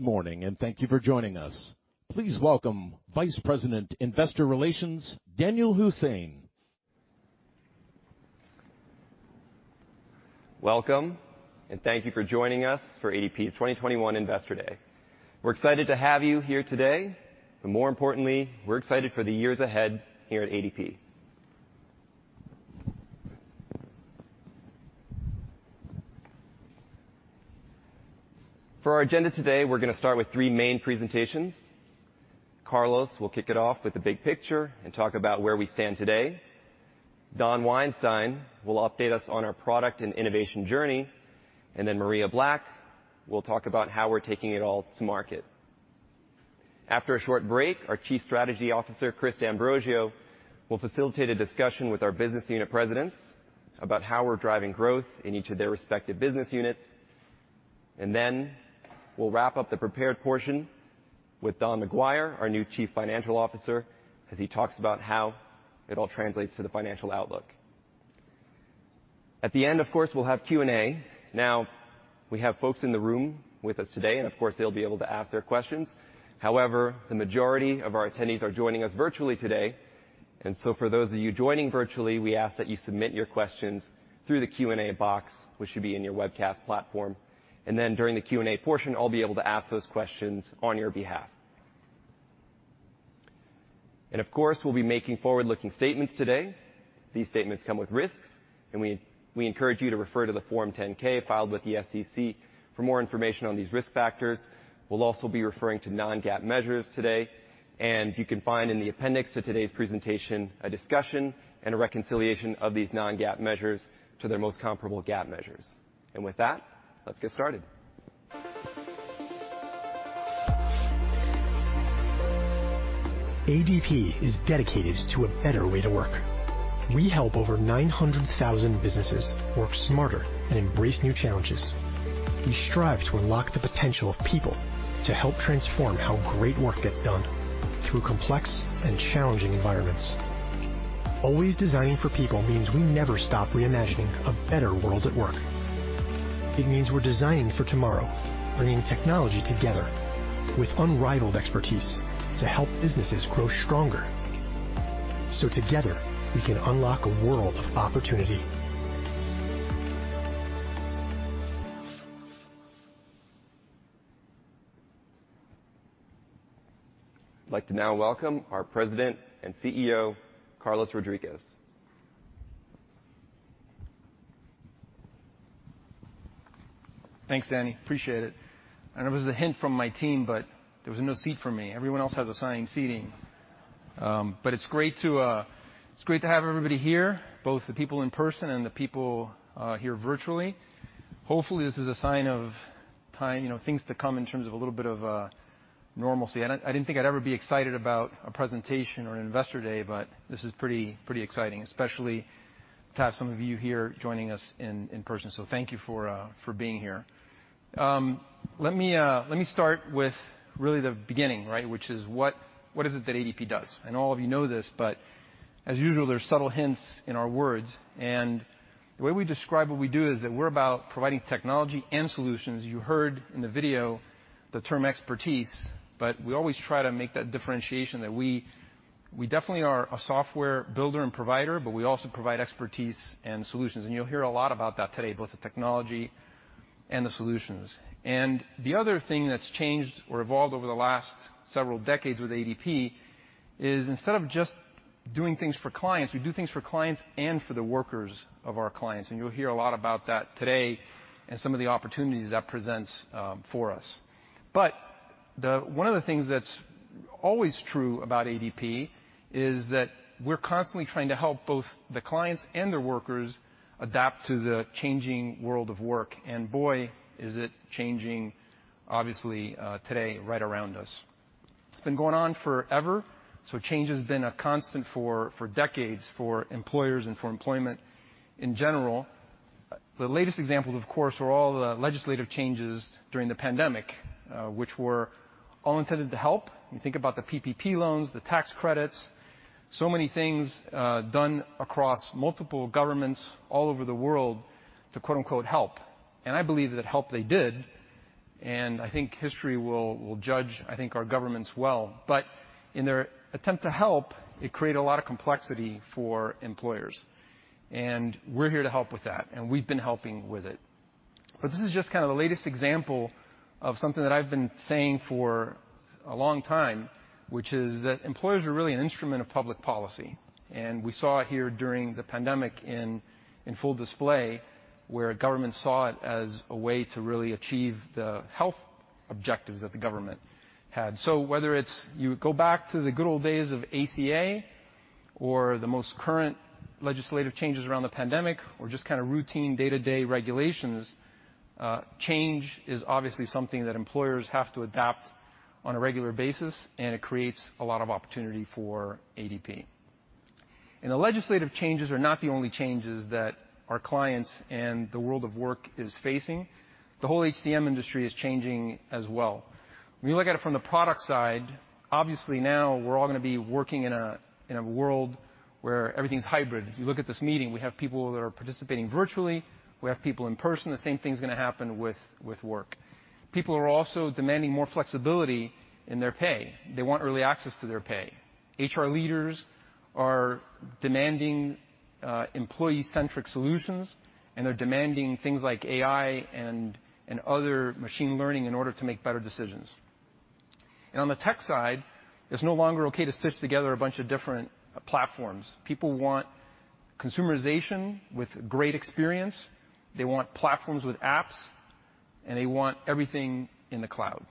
Good morning and thank you for joining us. Please welcome Vice President, Investor Relations, Danyal Hussain. Welcome, and thank you for joining us for ADP's 2021 Investor Day. We're excited to have you here today, but more importantly, we're excited for the years ahead here at ADP. For our agenda today, we're gonna start with three main presentations. Carlos will kick it off with the big picture and talk about where we stand today. Don Weinstein will update us on our product and innovation journey. Maria Black will talk about how we're taking it all to market. After a short break, our Chief Strategy Officer, Chris D'Ambrosio, will facilitate a discussion with our business unit presidents about how we're driving growth in each of their respective business units. We'll wrap up the prepared portion with Don McGuire, our new Chief Financial Officer, as he talks about how it all translates to the financial outlook. At the end, of course, we'll have Q&A. Now, we have folks in the room with us today, and of course, they'll be able to ask their questions. However, the majority of our attendees are joining us virtually today. For those of you joining virtually, we ask that you submit your questions through the Q&A box, which should be in your webcast platform. During the Q&A portion, I'll be able to ask those questions on your behalf. Of course, we'll be making forward-looking statements today. These statements come with risks, and we encourage you to refer to the Form 10-K filed with the SEC for more information on these risk factors. We'll also be referring to non-GAAP measures today, and you can find in the appendix to today's presentation a discussion and a reconciliation of these non-GAAP measures to their most comparable GAAP measures. With that, let's get started. ADP is dedicated to a better way to work. We help over 900,000 businesses work smarter and embrace new challenges. We strive to unlock the potential of people to help transform how great work gets done through complex and challenging environments. Always designing for people means we never stop reimagining a better world at work. It means we're designing for tomorrow, bringing technology together with unrivaled expertise to help businesses grow stronger, so together we can unlock a world of opportunity. I'd like to now welcome our President and CEO, Carlos Rodriguez. Thanks, Danny. Appreciate it. I don't know if it was a hint from my team, but there was no seat for me. Everyone else has assigned seating. It's great to have everybody here, both the people in person and the people here virtually. Hopefully, this is a sign of the times, you know, things to come in terms of a little bit of normalcy. I didn't think I'd ever be excited about a presentation or an Investor Day, but this is pretty exciting, especially to have some of you here joining us in person. Thank you for being here. Let me start with really the beginning, right? Which is what is it that ADP does? All of you know this, but as usual, there's subtle hints in our words, and the way we describe what we do is that we're about providing technology and solutions. You heard in the video the term expertise, but we always try to make that differentiation that we definitely are a software builder and provider, but we also provide expertise and solutions. You'll hear a lot about that today, both the technology and the solutions. The other thing that's changed or evolved over the last several decades with ADP is instead of just doing things for clients, we do things for clients and for the workers of our clients. You'll hear a lot about that today and some of the opportunities that presents for us. One of the things that's always true about ADP is that we're constantly trying to help both the clients and their workers adapt to the changing world of work. Boy, is it changing obviously today right around us. It's been going on forever, so change has been a constant for decades for employers and for employment in general. The latest examples, of course, were all the legislative changes during the pandemic, which were all intended to help. When you think about the PPP loans, the tax credits, so many things done across multiple governments all over the world to quote-unquote, "help." I believe that help they did, and I think history will judge, I think, our governments well. In their attempt to help, it created a lot of complexity for employers. We're here to help with that, and we've been helping with it. This is just kinda the latest example of something that I've been saying for a long time, which is that employers are really an instrument of public policy. We saw it here during the pandemic in full display, where government saw it as a way to really achieve the health objectives that the government had. Whether it's, you go back to the good old days of ACA or the most current legislative changes around the pandemic or just kinda routine day-to-day regulations, change is obviously something that employers have to adapt on a regular basis, and it creates a lot of opportunity for ADP. The legislative changes are not the only changes that our clients and the world of work is facing. The whole HCM industry is changing as well. When you look at it from the product side, obviously now we're all gonna be working in a world where everything's hybrid. You look at this meeting, we have people that are participating virtually. We have people in person. The same thing's gonna happen with work. People are also demanding more flexibility in their pay. They want early access to their pay. HR leaders are demanding employee-centric solutions, and they're demanding things like AI and other machine learning in order to make better decisions. On the tech side, it's no longer okay to stitch together a bunch of different platforms. People want consumerization with great experience. They want platforms with apps, and they want everything in the cloud.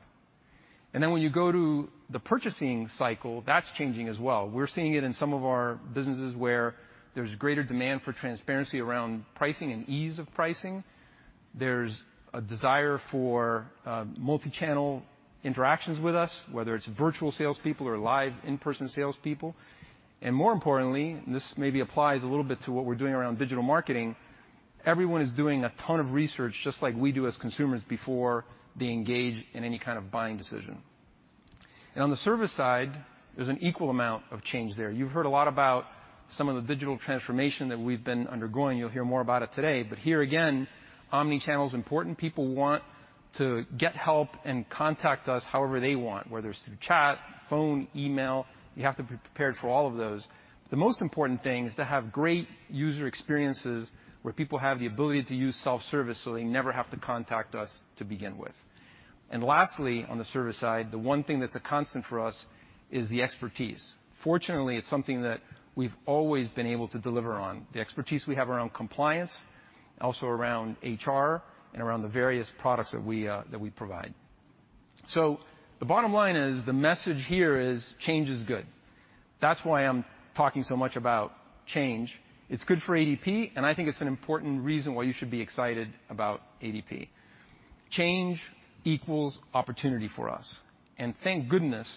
When you go to the purchasing cycle, that's changing as well. We're seeing it in some of our businesses where there's greater demand for transparency around pricing and ease of pricing. There's a desire for multi-channel interactions with us, whether it's virtual sales people or live in-person sales people. More importantly, this maybe applies a little bit to what we're doing around digital marketing, everyone is doing a ton of research, just like we do as consumers before they engage in any kind of buying decision. On the service side, there's an equal amount of change there. You've heard a lot about some of the digital transformation that we've been undergoing. You'll hear more about it today, but here again, omni-channel is important. People want to get help and contact us however they want, whether it's through chat, phone, email. You have to be prepared for all of those. The most important thing is to have great user experiences where people have the ability to use self-service, so they never have to contact us to begin with. Lastly, on the service side, the one thing that's a constant for us is the expertise. Fortunately, it's something that we've always been able to deliver on, the expertise we have around compliance, also around HR and around the various products that we provide. The bottom line is, the message here is, change is good. That's why I'm talking so much about change. It's good for ADP, and I think it's an important reason why you should be excited about ADP. Change equals opportunity for us. Thank goodness,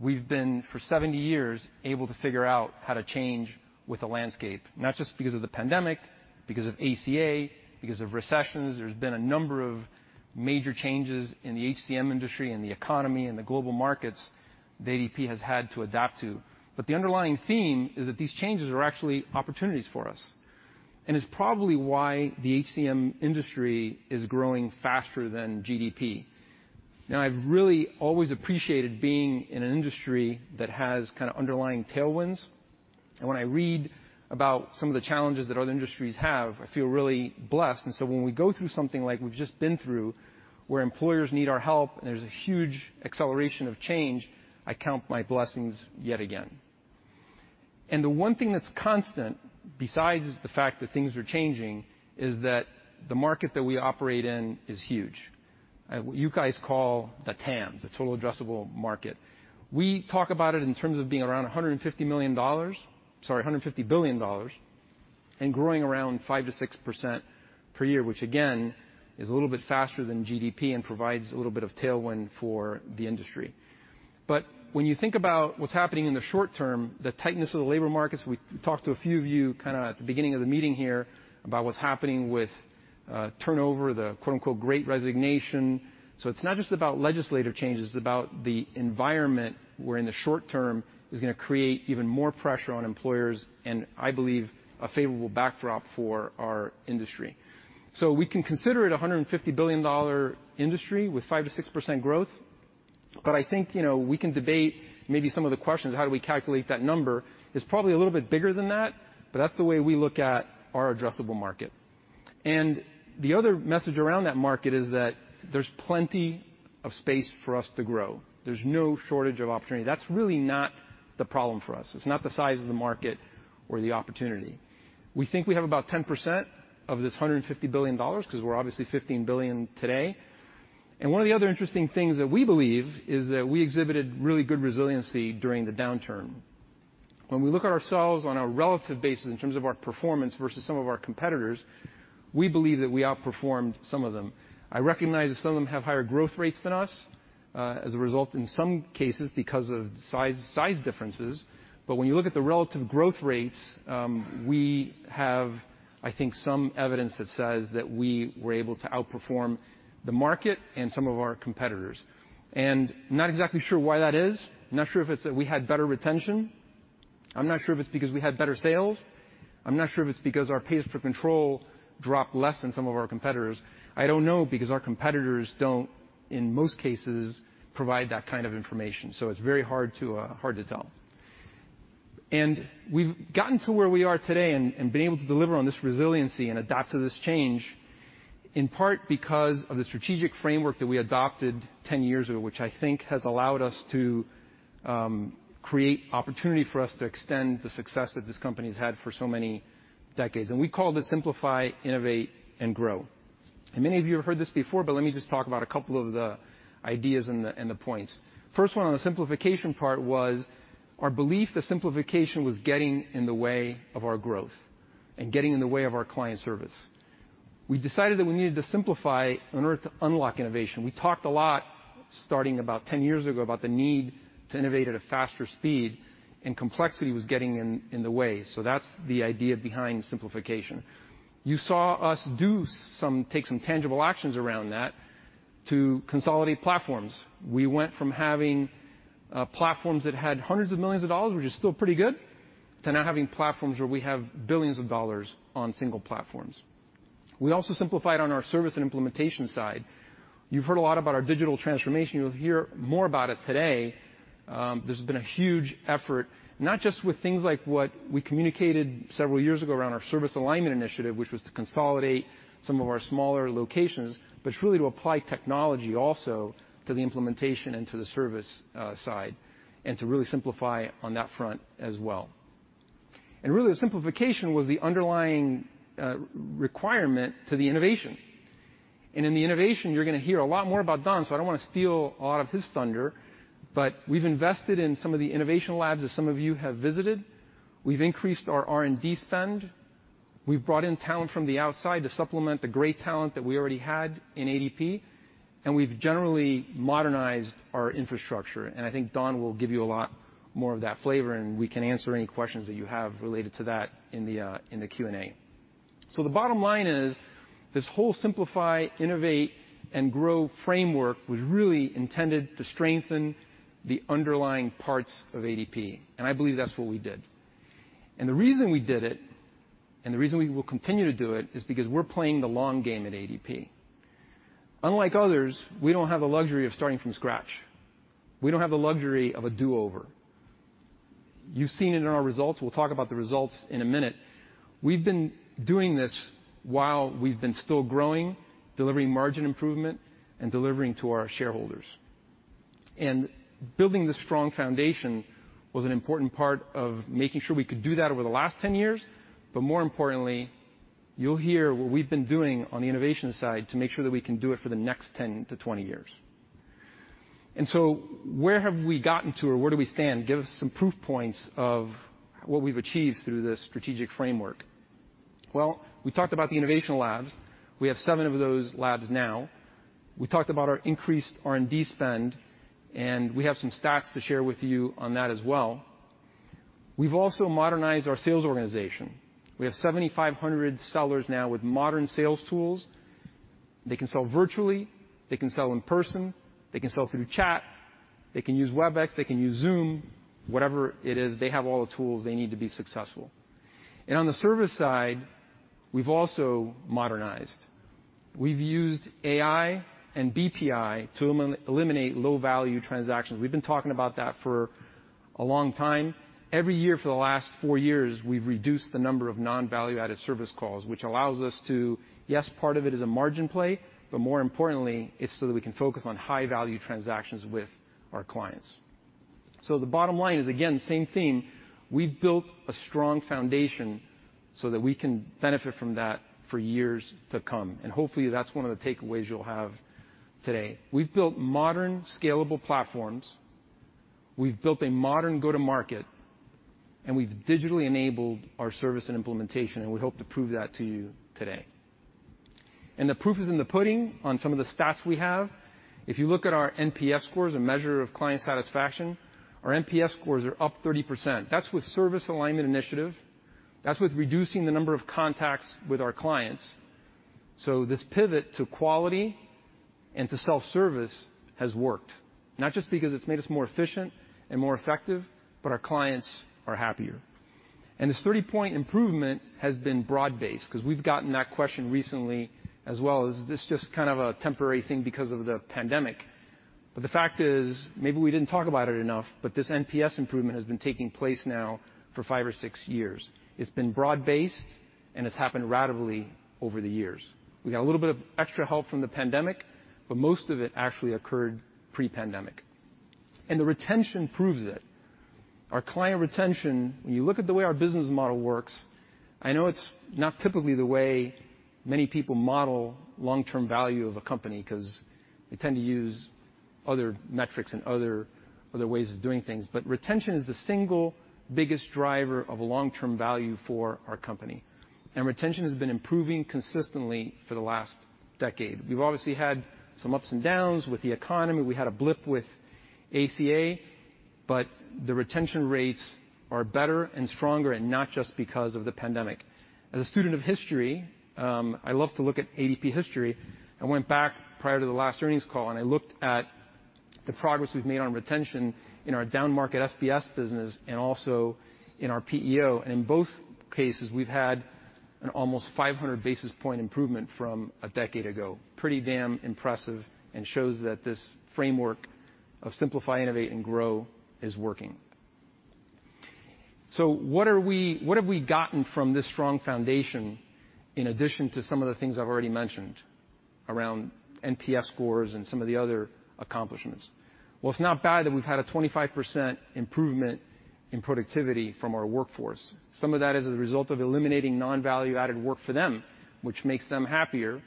we've been, for 70 years, able to figure out how to change with the landscape, not just because of the pandemic, because of ACA, because of recessions. There's been a number of major changes in the HCM industry and the economy and the global markets that ADP has had to adapt to. The underlying theme is that these changes are actually opportunities for us. It's probably why the HCM industry is growing faster than GDP. Now, I've really always appreciated being in an industry that has kind of underlying tailwinds, and when I read about some of the challenges that other industries have, I feel really blessed. When we go through something like we've just been through, where employers need our help, and there's a huge acceleration of change, I count my blessings yet again. The one thing that's constant, besides the fact that things are changing, is that the market that we operate in is huge. What you guys call the TAM, the total addressable market. We talk about it in terms of being around $150 billion and growing around 5%-6% per year, which again, is a little bit faster than GDP and provides a little bit of tailwind for the industry. When you think about what's happening in the short term, the tightness of the labor markets, we talked to a few of you kind of at the beginning of the meeting here about what's happening with turnover, the quote-unquote great resignation. It's not just about legislative changes, it's about the environment where in the short term is gonna create even more pressure on employers, and I believe a favorable backdrop for our industry. We can consider it a $150 billion industry with 5%-6% growth, but I think, you know, we can debate maybe some of the questions, how do we calculate that number? It's probably a little bit bigger than that, but that's the way we look at our addressable market. The other message around that market is that there's plenty of space for us to grow. There's no shortage of opportunity. That's really not the problem for us. It's not the size of the market or the opportunity. We think we have about 10% of this $150 billion because we're obviously $15 billion today. One of the other interesting things that we believe is that we exhibited really good resiliency during the downturn. When we look at ourselves on a relative basis in terms of our performance versus some of our competitors, we believe that we outperformed some of them. I recognize that some of them have higher growth rates than us, as a result, in some cases, because of size differences, but when you look at the relative growth rates, we have, I think, some evidence that says that we were able to outperform the market and some of our competitors. I'm not exactly sure why that is. I'm not sure if it's that we had better retention. I'm not sure if it's because we had better sales. I'm not sure if it's because our pays per control dropped less than some of our competitors. I don't know because our competitors don't, in most cases, provide that kind of information. It's very hard to tell. We've gotten to where we are today, being able to deliver on this resiliency and adapt to this change, in part because of the strategic framework that we adopted 10 years ago, which I think has allowed us to create opportunity for us to extend the success that this company's had for so many decades. We call this Simplify, Innovate, and Grow. Many of you have heard this before but let me just talk about a couple of the ideas and the points. The first one on the simplification part was our belief that simplification was getting in the way of our growth and getting in the way of our client service. We decided that we needed to simplify in order to unlock innovation. We talked a lot, starting about 10 years ago, about the need to innovate at a faster speed, and complexity was getting in the way. That's the idea behind simplification. You saw us take some tangible actions around that to consolidate platforms. We went from having platforms that had hundreds of millions of dollars, which is still pretty good, to now having platforms where we have billions of dollars on single platforms. We also simplified on our service and implementation side. You've heard a lot about our digital transformation. You'll hear more about it today. This has been a huge effort, not just with things like what we communicated several years ago around our Service Alignment Initiative, which was to consolidate some of our smaller locations, but truly to apply technology also to the implementation and to the service side, and to really simplify on that front as well. Really the simplification was the underlying requirement to the innovation. In the innovation, you're gonna hear a lot more about Don, so I don't wanna steal a lot of his thunder, but we've invested in some of the innovation labs that some of you have visited. We've increased our R&D spend. We've brought in talent from the outside to supplement the great talent that we already had in ADP, and we've generally modernized our infrastructure. I think Don will give you a lot more of that flavor, and we can answer any questions that you have related to that in the Q&A. The bottom line is, this whole simplify, innovate, and grow framework was really intended to strengthen the underlying parts of ADP, and I believe that's what we did. The reason we did it, and the reason we will continue to do it, is because we're playing the long game at ADP. Unlike others, we don't have the luxury of starting from scratch. We don't have the luxury of a do-over. You've seen it in our results. We'll talk about the results in a minute. We've been doing this while we've been still growing, delivering margin improvement, and delivering to our shareholders. Building this strong foundation was an important part of making sure we could do that over the last 10 years, but more importantly, you'll hear what we've been doing on the innovation side to make sure that we can do it for the next 10years-20 years. Where have we gotten to or where do we stand? Give some proof points of what we've achieved through this strategic framework. Well, we talked about the innovation labs. We have seven of those labs now. We talked about our increased R&D spend, and we have some stats to share with you on that as well. We've also modernized our sales organization. We have 7,500 sellers now with modern sales tools. They can sell virtually, they can sell in person, they can sell through chat, they can use Webex, they can use Zoom. Whatever it is, they have all the tools they need to be successful. On the service side, we've also modernized. We've used AI and BPI to eliminate low-value transactions. We've been talking about that for a long time. Every year for the last four years, we've reduced the number of non-value-added service calls, which allows us to. Yes, part of it is a margin play, but more importantly, it's so that we can focus on high-value transactions with our clients. The bottom line is, again, same theme, we've built a strong foundation so that we can benefit from that for years to come. Hopefully, that's one of the takeaways you'll have today. We've built modern scalable platforms. We've built a modern go-to-market, and we've digitally enabled our service and implementation, and we hope to prove that to you today. The proof is in the pudding on some of the stats we have. If you look at our NPS scores, a measure of client satisfaction, our NPS scores are up 30%. That's with Service Alignment Initiative. That's with reducing the number of contacts with our clients. This pivot to quality and to self-service has worked, not just because it's made us more efficient and more effective, but our clients are happier. This 30-point improvement has been broad-based 'cause we've gotten that question recently as well. Is this just kind of a temporary thing because of the pandemic? The fact is, maybe we didn't talk about it enough, but this NPS improvement has been taking place now for 5 or 6 years. It's been broad-based, and it's happened ratably over the years. We got a little bit of extra help from the pandemic, but most of it actually occurred pre-pandemic. The retention proves it. Our client retention, when you look at the way our business model works, I know it's not typically the way many people model long-term value of a company, 'cause they tend to use other metrics and other ways of doing things, but retention is the single biggest driver of a long-term value for our company. Retention has been improving consistently for the last decade. We've obviously had some ups and downs with the economy. We had a blip with ACA, but the retention rates are better and stronger, and not just because of the pandemic. As a student of history, I love to look at ADP history. I went back prior to the last earnings call, and I looked at the progress we've made on retention in our downmarket SBS business and also in our PEO. In both cases, we've had an almost 500 basis point improvement from a decade ago. Pretty damn impressive and shows that this framework of simplify, innovate, and grow is working. What have we gotten from this strong foundation in addition to some of the things I've already mentioned around NPS scores and some of the other accomplishments? Well, it's not bad that we've had a 25% improvement in productivity from our workforce. Some of that is a result of eliminating non-value-added work for them, which makes them happier,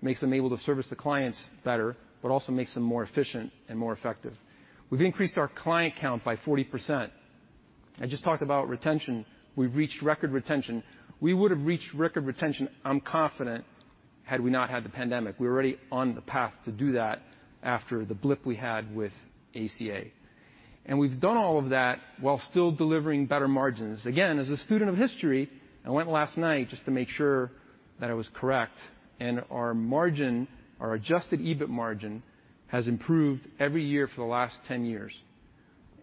makes them able to service the clients better, but also makes them more efficient and more effective. We've increased our client count by 40%. I just talked about retention. We've reached record retention. We would have reached record retention, I'm confident, had we not had the pandemic. We're already on the path to do that after the blip we had with ACA. We've done all of that while still delivering better margins. Again, as a student of history, I went last night just to make sure that I was correct, and our margin, our Adjusted EBIT margin, has improved every year for the last 10 years.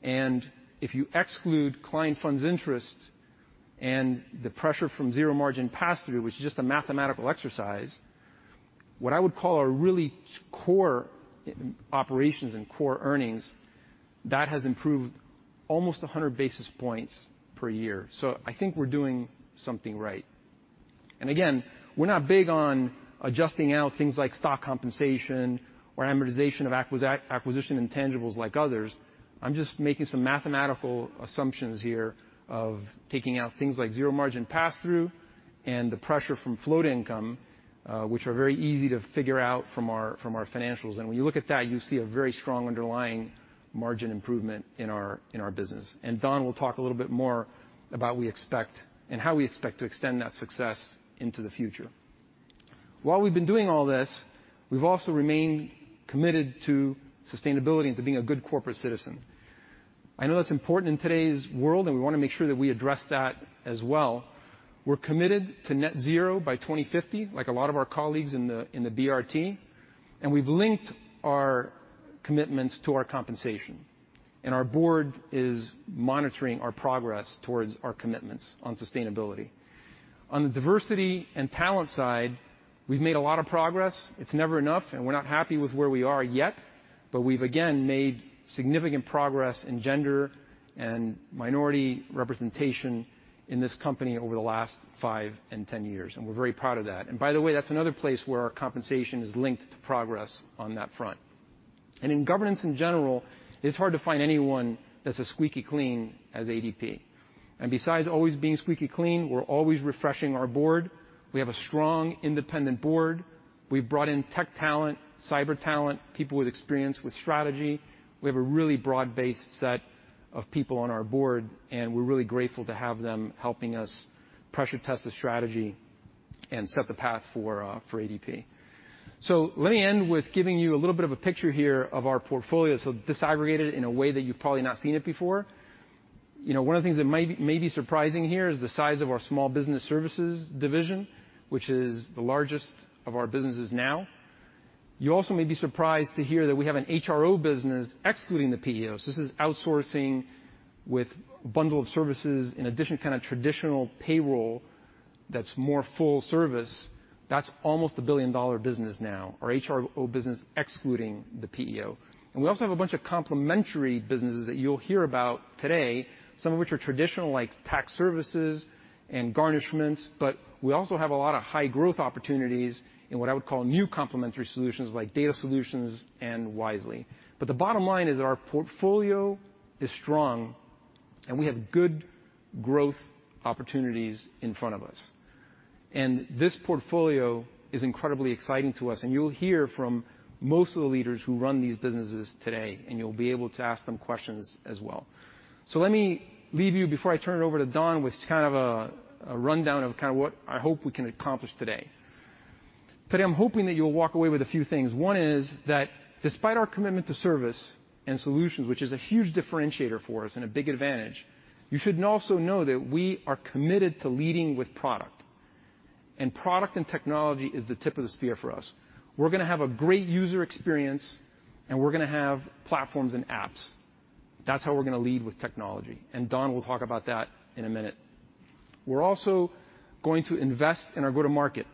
If you exclude client funds interest and the pressure from zero-margin pass-through, which is just a mathematical exercise, what I would call our really core operations and core earnings, that has improved almost 100 basis points per year. I think we're doing something right. We're not big on adjusting out things like stock compensation or amortization of acquisition intangibles like others. I'm just making some mathematical assumptions here of taking out things like zero-margin pass-through and the pressure from float income, which are very easy to figure out from our financials. When you look at that, you see a very strong underlying margin improvement in our business. Don will talk a little bit more about we expect and how we expect to extend that success into the future. While we've been doing all this, we've also remained committed to sustainability and to being a good corporate citizen. I know that's important in today's world, and we wanna make sure that we address that as well. We're committed to net zero by 2050, like a lot of our colleagues in the BRT, and we've linked our commitments to our compensation. Our board is monitoring our progress towards our commitments on sustainability. On the diversity and talent side, we've made a lot of progress. It's never enough, and we're not happy with where we are yet, but we've, again, made significant progress in gender and minority representation in this company over the last five and 10 years, and we're very proud of that. By the way, that's another place where our compensation is linked to progress on that front. In governance, in general, it's hard to find anyone that's as squeaky clean as ADP. Besides always being squeaky clean, we're always refreshing our board. We have a strong independent board. We've brought in tech talent, cyber talent, people with experience with strategy. We have a really broad-based set of people on our board, and we're really grateful to have them helping us pressure test the strategy and set the path for ADP. Let me end with giving you a little bit of a picture here of our portfolio, so disaggregated in a way that you've probably not seen it before. You know, one of the things that may be surprising here is the size of our Small Business Services division, which is the largest of our businesses now. You also may be surprised to hear that we have an HRO business excluding the PEOs. This is outsourcing with a bundle of services in addition to kind of traditional payroll that's more full service. That's almost a billion-dollar business now, our HRO business excluding the PEO. We also have a bunch of complementary businesses that you'll hear about today, some of which are traditional like tax services and garnishments, but we also have a lot of high-growth opportunities in what I would call new complementary solutions like data solutions and Wisely. The bottom line is that our portfolio is strong, and we have good growth opportunities in front of us. This portfolio is incredibly exciting to us, and you'll hear from most of the leaders who run these businesses today, and you'll be able to ask them questions as well. Let me leave you before I turn it over to Don with kind of a rundown of kinda what I hope we can accomplish today. Today, I'm hoping that you'll walk away with a few things. One is that despite our commitment to service and solutions, which is a huge differentiator for us and a big advantage, you should also know that we are committed to leading with product. Product and technology is the tip of the spear for us. We're gonna have a great user experience, and we're gonna have platforms and apps. That's how we're gonna lead with technology, and Don will talk about that in a minute. We're also going to invest in our go-to-market.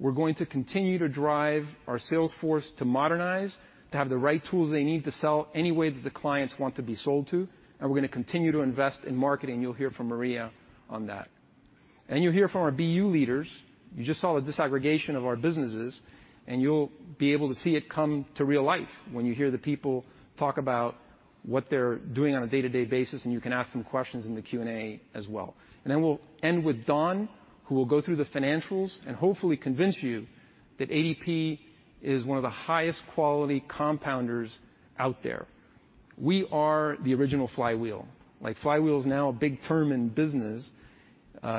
We're going to continue to drive our sales force to modernize, to have the right tools they need to sell any way that the clients want to be sold to, and we're gonna continue to invest in marketing. You'll hear from Maria on that. You'll hear from our BU leaders. You just saw the disaggregation of our businesses, and you'll be able to see it come to real life when you hear the people talk about what they're doing on a day-to-day basis, and you can ask them questions in the Q&A as well. We'll end with Don, who will go through the financials and hopefully convince you that ADP is one of the highest quality compounders out there. We are the original flywheel. Like, flywheel is now a big term in business,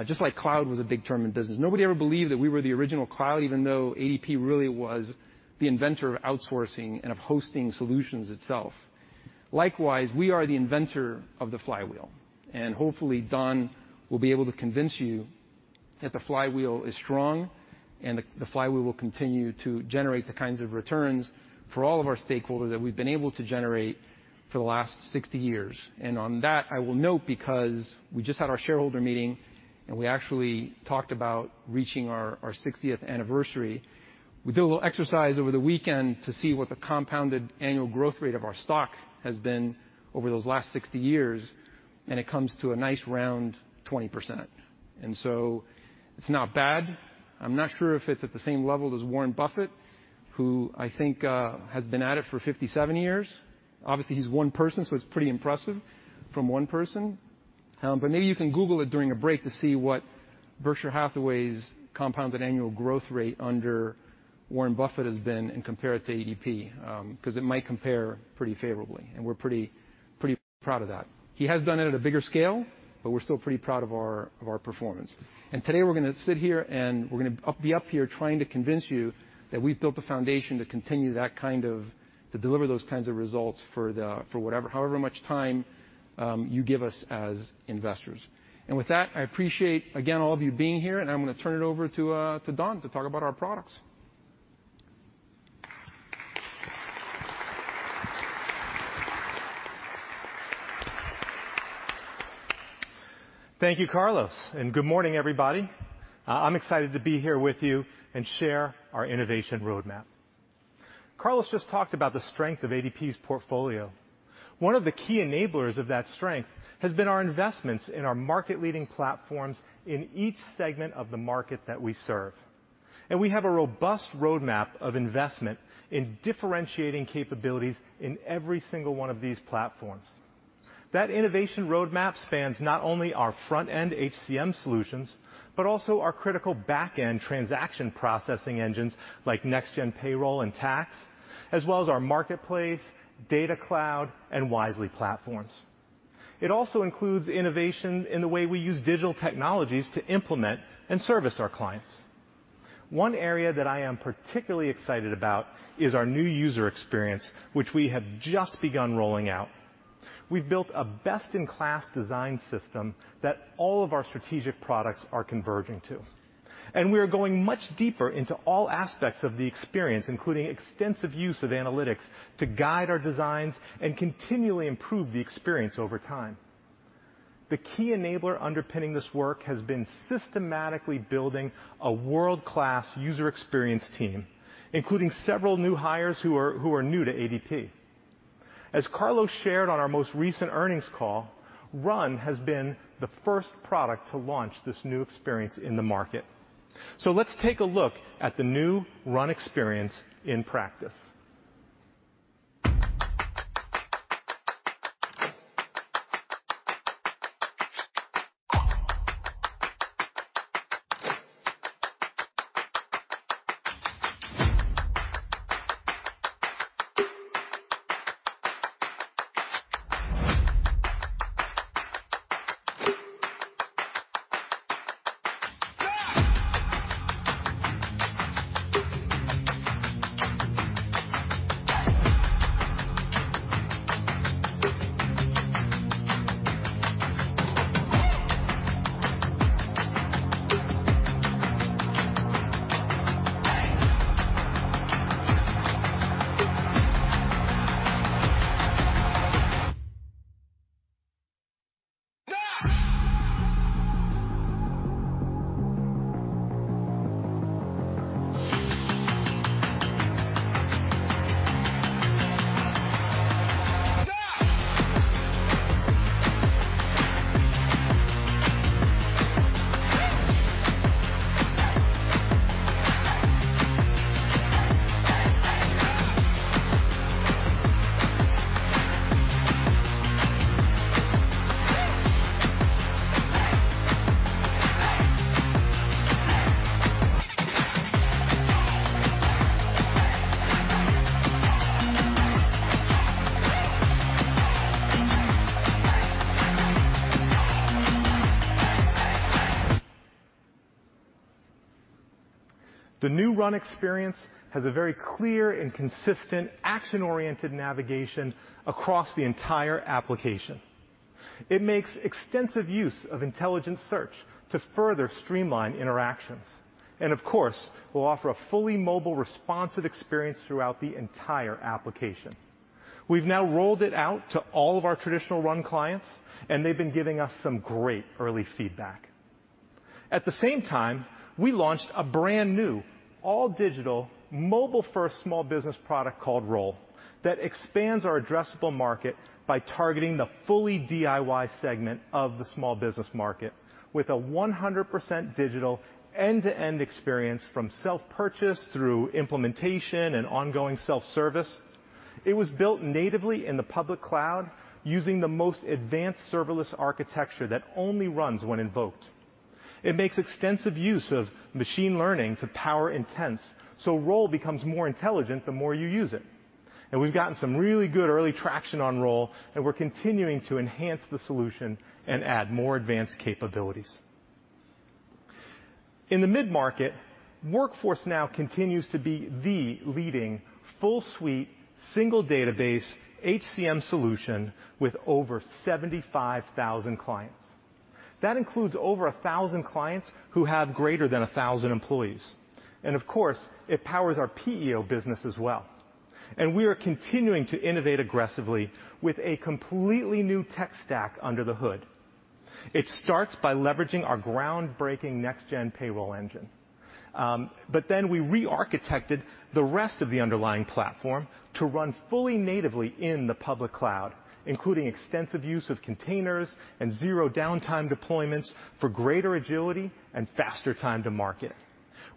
just like cloud was a big term in business. Nobody ever believed that we were the original cloud even though ADP really was the inventor of outsourcing and of hosting solutions itself. Likewise, we are the inventor of the flywheel, and hopefully, Don will be able to convince you that the flywheel is strong and the flywheel will continue to generate the kinds of returns for all of our stakeholders that we've been able to generate for the last 60 years. On that, I will note, because we just had our shareholder meeting, and we actually talked about reaching our 60th anniversary. We did a little exercise over the weekend to see what the compounded annual growth rate of our stock has been over those last 60 years, and it comes to a nice round 20%. It's not bad. I'm not sure if it's at the same level as Warren Buffett, who I think has been at it for 57 years. Obviously, he's one person, so it's pretty impressive from one person. Maybe you can Google it during a break to see what Berkshire Hathaway's compound annual growth rate under Warren Buffett has been and compare it to ADP, 'cause it might compare pretty favorably, and we're pretty proud of that. He has done it at a bigger scale, but we're still pretty proud of our performance. Today, we're gonna sit here, and we're gonna be up here trying to convince you that we've built the foundation to continue to deliver those kinds of results for however much time you give us as investors. With that, I appreciate again all of you being here, and I'm gonna turn it over to Don to talk about our products. Thank you, Carlos, and good morning, everybody. I'm excited to be here with you and share our innovation roadmap. Carlos just talked about the strength of ADP's portfolio. One of the key enablers of that strength has been our investments in our market-leading platforms in each segment of the market that we serve. We have a robust roadmap of investment in differentiating capabilities in every single one of these platforms. That innovation roadmap spans not only our front-end HCM solutions, but also our critical back-end transaction processing engines like Next Gen Payroll and Tax, as well as our Marketplace, DataCloud, and Wisely platforms. It also includes innovation in the way we use digital technologies to implement and service our clients. One area that I am particularly excited about is our new user experience, which we have just begun rolling out. We've built a best-in-class design system that all of our strategic products are converging to. We are going much deeper into all aspects of the experience, including extensive use of analytics to guide our designs and continually improve the experience over time. The key enabler underpinning this work has been systematically building a world-class user experience team, including several new hires who are new to ADP. As Carlos shared on our most recent earnings call, RUN has been the first product to launch this new experience in the market. Let's take a look at the new RUN experience in practice. The new RUN experience has a very clear and consistent action-oriented navigation across the entire application. It makes extensive use of intelligent search to further streamline interactions, and of course, will offer a fully mobile, responsive experience throughout the entire application. We've now rolled it out to all of our traditional RUN clients, and they've been giving us some great early feedback. At the same time, we launched a brand-new, all-digital, mobile-first small business product called Roll that expands our addressable market by targeting the fully DIY segment of the small business market with a 100% digital end-to-end experience from self-purchase through implementation and ongoing self-service. It was built natively in the public cloud using the most advanced serverless architecture that only runs when invoked. It makes extensive use of machine learning to power intents, so Roll becomes more intelligent the more you use it. We've gotten some really good early traction on Roll, and we're continuing to enhance the solution and add more advanced capabilities. In the mid-market, Workforce Now continues to be the leading full suite, single database HCM solution with over 75,000 clients. That includes over 1,000 clients who have greater than 1,000 employees, and of course, it powers our PEO business as well. We are continuing to innovate aggressively with a completely new tech stack under the hood. It starts by leveraging our groundbreaking Next Gen payroll engine. We rearchitected the rest of the underlying platform to run fully natively in the public cloud, including extensive use of containers and zero downtime deployments for greater agility and faster time to market.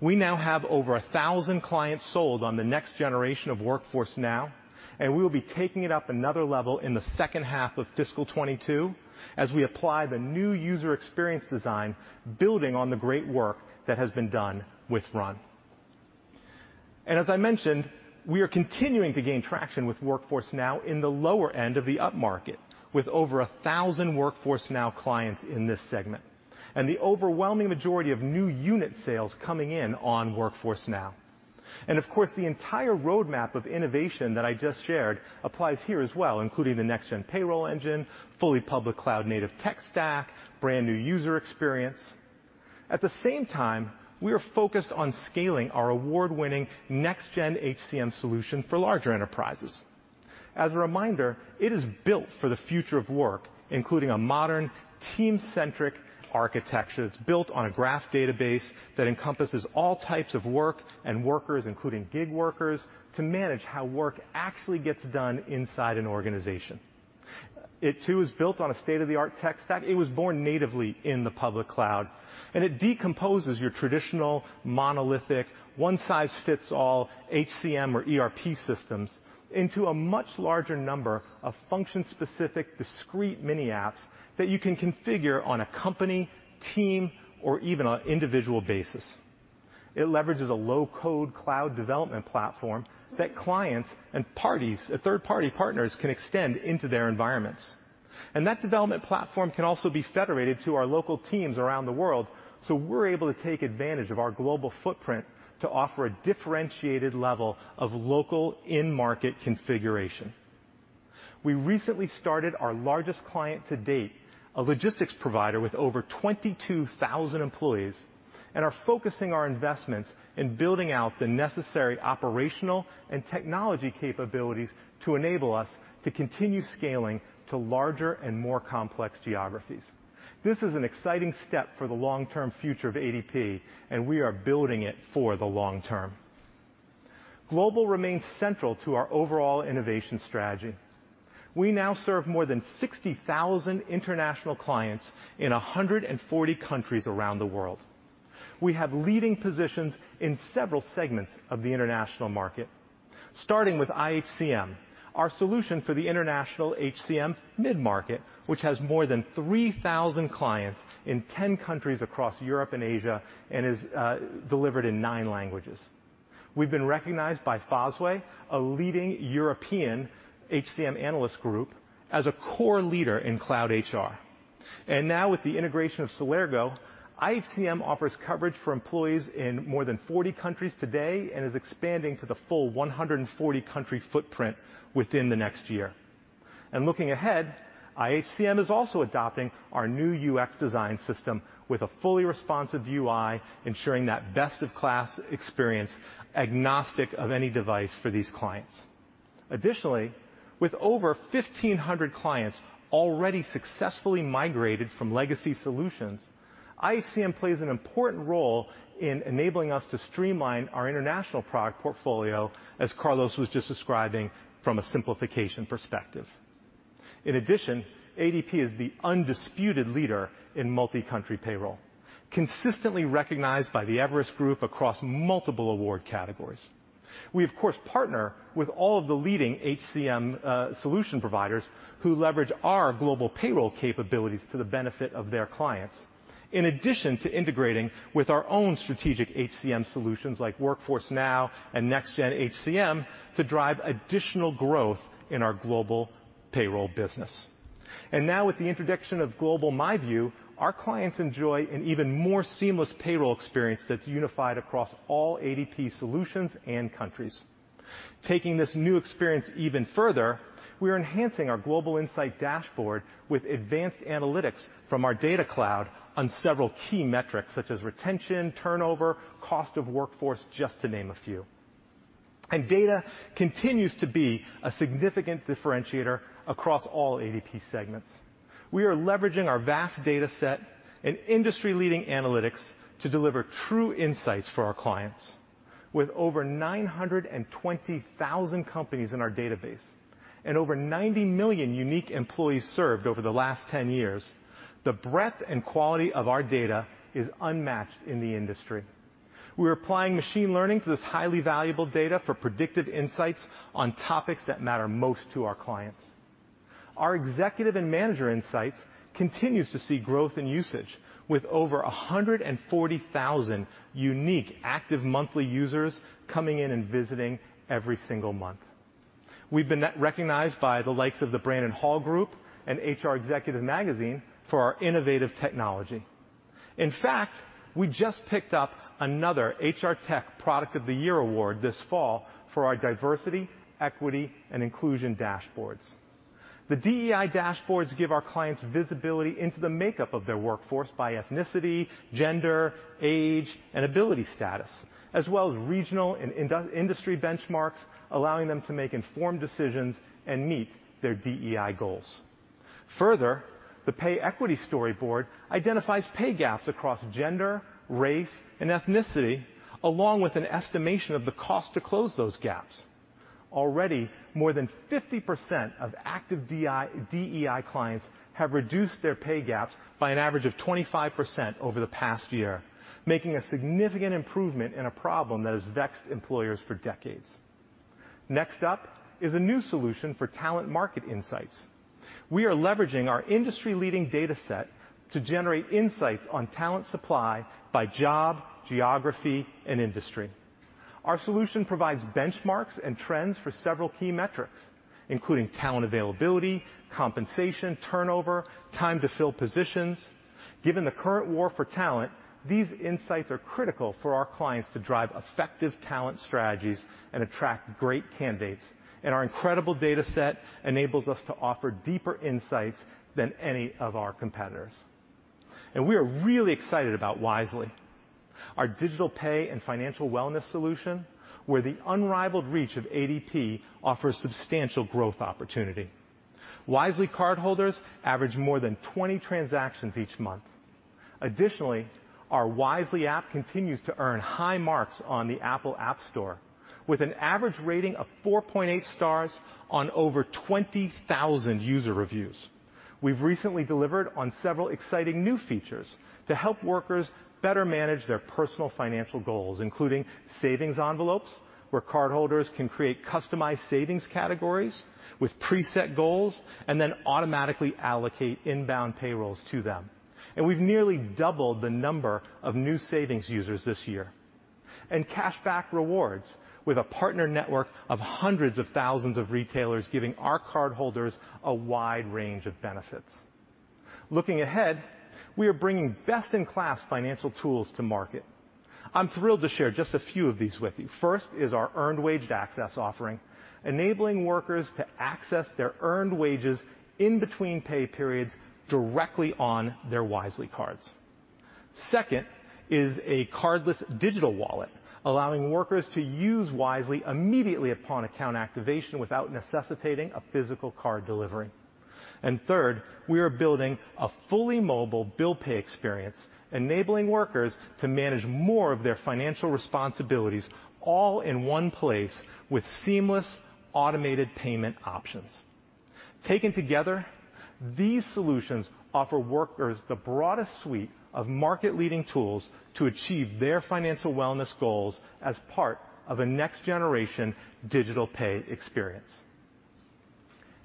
We now have over 1,000 clients sold on the next generation of Workforce Now, and we will be taking it up another level in the second half of fiscal 2022 as we apply the new user experience design building on the great work that has been done with RUN. As I mentioned, we are continuing to gain traction with Workforce Now in the lower end of the upmarket with over 1,000 Workforce Now clients in this segment, and the overwhelming majority of new unit sales coming in on Workforce Now. Of course, the entire roadmap of innovation that I just shared applies here as well, including the Next Gen payroll engine, fully public cloud native tech stack, brand new user experience. At the same time, we are focused on scaling our award-winning Next Gen HCM solution for larger enterprises. As a reminder, it is built for the future of work, including a modern team-centric architecture that's built on a graph database that encompasses all types of work and workers, including gig workers, to manage how work actually gets done inside an organization. It, too, is built on a state-of-the-art tech stack. It was born natively in the public cloud, and it decomposes your traditional monolithic one-size-fits-all HCM or ERP systems into a much larger number of function-specific, discrete mini apps that you can configure on a company, team, or even on individual basis. It leverages a low-code cloud development platform that clients and third-party partners can extend into their environments. That development platform can also be federated to our local teams around the world, so we're able to take advantage of our global footprint to offer a differentiated level of local in-market configuration. We recently started our largest client to date, a logistics provider with over 22,000 employees, and are focusing our investments in building out the necessary operational and technology capabilities to enable us to continue scaling to larger and more complex geographies. This is an exciting step for the long-term future of ADP, and we are building it for the long term. Global remains central to our overall innovation strategy. We now serve more than 60,000 international clients in 140 countries around the world. We have leading positions in several segments of the international market, starting with iHCM, our solution for the international HCM mid-market, which has more than 3,000 clients in 10 countries across Europe and Asia, and is delivered in nine languages. We've been recognized by Fosway, a leading European HCM analyst group, as a core leader in cloud HR. Now with the integration of Celergo, iHCM offers coverage for employees in more than 40 countries today and is expanding to the full 140 country footprint within the next year. Looking ahead, iHCM is also adopting our new UX design system with a fully responsive UI, ensuring that best of class experience agnostic of any device for these clients. Additionally, with over 1,500 clients already successfully migrated from legacy solutions, iHCM plays an important role in enabling us to streamline our international product portfolio, as Carlos was just describing from a simplification perspective. In addition, ADP is the undisputed leader in multi-country payroll, consistently recognized by the Everest Group across multiple award categories. We, of course, partner with all of the leading HCM solution providers who leverage our global payroll capabilities to the benefit of their clients. In addition to integrating with our own strategic HCM solutions like Workforce Now and Next Gen HCM to drive additional growth in our global payroll business. Now with the introduction of Global myView, our clients enjoy an even more seamless payroll experience that's unified across all ADP solutions and countries. Taking this new experience even further, we are enhancing our Global Insight dashboard with advanced analytics from our DataCloud on several key metrics such as retention, turnover, cost of workforce, just to name a few. Data continues to be a significant differentiator across all ADP segments. We are leveraging our vast dataset and industry-leading analytics to deliver true insights for our clients. With over 920,000 companies in our database and over 90 million unique employees served over the last 10 years, the breadth and quality of our data is unmatched in the industry. We're applying machine learning to this highly valuable data for predictive insights on topics that matter most to our clients. Our executive and manager insights continues to see growth in usage with over 140,000 unique active monthly users coming in and visiting every single month. We've been recognized by the likes of the Brandon Hall Group and HR Executive Magazine for our innovative technology. In fact, we just picked up another HR Tech Product of the Year award this fall for our diversity, equity, and inclusion dashboards. The DEI dashboards give our clients visibility into the makeup of their workforce by ethnicity, gender, age, and ability status, as well as regional and industry benchmarks, allowing them to make informed decisions and meet their DEI goals. Further, the pay equity storyboard identifies pay gaps across gender, race, and ethnicity, along with an estimation of the cost to close those gaps. Already, more than 50% of active DEI clients have reduced their pay gaps by an average of 25% over the past year, making a significant improvement in a problem that has vexed employers for decades. Next up is a new solution for talent market insights. We are leveraging our industry-leading dataset to generate insights on talent supply by job, geography, and industry. Our solution provides benchmarks and trends for several key metrics, including talent availability, compensation, turnover, time to fill positions. Given the current war for talent, these insights are critical for our clients to drive effective talent strategies and attract great candidates, and our incredible dataset enables us to offer deeper insights than any of our competitors. We are really excited about Wisely. Our digital pay and financial wellness solution, where the unrivaled reach of ADP offers substantial growth opportunity. Wisely cardholders average more than 20 transactions each month. Additionally, our Wisely app continues to earn high marks on the Apple App Store with an average rating of 4.8 stars on over 20,000 user reviews. We've recently delivered on several exciting new features to help workers better manage their personal financial goals, including savings envelopes, where cardholders can create customized savings categories with preset goals and then automatically allocate inbound payrolls to them. We've nearly doubled the number of new savings users this year. Cashback rewards with a partner network of hundreds of thousands of retailers giving our cardholders a wide range of benefits. Looking ahead, we are bringing best-in-class financial tools to market. I'm thrilled to share just a few of these with you. First is our earned wage access offering, enabling workers to access their earned wages in between pay periods directly on their Wisely cards. Second is a cardless digital wallet, allowing workers to use Wisely immediately upon account activation without necessitating a physical card delivery. Third, we are building a fully mobile bill pay experience, enabling workers to manage more of their financial responsibilities all in one place with seamless automated payment options. Taken together, these solutions offer workers the broadest suite of market-leading tools to achieve their financial wellness goals as part of a next-generation digital pay experience.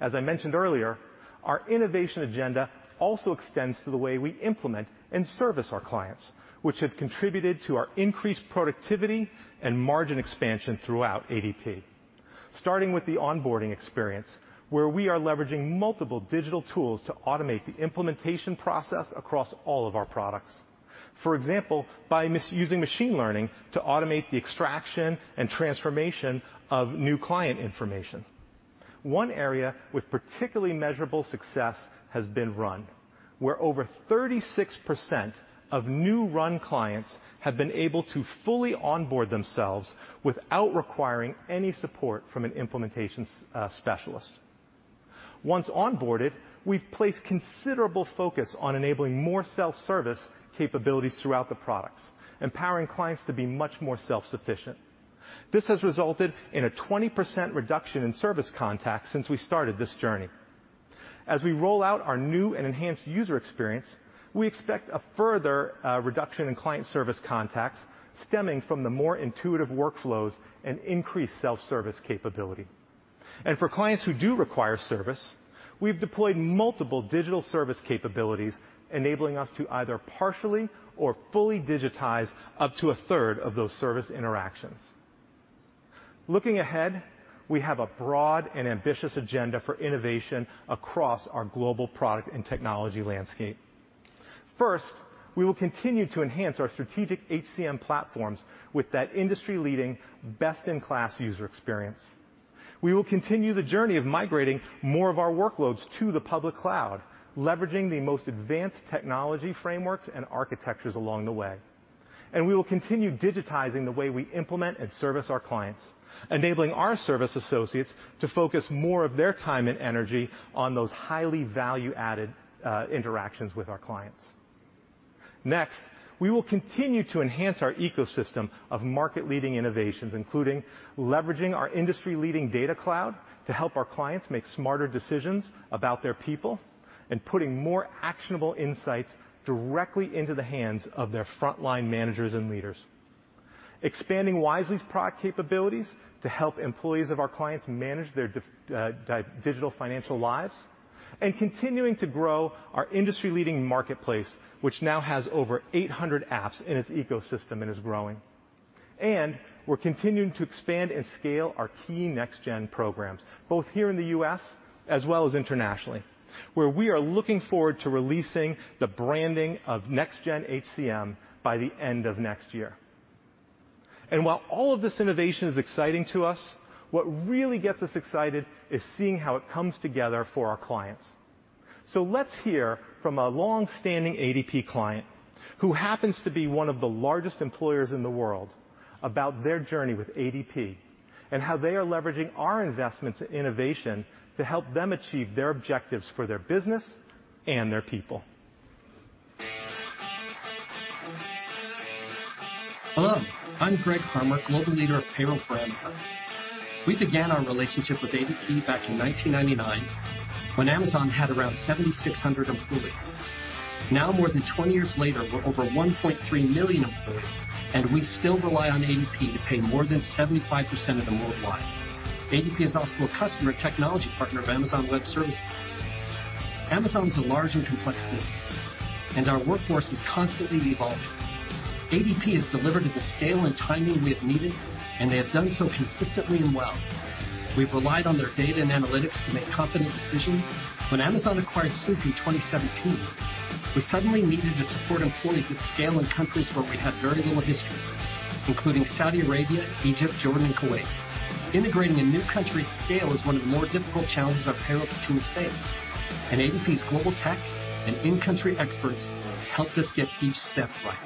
As I mentioned earlier, our innovation agenda also extends to the way we implement and service our clients, which have contributed to our increased productivity and margin expansion throughout ADP. Starting with the onboarding experience, where we are leveraging multiple digital tools to automate the implementation process across all of our products. For example, by using machine learning to automate the extraction and transformation of new client information. One area with particularly measurable success has been RUN, where over 36% of new RUN clients have been able to fully onboard themselves without requiring any support from an implementation specialist. Once onboarded, we've placed considerable focus on enabling more self-service capabilities throughout the products, empowering clients to be much more self-sufficient. This has resulted in a 20% reduction in service contacts since we started this journey. As we roll out our new and enhanced user experience, we expect a further reduction in client service contacts stemming from the more intuitive workflows and increased self-service capability. For clients who do require service, we've deployed multiple digital service capabilities, enabling us to either partially or fully digitize up to a third of those service interactions. Looking ahead, we have a broad and ambitious agenda for innovation across our global product and technology landscape. First, we will continue to enhance our strategic HCM platforms with that industry-leading best-in-class user experience. We will continue the journey of migrating more of our workloads to the public cloud, leveraging the most advanced technology frameworks and architectures along the way. We will continue digitizing the way we implement and service our clients, enabling our service associates to focus more of their time and energy on those highly value-added interactions with our clients. Next, we will continue to enhance our ecosystem of market-leading innovations, including leveraging our industry-leading DataCloud to help our clients make smarter decisions about their people and putting more actionable insights directly into the hands of their frontline managers and leaders. Expanding Wisely's product capabilities to help employees of our clients manage their digital financial lives, and continuing to grow our industry-leading marketplace, which now has over 800 apps in its ecosystem and is growing. We're continuing to expand and scale our key Next Gen programs, both here in the U.S. as well as internationally, where we are looking forward to releasing the branding of Next Gen HCM by the end of next year. While all of this innovation is exciting to us, what really gets us excited is seeing how it comes together for our clients. Let's hear from a long-standing ADP client who happens to be one of the largest employers in the world about their journey with ADP and how they are leveraging our investments in innovation to help them achieve their objectives for their business and their people. Hello, I'm Greg Harmer, Global Leader of Payroll for Amazon. We began our relationship with ADP back in 1999 when Amazon had around 7,600 employees. Now more than 20 years later, we're over 1.3 million employees, and we still rely on ADP to pay more than 75% of them worldwide. ADP is also a customer technology partner of Amazon Web Services. Amazon is a large and complex business, and our workforce is constantly evolving. ADP has delivered at the scale and timing we have needed, and they have done so consistently and well. We've relied on their data and analytics to make confident decisions. When Amazon acquired Souq in 2017, we suddenly needed to support employees at scale in countries where we had very little history, including Saudi Arabia, Egypt, Jordan, and Kuwait. Integrating a new country at scale is one of the more difficult challenges our payroll teams face, and ADP's global tech and in-country experts helped us get each step right.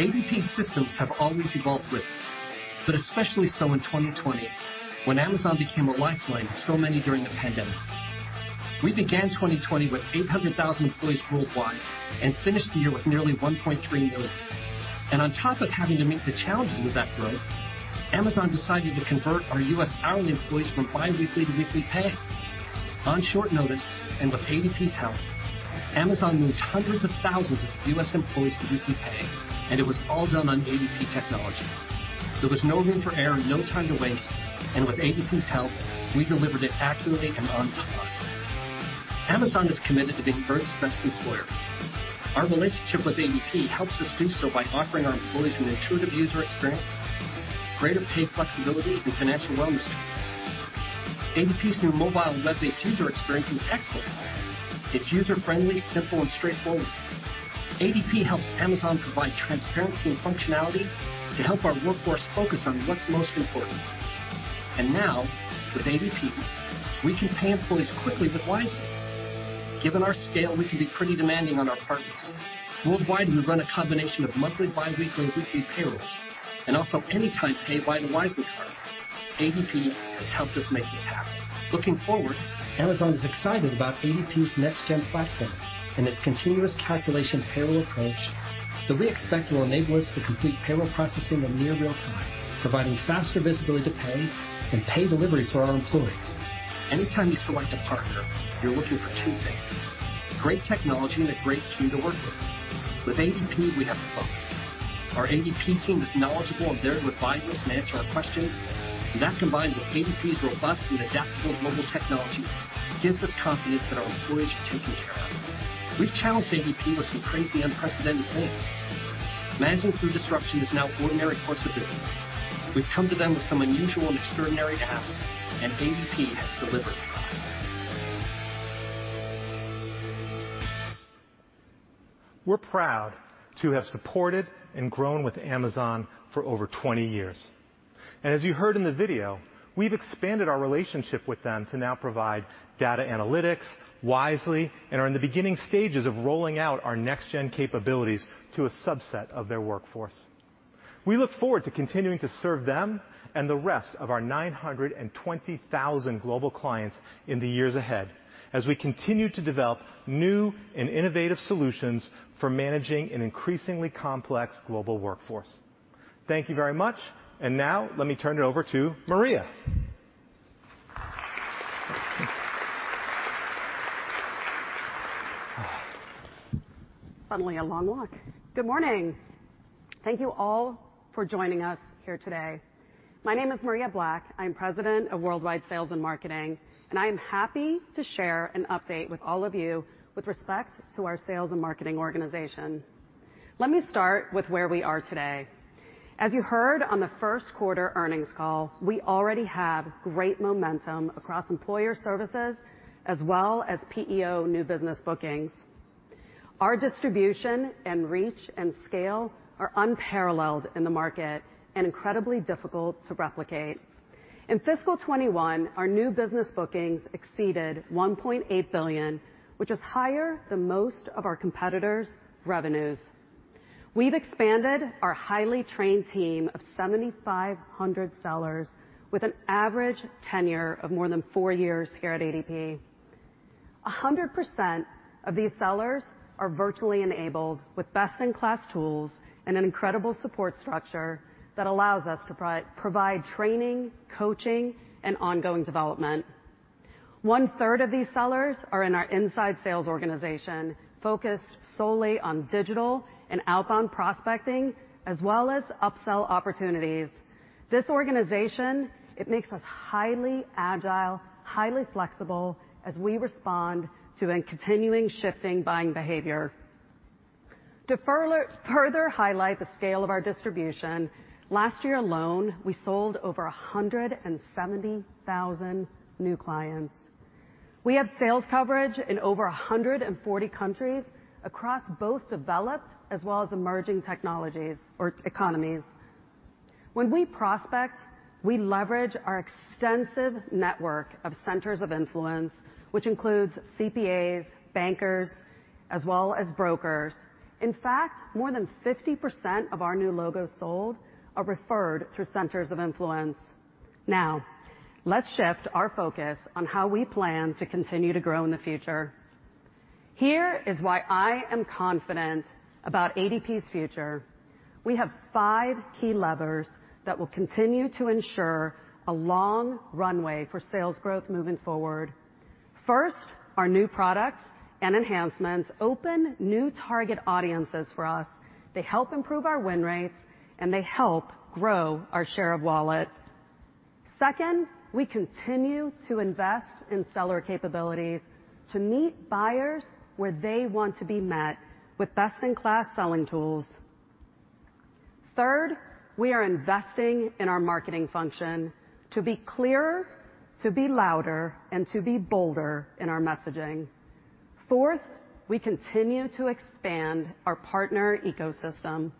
ADP's systems have always evolved with us, but especially so in 2020 when Amazon became a lifeline to so many during the pandemic. We began 2020 with 800,000 employees worldwide and finished the year with nearly 1.3 million. On top of having to meet the challenges of that growth, Amazon decided to convert our U.S. hourly employees from bi-weekly to weekly pay. On short notice, and with ADP's help, Amazon moved hundreds of thousands of U.S. employees to weekly pay, and it was all done on ADP technology. There was no room for error, no time to waste, and with ADP's help, we delivered it accurately and on time. Amazon is committed to being Earth's best employer. Our relationship with ADP helps us do so by offering our employees an intuitive user experience, greater pay flexibility, and financial wellness tools. ADP's new mobile and web-based user experience is excellent. It's user-friendly, simple, and straightforward. ADP helps Amazon provide transparency and functionality to help our workforce focus on what's most important. Now with ADP, we can pay employees quickly but wisely. Given our scale, we can be pretty demanding on our partners. Worldwide, we run a combination of monthly, bi-weekly, weekly payrolls, and also anytime pay via the Wisely card. ADP has helped us make this happen. Looking forward, Amazon is excited about ADP's Next Gen platform and its continuous calculation payroll approach that we expect will enable us to complete payroll processing in near real-time, providing faster visibility to pay and pay delivery for our employees. Anytime you select a partner, you're looking for two things, great technology and a great team to work with. With ADP, we have both. Our ADP team is knowledgeable and there to advise us and answer our questions, and that combined with ADP's robust and adaptable global technology, gives us confidence that our employees are taken care of. We've challenged ADP with some crazy unprecedented things. Managing through disruption is now ordinary course of business. We've come to them with some unusual and extraordinary asks, and ADP has delivered to us. We're proud to have supported and grown with Amazon for over 20 years. As you heard in the video, we've expanded our relationship with them to now provide data analytics, Wisely and are in the beginning stages of rolling out our Next Gen capabilities to a subset of their workforce. We look forward to continuing to serve them and the rest of our 920,000 global clients in the years ahead, as we continue to develop new and innovative solutions for managing an increasingly complex global workforce. Thank you very much. Now let me turn it over to Maria. Good morning. Thank you all for joining us here today. My name is Maria Black. I'm President of Worldwide Sales and Marketing, and I am happy to share an update with all of you with respect to our sales and marketing organization. Let me start with where we are today. As you heard on the first quarter earnings call, we already have great momentum across Employer Services as well as PEO new business bookings. Our distribution and reach and scale are unparalleled in the market and incredibly difficult to replicate. In fiscal 2021, our new business bookings exceeded $1.8 billion, which is higher than most of our competitors' revenues. We've expanded our highly trained team of 7,500 sellers with an average tenure of more than four years here at ADP. 100% of these sellers are virtually enabled with best-in-class tools and an incredible support structure that allows us to provide training, coaching, and ongoing development. One-third of these sellers are in our inside sales organization, focused solely on digital and outbound prospecting, as well as upsell opportunities. This organization, it makes us highly agile, highly flexible as we respond to a continually shifting buying behavior. To further highlight the scale of our distribution, last year alone, we sold over 170,000 new clients. We have sales coverage in over 140 countries across both developed as well as emerging technologies or economies. When we prospect, we leverage our extensive network of centers of influence, which includes CPAs, bankers, as well as brokers. In fact, more than 50% of our new logos sold are referred through centers of influence. Now, let's shift our focus on how we plan to continue to grow in the future. Here is why I am confident about ADP's future. We have five key levers that will continue to ensure a long runway for sales growth moving forward. First, our new products and enhancements open new target audiences for us. They help improve our win rates, and they help grow our share of wallet. Second, we continue to invest in seller capabilities to meet buyers where they want to be met with best-in-class selling tools. Third, we are investing in our marketing function to be clearer, to be louder, and to be bolder in our messaging. Fourth, we continue to expand our partner ecosystem.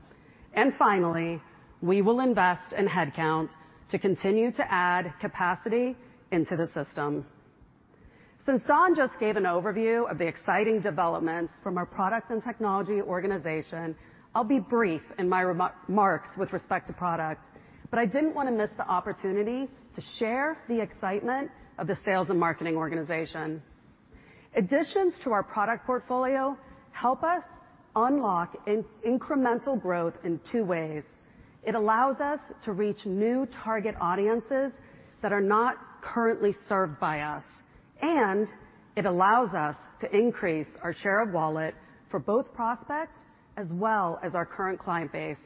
Finally, we will invest in headcount to continue to add capacity into the system. Since Don just gave an overview of the exciting developments from our products and technology organization, I'll be brief in my remarks with respect to product, but I didn't want to miss the opportunity to share the excitement of the sales and marketing organization. Additions to our product portfolio help us unlock incremental growth in two ways. It allows us to reach new target audiences that are not currently served by us, and it allows us to increase our share of wallet for both prospects, as well as our current client base.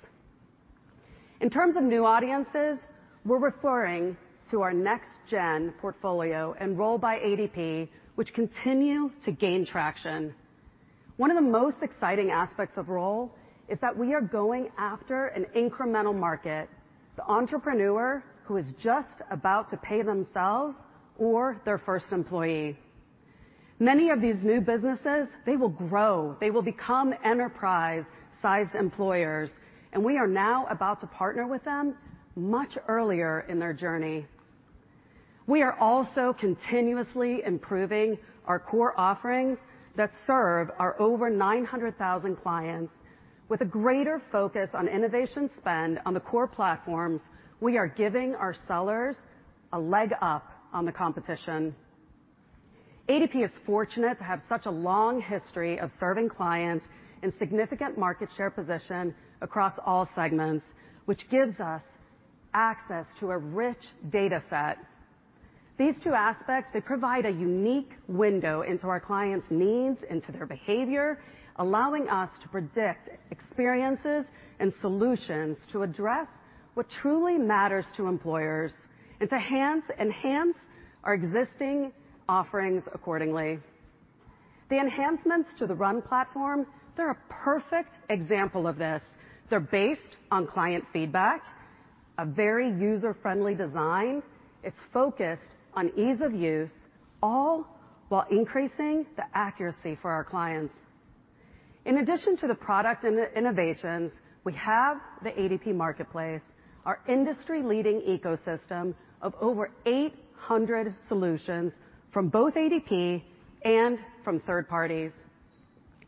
In terms of new audiences, we're referring to our Next Gen portfolio powered by ADP, which continues to gain traction. One of the most exciting aspects of Roll is that we are going after an incremental market, the entrepreneur who is just about to pay themselves or their first employee. Many of these new businesses, they will grow, they will become enterprise-sized employers, and we are now about to partner with them much earlier in their journey. We are also continuously improving our core offerings that serve our over 900,000 clients. With a greater focus on innovation spend on the core platforms, we are giving our sellers a leg up on the competition. ADP is fortunate to have such a long history of serving clients and significant market share position across all segments, which gives us access to a rich data set. These two aspects, they provide a unique window into our clients' needs, into their behavior, allowing us to predict experiences and solutions to address what truly matters to employers and to enhance our existing offerings accordingly. The enhancements to the RUN platform, they're a perfect example of this. They're based on client feedback, a very user-friendly design. It's focused on ease of use, all while increasing the accuracy for our clients. In addition to the product innovations, we have the ADP Marketplace, our industry-leading ecosystem of over 800 solutions from both ADP and from third parties.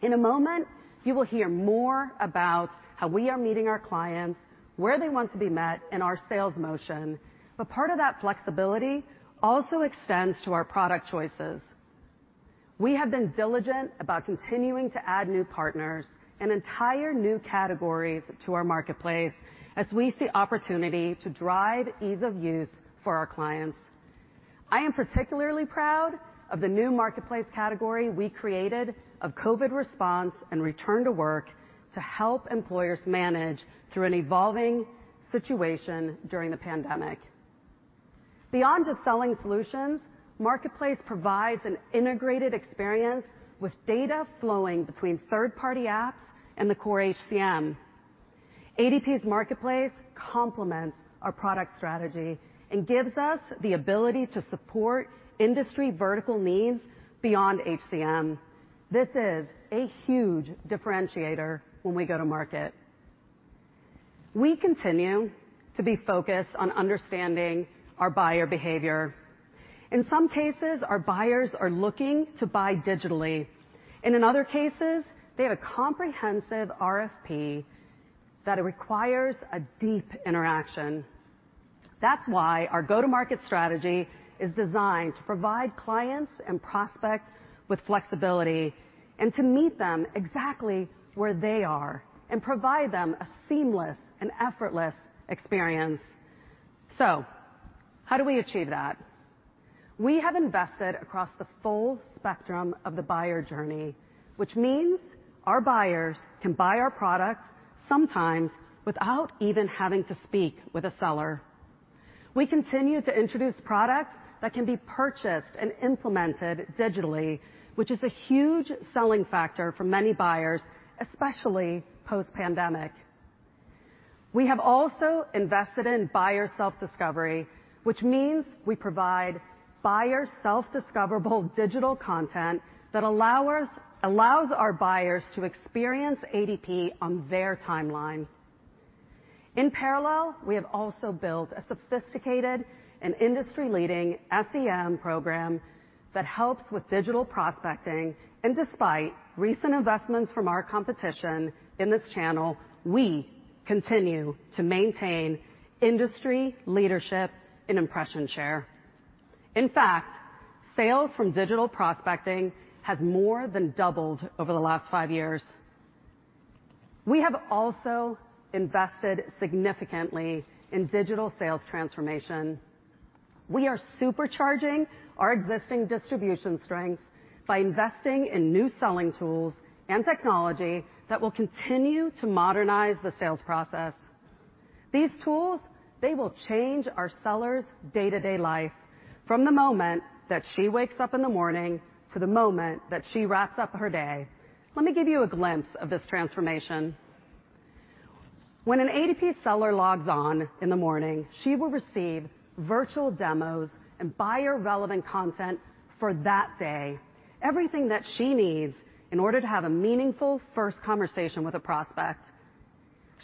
In a moment, you will hear more about how we are meeting our clients where they want to be met in our sales motion. Part of that flexibility also extends to our product choices. We have been diligent about continuing to add new partners and entire new categories to our Marketplace as we see opportunity to drive ease of use for our clients. I am particularly proud of the new Marketplace category we created of COVID response and return to work to help employers manage through an evolving situation during the pandemic. Beyond just selling solutions, ADP Marketplace provides an integrated experience with data flowing between third-party apps and the core HCM. ADP's Marketplace complements our product strategy and gives us the ability to support industry vertical needs beyond HCM. This is a huge differentiator when we go to market. We continue to be focused on understanding our buyer behavior. In some cases, our buyers are looking to buy digitally, and in other cases, they have a comprehensive RFP that requires a deep interaction. That's why our go-to-market strategy is designed to provide clients and prospects with flexibility, and to meet them exactly where they are and provide them a seamless and effortless experience. How do we achieve that? We have invested across the full spectrum of the buyer journey, which means our buyers can buy our products sometimes without even having to speak with a seller. We continue to introduce products that can be purchased and implemented digitally, which is a huge selling factor for many buyers, especially post-pandemic. We have also invested in buyer self-discovery, which means we provide buyers self-discoverable digital content allows our buyers to experience ADP on their timeline. In parallel, we have also built a sophisticated and industry-leading SEM program that helps with digital prospecting. Despite recent investments from our competition in this channel, we continue to maintain industry leadership in impression share. In fact, sales from digital prospecting has more than doubled over the last five years. We have also invested significantly in digital sales transformation. We are supercharging our existing distribution strengths by investing in new selling tools and technology that will continue to modernize the sales process. These tools, they will change our sellers' day-to-day life from the moment that she wakes up in the morning to the moment that she wraps up her day. Let me give you a glimpse of this transformation. When an ADP seller logs on in the morning, she will receive virtual demos and buyer-relevant content for that day, everything that she needs in order to have a meaningful first conversation with a prospect.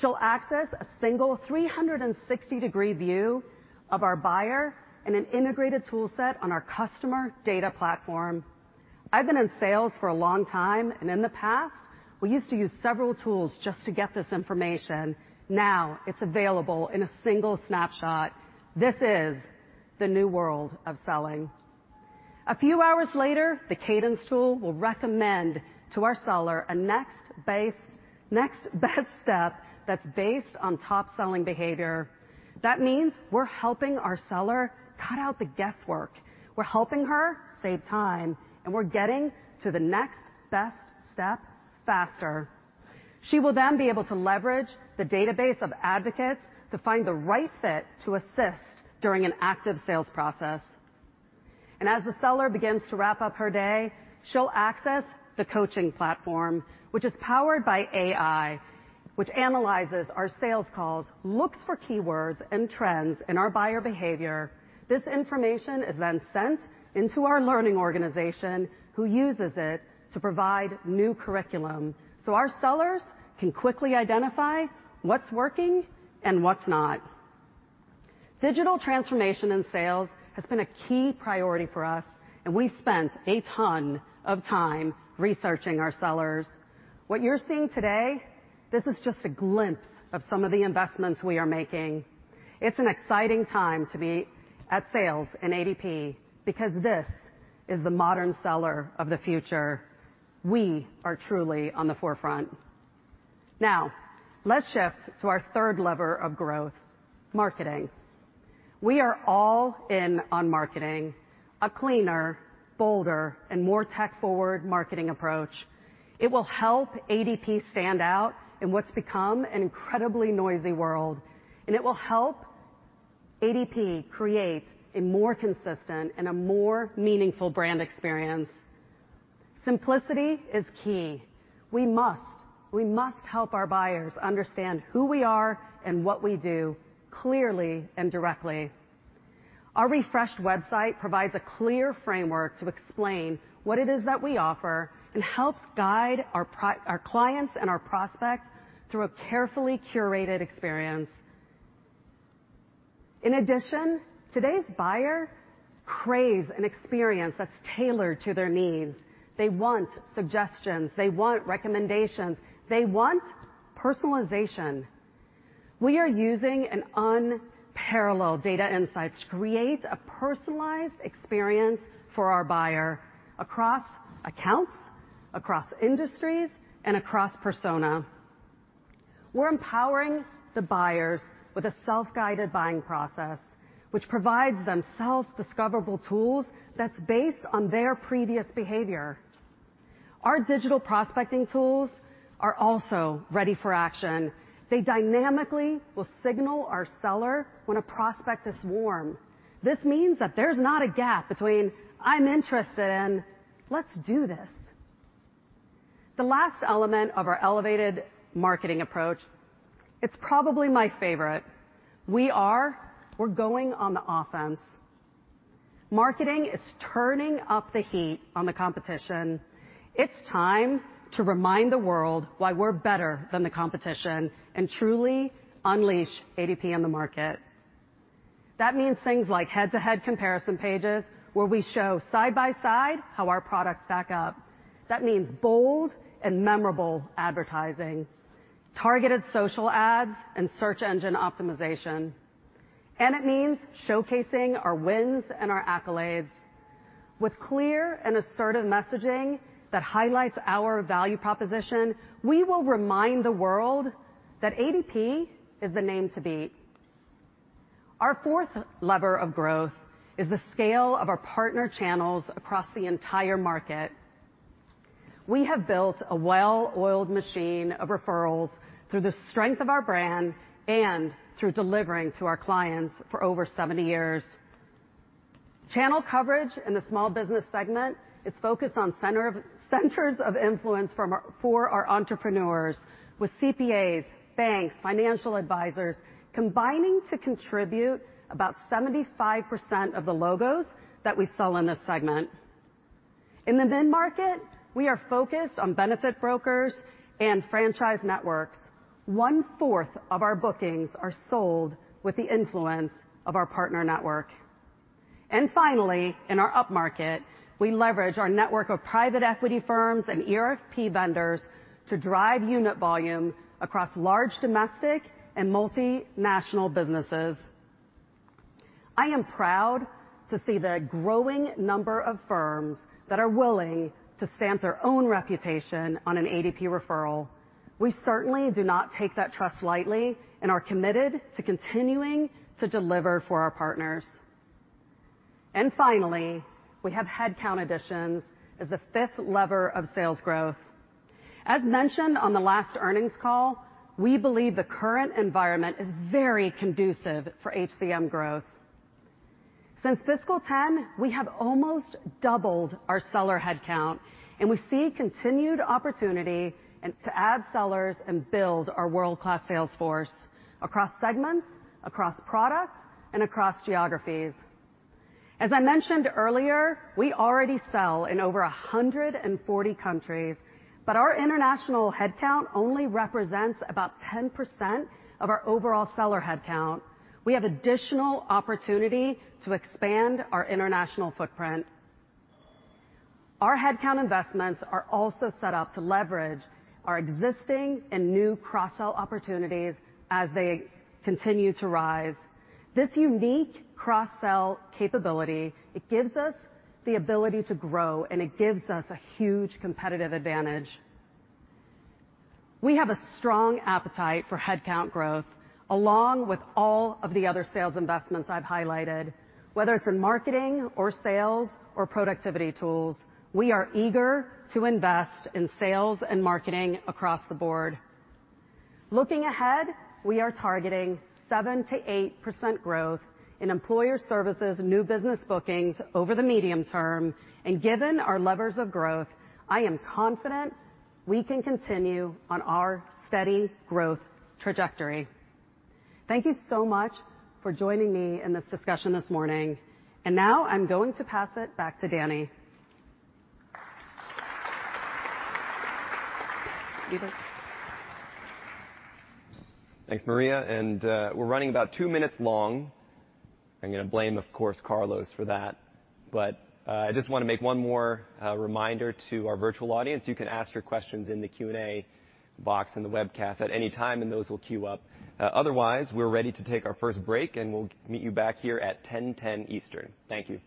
She'll access a single 360-degree view of our buyer and an integrated toolset on our customer data platform. I've been in sales for a long time, and in the past, we used to use several tools just to get this information. Now it's available in a single snapshot. This is the new world of selling. A few hours later, the cadence tool will recommend to our seller a next best step that's based on top selling behavior. That means we're helping our seller cut out the guesswork. We're helping her save time, and we're getting to the next best step faster. She will then be able to leverage the database of advocates to find the right fit to assist during an active sales process. As the seller begins to wrap up her day, she'll access the coaching platform, which is powered by AI, which analyzes our sales calls, looks for keywords and trends in our buyer behavior. This information is then sent into our learning organization, who uses it to provide new curriculum, so our sellers can quickly identify what's working and what's not. Digital transformation in sales has been a key priority for us, and we've spent a ton of time researching our sellers. What you're seeing today, this is just a glimpse of some of the investments we are making. It's an exciting time to be at sales in ADP because this is the modern seller of the future. We are truly on the forefront. Now, let's shift to our third lever of growth, marketing. We are all in on marketing. A cleaner, bolder, and more tech-forward marketing approach. It will help ADP stand out in what's become an incredibly noisy world, and it will help ADP create a more consistent and a more meaningful brand experience. Simplicity is key. We must help our buyers understand who we are and what we do clearly and directly. Our refreshed website provides a clear framework to explain what it is that we offer and helps guide our clients and our prospects through a carefully curated experience. In addition, today's buyer craves an experience that's tailored to their needs. They want suggestions. They want recommendations. They want personalization. We are using an unparallel data insights to create a personalized experience for our buyer across accounts, across industries, and across persona. We're empowering the buyers with a self-guided buying process, which provides them self-discoverable tools that's based on their previous behavior. Our digital prospecting tools are also ready for action. They dynamically will signal our seller when a prospect is warm. This means that there's not a gap between I'm interested and let's do this. The last element of our elevated marketing approach, it's probably my favorite. We're going on the offense. Marketing is turning up the heat on the competition. It's time to remind the world why we're better than the competition and truly unleash ADP in the market. That means things like head-to-head comparison pages, where we show side by side how our products stack up. That means bold and memorable advertising, targeted social ads, and search engine optimization. It means showcasing our wins and our accolades. With clear and assertive messaging that highlights our value proposition, we will remind the world that ADP is the name to beat. Our fourth lever of growth is the scale of our partner channels across the entire market. We have built a well-oiled machine of referrals through the strength of our brand and through delivering to our clients for over 70 years. Channel coverage in the small business segment is focused on centers of influence for our entrepreneurs with CPAs, banks, financial advisors, combining to contribute about 75% of the logos that we sell in this segment. In the mid-market, we are focused on benefit brokers and franchise networks. 1/4th of our bookings are sold with the influence of our partner network. Finally, in our upmarket, we leverage our network of private equity firms and ERP vendors to drive unit volume across large domestic and multinational businesses. I am proud to see the growing number of firms that are willing to stamp their own reputation on an ADP referral. We certainly do not take that trust lightly and are committed to continuing to deliver for our partners. Finally, we have headcount additions as the fifth lever of sales growth. As mentioned on the last earnings call, we believe the current environment is very conducive for HCM growth. Since fiscal 10, we have almost doubled our seller headcount, and we see continued opportunity to add sellers and build our world-class sales force across segments, across products, and across geographies. As I mentioned earlier, we already sell in over 140 countries, but our international headcount only represents about 10% of our overall seller headcount. We have additional opportunity to expand our international footprint. Our headcount investments are also set up to leverage our existing and new cross-sell opportunities as they continue to rise. This unique cross-sell capability gives us the ability to grow, and it gives us a huge competitive advantage. We have a strong appetite for headcount growth, along with all of the other sales investments I've highlighted. Whether it's in marketing or sales or productivity tools, we are eager to invest in sales and marketing across the board. Looking ahead, we are targeting 7%-8% growth in Employer Services new business bookings over the medium term. Given our levers of growth, I am confident we can continue on our steady growth trajectory. Thank you so much for joining me in this discussion this morning. Now I'm going to pass it back to Danny. Thanks, Maria. We're running about two minutes long. I'm gonna blame, of course, Carlos for that. I just wanna make one more reminder to our virtual audience. You can ask your questions in the Q&A box in the webcast at any time, and those will queue up. Otherwise, we're ready to take our first break, and we'll meet you back here at 10:10 Eastern. Thank you.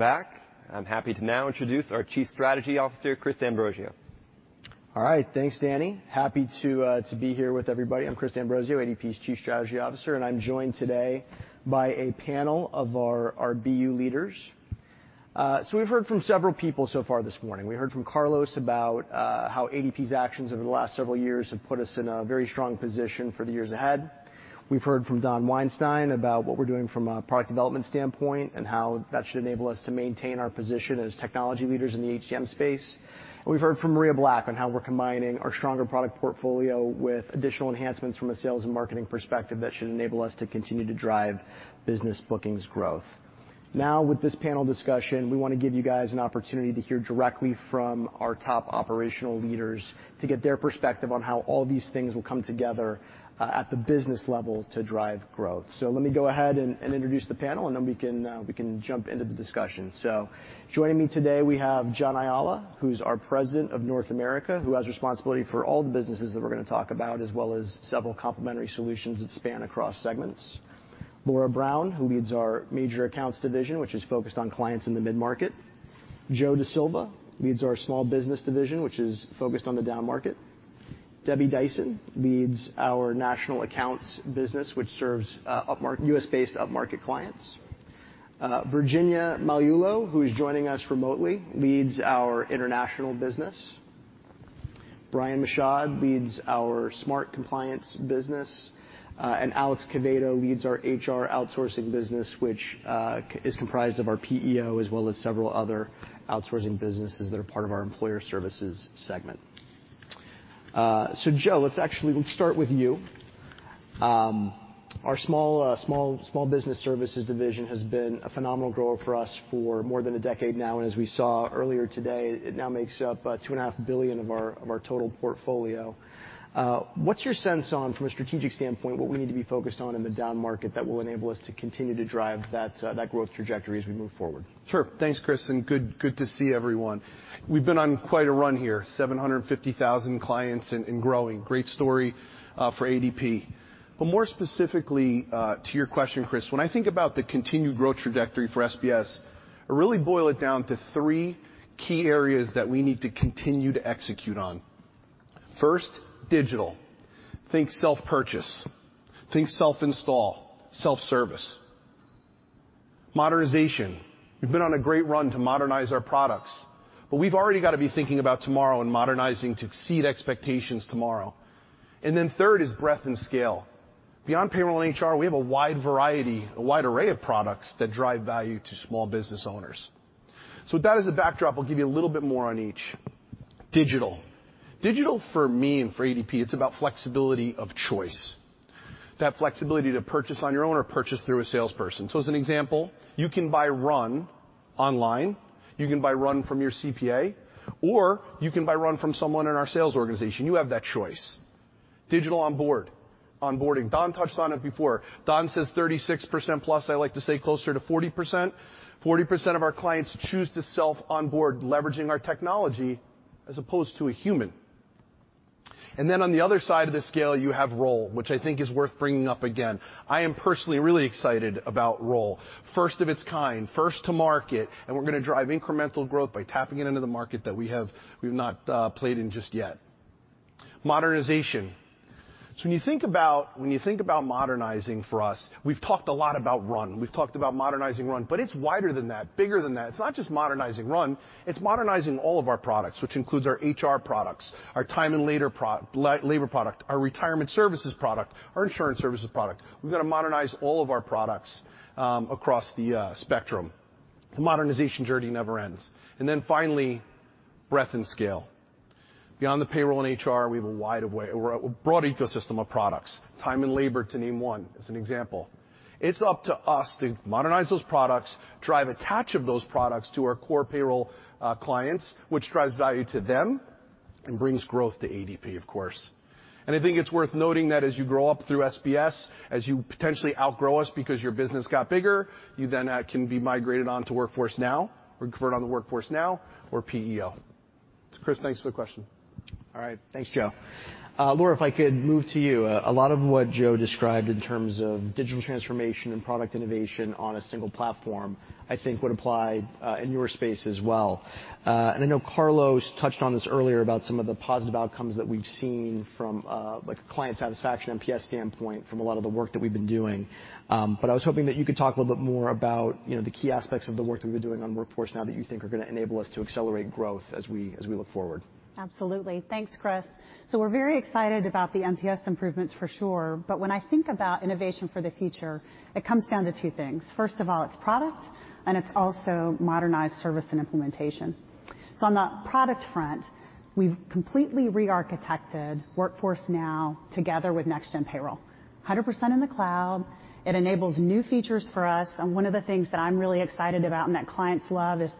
Welcome back. I'm happy to now introduce our Chief Strategy Officer, Chris D'Ambrosio. All right. Thanks, Danny. Happy to be here with everybody. I'm Chris D'Ambrosio, ADP's Chief Strategy Officer, and I'm joined today by a panel of our BU leaders. So we've heard from several people so far this morning. We heard from Carlos about how ADP's actions over the last several years have put us in a very strong position for the years ahead. We've heard from Don Weinstein about what we're doing from a product development standpoint, and how that should enable us to maintain our position as technology leaders in the HCM space. We've heard from Maria Black on how we're combining our stronger product portfolio with additional enhancements from a sales and marketing perspective that should enable us to continue to drive business bookings growth. Now, with this panel discussion, we wanna give you guys an opportunity to hear directly from our top operational leaders to get their perspective on how all these things will come together at the business level to drive growth. Let me go ahead and introduce the panel, and then we can jump into the discussion. Joining me today, we have John Ayala, who's our President of North America, who has responsibility for all the businesses that we're gonna talk about, as well as several complementary solutions that span across segments. Laura Brown, who leads our Major Accounts division, which is focused on clients in the mid-market. Joe De Silva leads our Small Business division, which is focused on the down-market. Debbie Dyson leads our National Accounts business, which serves up-market U.S.-based up-market clients. Virginia Magliulo, who is joining us remotely, leads our international business. Brian Michaud leads our Smart Compliance business. Alex Quevedo leads our HR outsourcing business, which is comprised of our PEO, as well as several other outsourcing businesses that are part of our Employer Services segment. Joe, let's start with you. Our Small Business Services division has been a phenomenal grower for us for more than a decade now, and as we saw earlier today, it now makes up $2.5 billion of our total portfolio. What's your sense on, from a strategic standpoint, what we need to be focused on in the down market that will enable us to continue to drive that growth trajectory as we move forward? Sure. Thanks, Chris, and good to see everyone. We've been on quite a run here, 750,000 clients and growing. Great story for ADP. But more specifically to your question, Chris, when I think about the continued growth trajectory for SBS, I really boil it down to three key areas that we need to continue to execute on. First, digital. Think self-purchase, think self-install, self-service. Modernization. We've been on a great run to modernize our products, but we've already gotta be thinking about tomorrow and modernizing to exceed expectations tomorrow. Third is breadth and scale. Beyond payroll and HR, we have a wide variety, a wide array of products that drive value to small business owners. With that as a backdrop, I'll give you a little bit more on each. Digital. Digital, for me and for ADP, it's about flexibility of choice. That flexibility to purchase on your own or purchase through a salesperson. As an example, you can buy Run online, you can buy Run from your CPA, or you can buy Run from someone in our sales organization. You have that choice. Digital onboard, onboarding. Don touched on it before. Don says 36%+, I like to say closer to 40%. 40% of our clients choose to self-onboard, leveraging our technology as opposed to a human. Then on the other side of the scale, you have Roll, which I think is worth bringing up again. I am personally really excited about Roll. First of its kind, first to market, and we're gonna drive incremental growth by tapping it into the market that we have, we've not played in just yet. Modernization. When you think about modernizing for us, we've talked a lot about Run. We've talked about modernizing Run, but it's wider than that, bigger than that. It's not just modernizing Run, it's modernizing all of our products, which includes our HR products, our time and labor product, our retirement services product, our insurance services product. We're gonna modernize all of our products across the spectrum. The modernization journey never ends. Then finally, breadth and scale. Beyond the payroll and HR, we have a wide array or a broad ecosystem of products, time and labor, to name one as an example. It's up to us to modernize those products, drive attach of those products to our core payroll clients, which drives value to them and brings growth to ADP, of course. I think it's worth noting that as you grow up through SBS, as you potentially outgrow us because your business got bigger, you then can be migrated on to Workforce Now or convert onto Workforce Now or PEO. Chris, thanks for the question. All right. Thanks, Joe. Laura, if I could move to you. A lot of what Joe described in terms of digital transformation and product innovation on a single platform, I think would apply in your space as well. I know Carlos touched on this earlier about some of the positive outcomes that we've seen from like client satisfaction, NPS standpoint from a lot of the work that we've been doing. I was hoping that you could talk a little bit more about you know, the key aspects of the work that we've been doing on Workforce Now that you think are gonna enable us to accelerate growth as we look forward. Absolutely. Thanks, Chris. We're very excited about the NPS improvements for sure, but when I think about innovation for the future, it comes down to two things. First of all, it's product and it's also modernized service and implementation. On the product front, we've completely rearchitected Workforce Now together with Next Gen Payroll. 100% in the cloud. It enables new features for us, and one of the things that I'm really excited about and that clients love is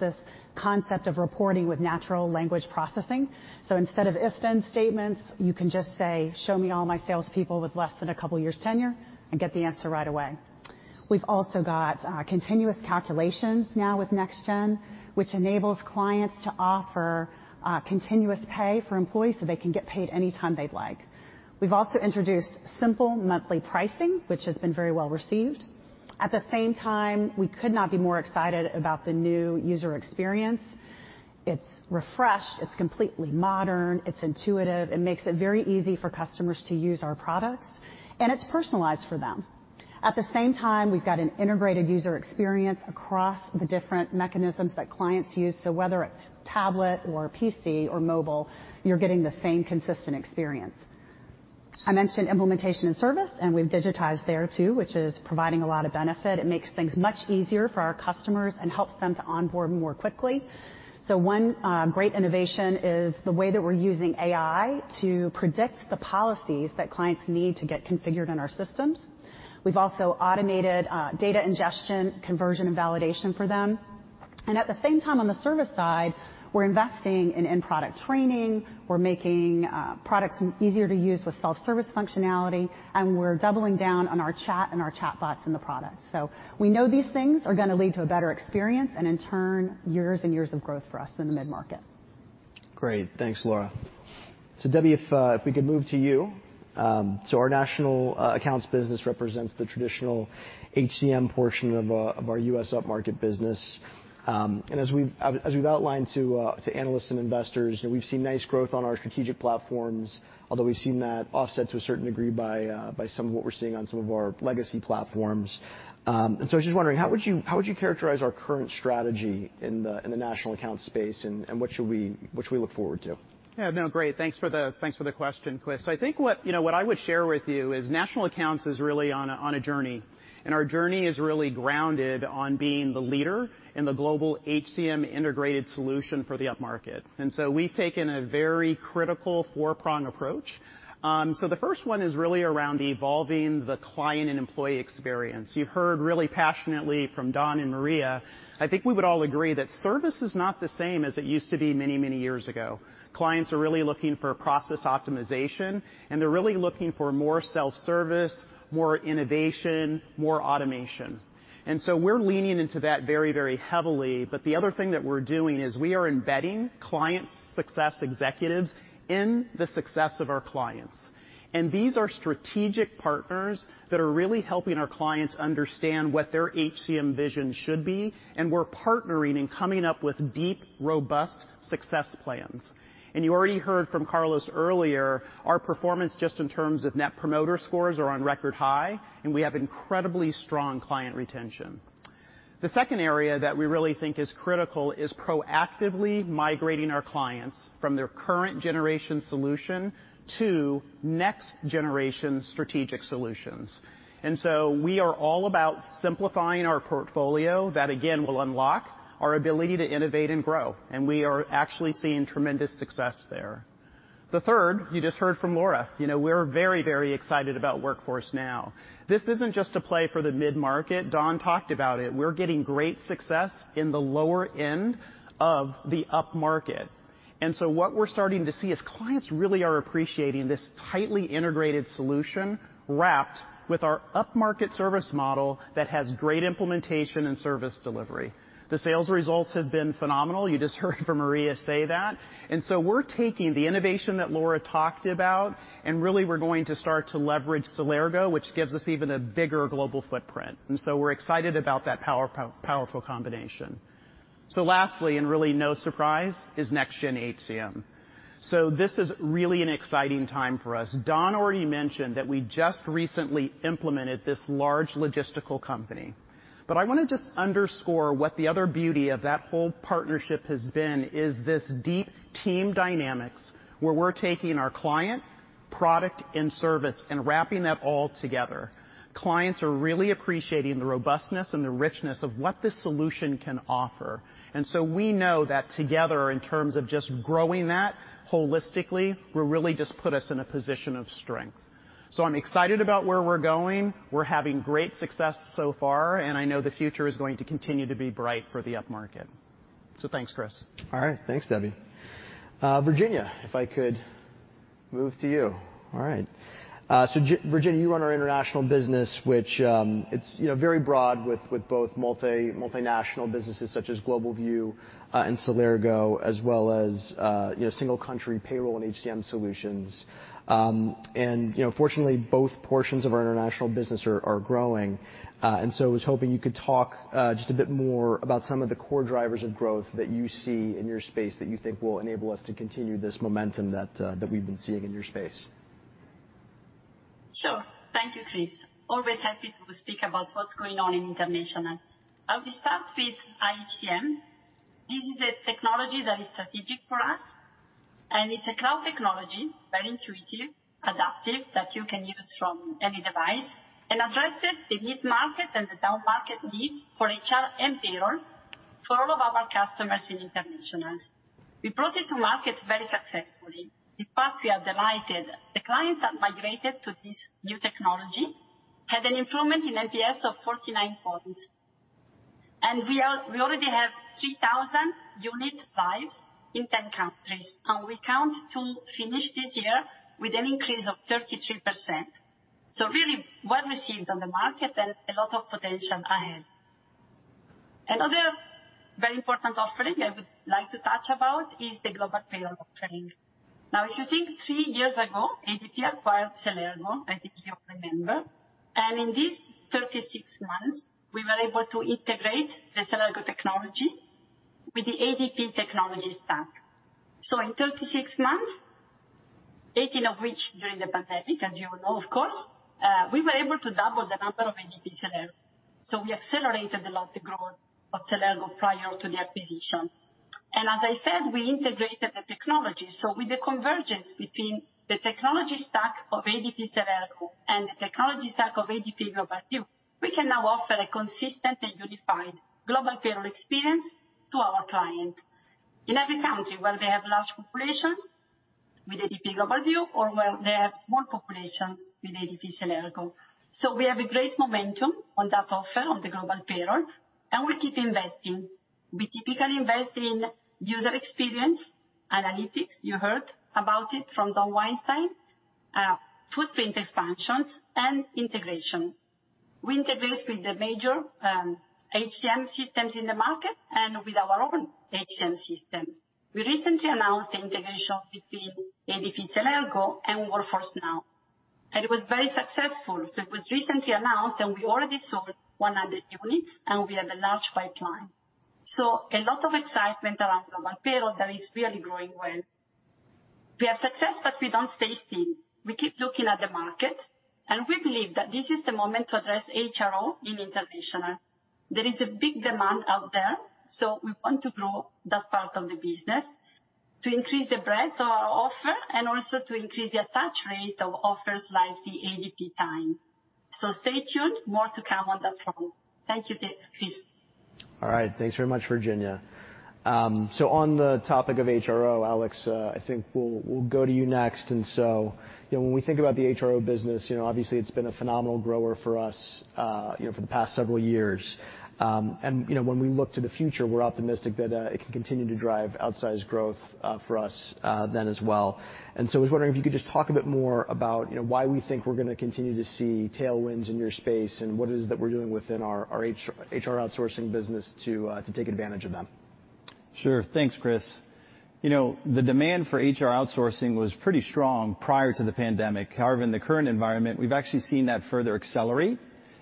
this concept of reporting with natural language processing. Instead of if/then statements, you can just say, "Show me all my salespeople with less than a couple years' tenure," and get the answer right away. We've also got continuous calculations now with Next Gen, which enables clients to offer continuous pay for employees, so they can get paid any time they'd like. We've also introduced simple monthly pricing, which has been very well received. At the same time, we could not be more excited about the new user experience. It's refreshed, it's completely modern, it's intuitive, it makes it very easy for customers to use our products, and it's personalized for them. At the same time, we've got an integrated user experience across the different mechanisms that clients use. So whether it's tablet or PC or mobile, you're getting the same consistent experience. I mentioned implementation and service, and we've digitized there too, which is providing a lot of benefit. It makes things much easier for our customers and helps them to onboard more quickly. One great innovation is the way that we're using AI to predict the policies that clients need to get configured in our systems. We've also automated data ingestion, conversion, and validation for them. At the same time, on the service side, we're investing in end product training, we're making products easier to use with self-service functionality, and we're doubling down on our chat and our chatbots in the product. We know these things are gonna lead to a better experience and in turn, years and years of growth for us in the mid-market. Great. Thanks, Laura. Debbie, if we could move to you. Our national accounts business represents the traditional HCM portion of our U.S. up-market business. As we've outlined to analysts and investors, you know, we've seen nice growth on our strategic platforms, although we've seen that offset to a certain degree by some of what we're seeing on some of our legacy platforms. I was just wondering: How would you characterize our current strategy in the national accounts space, and what should we look forward to? Yeah, no, great. Thanks for the question, Chris. I think you know what I would share with you is National Accounts is really on a journey, and our journey is really grounded on being the leader in the global HCM integrated solution for the up-market. We've taken a very critical four-pronged approach. The first one is really around evolving the client and employee experience. You've heard really passionately from Don and Maria. I think we would all agree that service is not the same as it used to be many, many years ago. Clients are really looking for process optimization, and they're really looking for more self-service, more innovation, more automation. We're leaning into that very, very heavily. The other thing that we're doing is we are embedding client success executives in the success of our clients. These are strategic partners that are really helping our clients understand what their HCM vision should be, and we're partnering and coming up with deep, robust success plans. You already heard from Carlos earlier, our performance, just in terms of net promoter scores, are on record high, and we have incredibly strong client retention. The second area that we really think is critical is proactively migrating our clients from their current generation solution to next-generation strategic solutions. We are all about simplifying our portfolio. That again, will unlock our ability to innovate and grow, and we are actually seeing tremendous success there. The third, you just heard from Laura, you know, we're very, very excited about Workforce Now. This isn't just a play for the mid-market. Don talked about it. We're getting great success in the lower end of the upmarket. What we're starting to see is clients really are appreciating this tightly integrated solution wrapped with our upmarket service model that has great implementation and service delivery. The sales results have been phenomenal. You just heard from Maria say that. We're taking the innovation that Laura talked about, and really, we're going to start to leverage Celergo, which gives us even a bigger global footprint. We're excited about that powerful combination. Lastly, and really no surprise, is Next Gen HCM. This is really an exciting time for us. Don already mentioned that we just recently implemented this large logistical company. I wanna just underscore what the other beauty of that whole partnership has been, is this deep team dynamics where we're taking our client, product, and service and wrapping that all together. Clients are really appreciating the robustness and the richness of what this solution can offer. We know that together, in terms of just growing that holistically, will really just put us in a position of strength. I'm excited about where we're going. We're having great success so far, and I know the future is going to continue to be bright for the upmarket. Thanks, Chris. All right. Thanks, Debbie. Virginia, if I could move to you. All right. So Virginia, you run our international business, which, it's, you know, very broad with both multinational businesses such as GlobalView and Celergo, as well as, you know, single country payroll and HCM solutions. And, you know, fortunately, both portions of our international business are growing. I was hoping you could talk just a bit more about some of the core drivers of growth that you see in your space that you think will enable us to continue this momentum that we've been seeing in your space? Sure. Thank you, Chris. Always happy to speak about what's going on in international. I will start with iHCM. This is a technology that is strategic for us, and it's a cloud technology, very intuitive, adaptive, that you can use from any device and addresses the mid-market and the down market needs for HR and payroll for all of our customers in international. We brought it to market very successfully. In fact, we are delighted. The clients that migrated to this new technology had an improvement in NPS of 49 points. We already have 3,000 unit lives in 10 countries, and we expect to finish this year with an increase of 33%. Really well received on the market and a lot of potential ahead. Another very important offering I would like to touch about is the Global Payroll offering. Now, if you think three years ago, ADP acquired Celergo, I think you remember. In these 36 months, we were able to integrate the Celergo technology with the ADP technology stack. In 36 months, 18 of which during the pandemic, as you know, of course, we were able to double the number of ADP Celergo. We accelerated a lot the growth of Celergo prior to the acquisition. As I said, we integrated the technology. With the convergence between the technology stack of ADP Celergo and the technology stack of ADP GlobalView, we can now offer a consistent and unified global payroll experience to our client in every country where they have large populations with ADP GlobalView or where they have small populations with ADP Celergo. We have a great momentum on that offer on the global payroll, and we keep investing. We typically invest in user experience, analytics, you heard about it from Don Weinstein, footprint expansions, and integration. We integrate with the major HCM systems in the market and with our own HCM system. We recently announced the integration between ADP Celergo and Workforce Now, and it was very successful. We already sold 100 units, and we have a large pipeline. A lot of excitement around Global Payroll that is really growing well. We have success, but we don't stay still. We keep looking at the market, and we believe that this is the moment to address HRO in international. There is a big demand out there, so we want to grow that part of the business to increase the breadth of our offer and also to increase the attach rate of offers like the ADP Time. Stay tuned. More to come on that front. Thank you, Chris. All right. Thanks very much, Virginia. On the topic of HRO, Alex, I think we'll go to you next. You know, when we think about the HRO business, you know, obviously, it's been a phenomenal grower for us, you know, for the past several years. You know, when we look to the future, we're optimistic that it can continue to drive outsized growth for us then as well. I was wondering if you could just talk a bit more about, you know, why we think we're gonna continue to see tailwinds in your space and what it is that we're doing within our HR outsourcing business to take advantage of them. Sure. Thanks, Chris. You know, the demand for HR outsourcing was pretty strong prior to the pandemic. However, in the current environment, we've actually seen that further accelerate,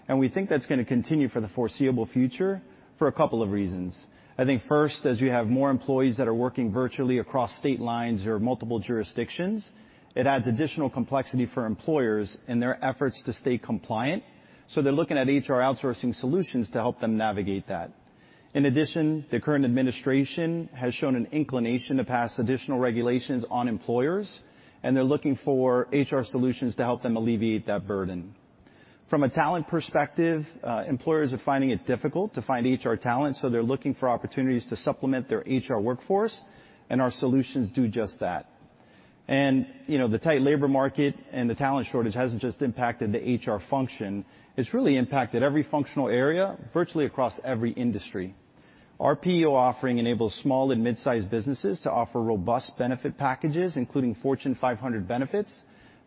and we think that's gonna continue for the foreseeable future for a couple of reasons. I think first, as you have more employees that are working virtually across state lines or multiple jurisdictions, it adds additional complexity for employers in their efforts to stay compliant, so they're looking at HR outsourcing solutions to help them navigate that. In addition, the current administration has shown an inclination to pass additional regulations on employers, and they're looking for HR solutions to help them alleviate that burden. From a talent perspective, employers are finding it difficult to find HR talent, so they're looking for opportunities to supplement their HR workforce, and our solutions do just that. You know, the tight labor market and the talent shortage hasn't just impacted the HR function, it's really impacted every functional area virtually across every industry. Our PEO offering enables small and mid-sized businesses to offer robust benefit packages, including Fortune 500 benefits,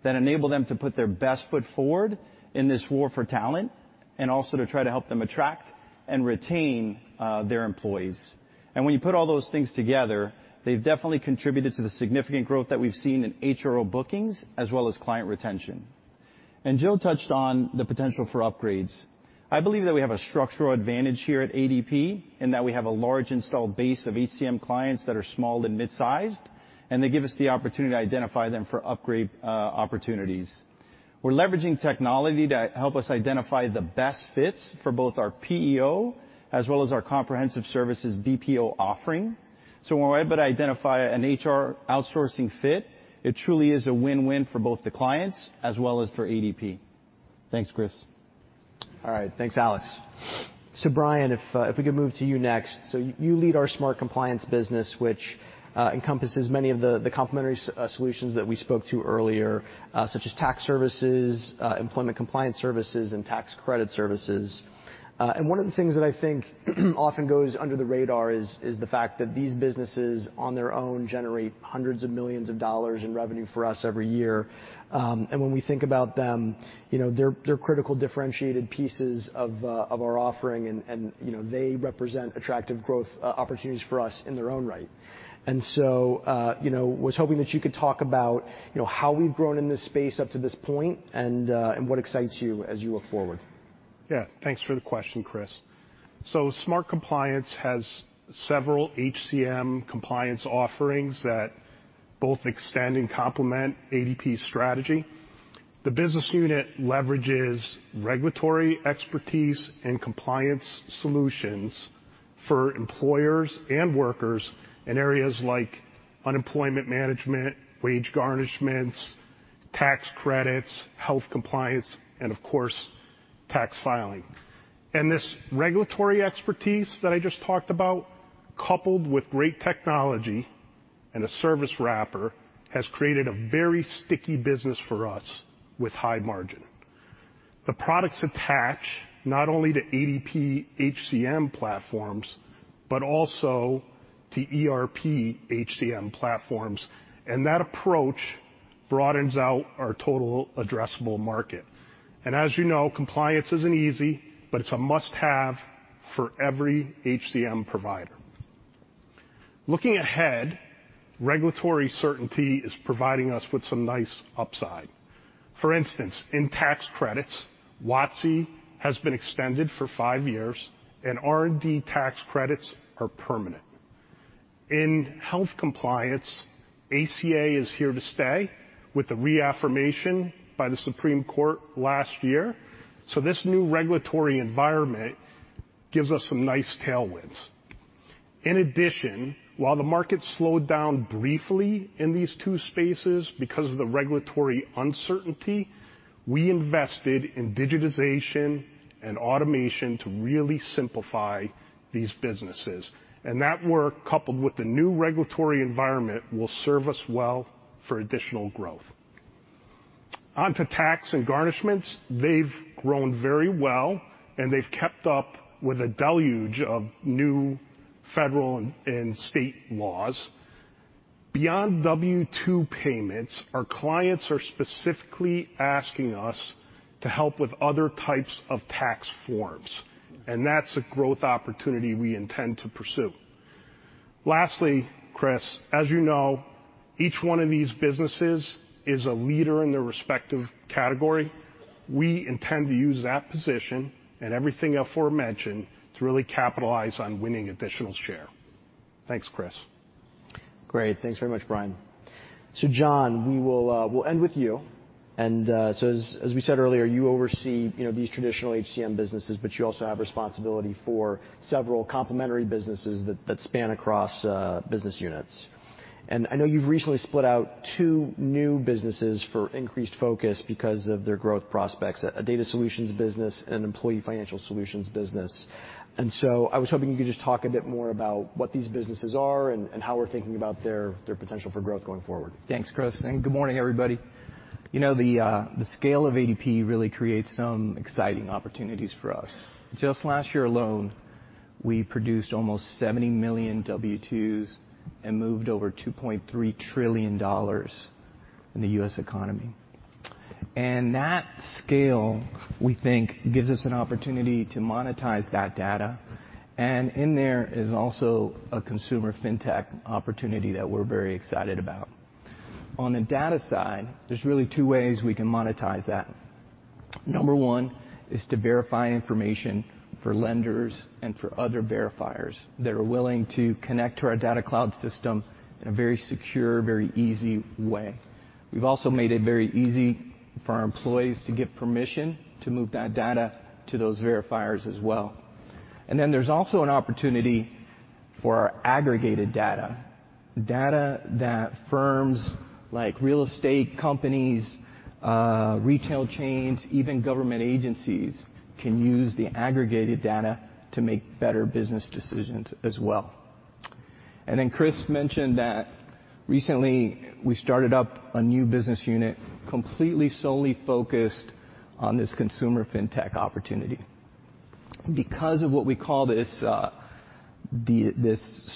that enable them to put their best foot forward in this war for talent, and also to try to help them attract and retain their employees. When you put all those things together, they've definitely contributed to the significant growth that we've seen in HRO bookings as well as client retention. Joe touched on the potential for upgrades. I believe that we have a structural advantage here at ADP in that we have a large installed base of HCM clients that are small and mid-sized, and they give us the opportunity to identify them for upgrade opportunities. We're leveraging technology to help us identify the best fits for both our PEO as well as our comprehensive services BPO offering. When we're able to identify an HR outsourcing fit, it truly is a win-win for both the clients as well as for ADP. Thanks, Chris. All right. Thanks, Alex. Brian, if we could move to you next. You lead our Smart Compliance business, which encompasses many of the complementary solutions that we spoke to earlier, such as tax services, employment compliance services, and tax credit services. One of the things that I think often goes under the radar is the fact that these businesses on their own generate hundreds of millions of dollars in revenue for us every year. When we think about them, you know, they're critical differentiated pieces of our offering and, you know, they represent attractive growth opportunities for us in their own right. I was hoping that you could talk about, you know, how we've grown in this space up to this point, and what excites you as you look forward? Yeah. Thanks for the question, Chris. Smart Compliance has several HCM compliance offerings that both extend and complement ADP's strategy. The business unit leverages regulatory expertise and compliance solutions for employers and workers in areas like unemployment management, wage garnishments, tax credits, health compliance, and of course, tax filing. This regulatory expertise that I just talked about, coupled with great technology and a service wrapper, has created a very sticky business for us with high margin. The products attach not only to ADP HCM platforms, but also to ERP HCM platforms, and that approach broadens out our total addressable market. As you know, compliance isn't easy, but it's a must-have for every HCM provider. Looking ahead, regulatory certainty is providing us with some nice upside. For instance, in tax credits, WOTC has been extended for five years and R&D tax credits are permanent. In health compliance, ACA is here to stay with the reaffirmation by the Supreme Court last year. This new regulatory environment gives us some nice tailwinds. In addition, while the market slowed down briefly in these two spaces because of the regulatory uncertainty, we invested in digitization and automation to really simplify these businesses. That work, coupled with the new regulatory environment, will serve us well for additional growth. On to tax and garnishments. They've grown very well, and they've kept up with a deluge of new federal and state laws. Beyond W-2 payments, our clients are specifically asking us to help with other types of tax forms, and that's a growth opportunity we intend to pursue. Lastly, Chris, as you know, each one of these businesses is a leader in their respective category. We intend to use that position and everything aforementioned to really capitalize on winning additional share. Thanks, Chris. Great. Thanks very much, Brian. John, we will, we'll end with you. As we said earlier, you oversee, you know, these traditional HCM businesses, but you also have responsibility for several complementary businesses that span across business units. I know you've recently split out two new businesses for increased focus because of their growth prospects, a data solutions business and employee financial solutions business. I was hoping you could just talk a bit more about what these businesses are and how we're thinking about their potential for growth going forward. Thanks, Chris, and good morning, everybody. You know, the scale of ADP really creates some exciting opportunities for us. Just last year alone, we produced almost 70 million W-2s and moved over $2.3 trillion in the U.S. economy. That scale, we think, gives us an opportunity to monetize that data. In there is also a consumer fintech opportunity that we're very excited about. On the data side, there's really two ways we can monetize that. Number one is to verify information for lenders and for other verifiers that are willing to connect to our DataCloud system in a very secure, very easy way. We've also made it very easy for our employees to give permission to move that data to those verifiers as well. There's also an opportunity for our aggregated data that firms like real estate companies, retail chains, even government agencies can use the aggregated data to make better business decisions as well. Chris mentioned that recently we started up a new business unit completely solely focused on this consumer fintech opportunity. Because of what we call this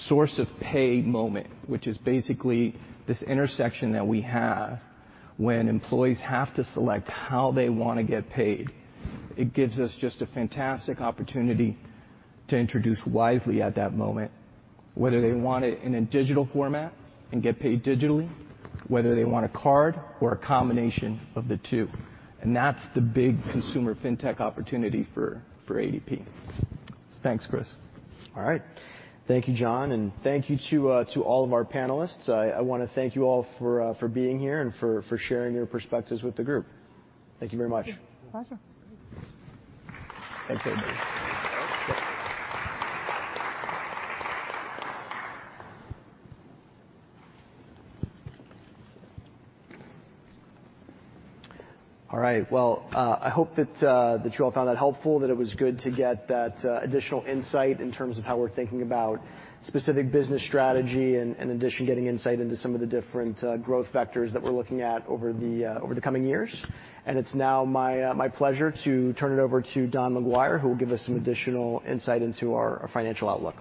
source of pay moment, which is basically this intersection that we have when employees have to select how they wanna get paid, it gives us just a fantastic opportunity to introduce Wisely at that moment, whether they want it in a digital format and get paid digitally, whether they want a card or a combination of the two. That's the big consumer fintech opportunity for ADP. Thanks, Chris. All right. Thank you, John, and thank you to all of our panelists. I wanna thank you all for being here and for sharing your perspectives with the group. Thank you very much. Thank you. Pleasure. Thanks, everybody. All right. Well, I hope that you all found that helpful, that it was good to get that additional insight in terms of how we're thinking about specific business strategy, and in addition, getting insight into some of the different growth vectors that we're looking at over the coming years. It's now my pleasure to turn it over to Don McGuire, who will give us some additional insight into our financial outlook.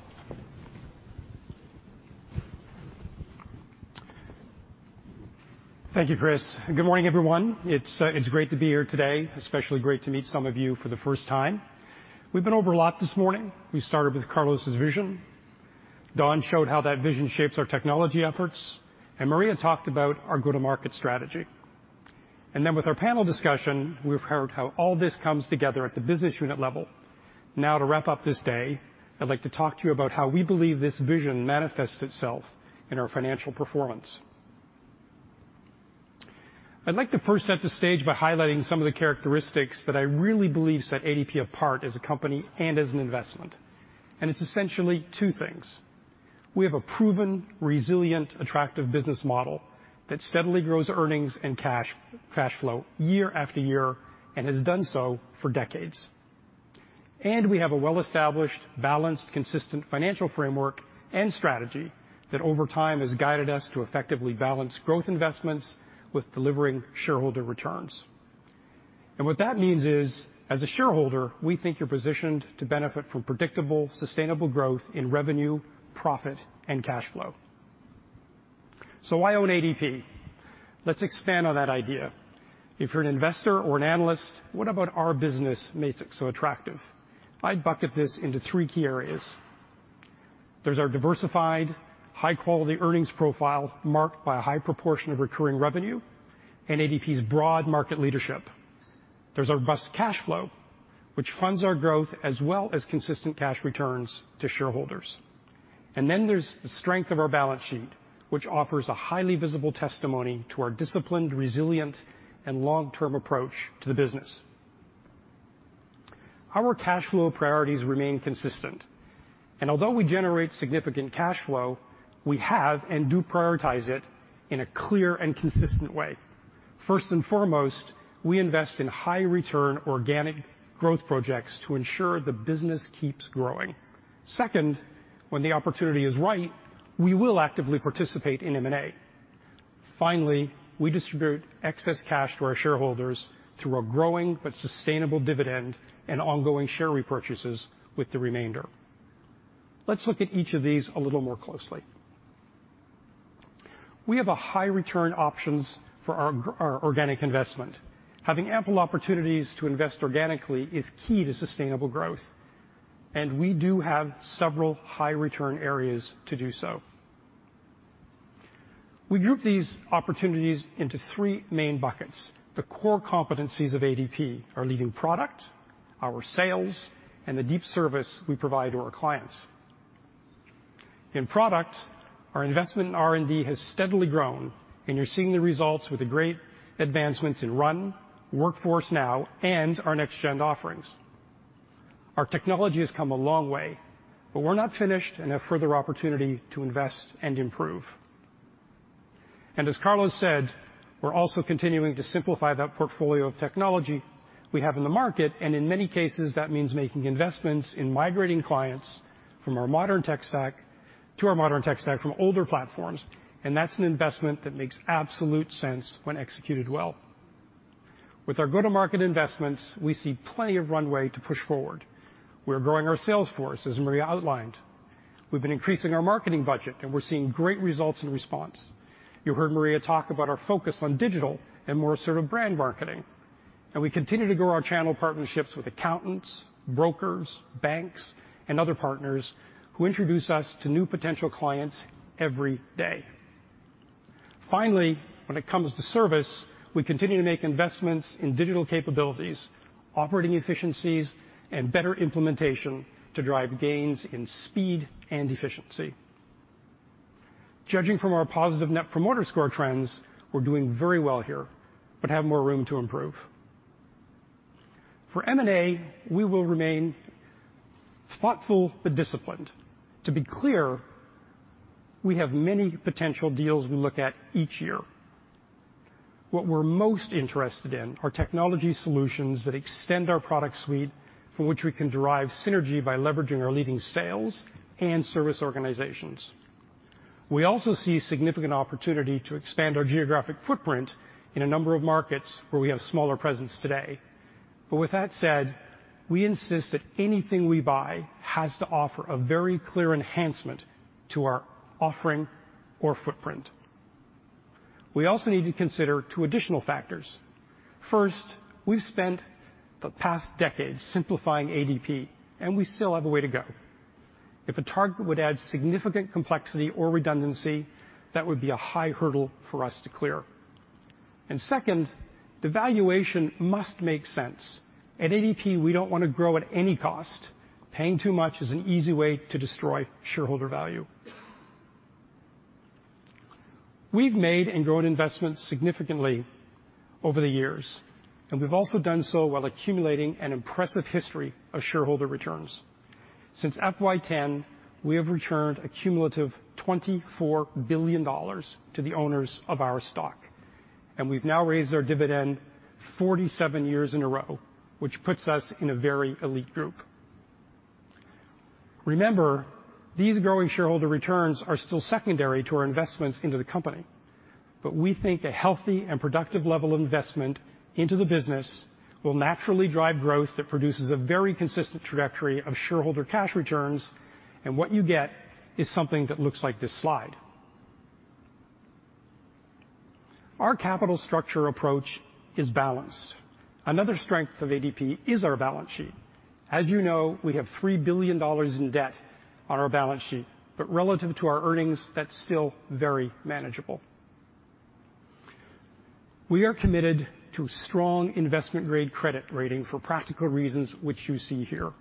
Thank you, Chris. Good morning, everyone. It's great to be here today, especially great to meet some of you for the first time. We've been over a lot this morning. We started with Carlos' vision. Don showed how that vision shapes our technology efforts, and Maria talked about our go-to-market strategy. With our panel discussion, we've heard how all this comes together at the business unit level. Now, to wrap up this day, I'd like to talk to you about how we believe this vision manifests itself in our financial performance. I'd like to first set the stage by highlighting some of the characteristics that I really believe set ADP apart as a company and as an investment, and it's essentially two things. We have a proven, resilient, attractive business model that steadily grows earnings and cash flow year after year and has done so for decades. We have a well-established, balanced, consistent financial framework and strategy that over time has guided us to effectively balance growth investments with delivering shareholder returns. What that means is, as a shareholder, we think you're positioned to benefit from predictable, sustainable growth in revenue, profit, and cash flow. Why own ADP? Let's expand on that idea. If you're an investor or an analyst, what about our business makes it so attractive? I'd bucket this into three key areas. There's our diversified, high-quality earnings profile marked by a high proportion of recurring revenue and ADP's broad market leadership. There's our robust cash flow, which funds our growth as well as consistent cash returns to shareholders. There's the strength of our balance sheet, which offers a highly visible testimony to our disciplined, resilient, and long-term approach to the business. Our cash flow priorities remain consistent, and although we generate significant cash flow, we have and do prioritize it in a clear and consistent way. First and foremost, we invest in high-return organic growth projects to ensure the business keeps growing. Second, when the opportunity is right, we will actively participate in M&A. Finally, we distribute excess cash to our shareholders through a growing but sustainable dividend and ongoing share repurchases with the remainder. Let's look at each of these a little more closely. We have high-return options for our organic investment. Having ample opportunities to invest organically is key to sustainable growth, and we do have several high-return areas to do so. We group these opportunities into three main buckets, the core competencies of ADP, our leading product, our sales, and the deep service we provide to our clients. In product, our investment in R&D has steadily grown, and you're seeing the results with the great advancements in RUN, Workforce Now, and our Next Gen offerings. Our technology has come a long way, but we're not finished and have further opportunity to invest and improve. As Carlos said, we're also continuing to simplify that portfolio of technology we have in the market, and in many cases, that means making investments in migrating clients to our modern tech stack from older platforms, and that's an investment that makes absolute sense when executed well. With our go-to-market investments, we see plenty of runway to push forward. We're growing our sales force, as Maria outlined. We've been increasing our marketing budget, and we're seeing great results in response. You heard Maria talk about our focus on digital and more sort of brand marketing, and we continue to grow our channel partnerships with accountants, brokers, banks, and other partners who introduce us to new potential clients every day. Finally, when it comes to service, we continue to make investments in digital capabilities, operating efficiencies, and better implementation to drive gains in speed and efficiency. Judging from our positive Net Promoter Score trends, we're doing very well here, but have more room to improve. For M&A, we will remain thoughtful but disciplined. To be clear, we have many potential deals we look at each year. What we're most interested in are technology solutions that extend our product suite for which we can derive synergy by leveraging our leading sales and service organizations. We also see significant opportunity to expand our geographic footprint in a number of markets where we have smaller presence today. With that said, we insist that anything we buy has to offer a very clear enhancement to our offering or footprint. We also need to consider two additional factors. First, we've spent the past decade simplifying ADP, and we still have a way to go. If a target would add significant complexity or redundancy, that would be a high hurdle for us to clear. Second, the valuation must make sense. At ADP, we don't want to grow at any cost. Paying too much is an easy way to destroy shareholder value. We've made and grown investments significantly over the years, and we've also done so while accumulating an impressive history of shareholder returns. Since FY 2010, we have returned a cumulative $24 billion to the owners of our stock, and we've now raised our dividend 47 years in a row, which puts us in a very elite group. Remember, these growing shareholder returns are still secondary to our investments into the company. We think a healthy and productive level of investment into the business will naturally drive growth that produces a very consistent trajectory of shareholder cash returns. What you get is something that looks like this slide. Our capital structure approach is balanced. Another strength of ADP is our balance sheet. As you know, we have $3 billion in debt on our balance sheet, but relative to our earnings, that's still very manageable. We are committed to strong investment-grade credit rating for practical reasons, which you see here.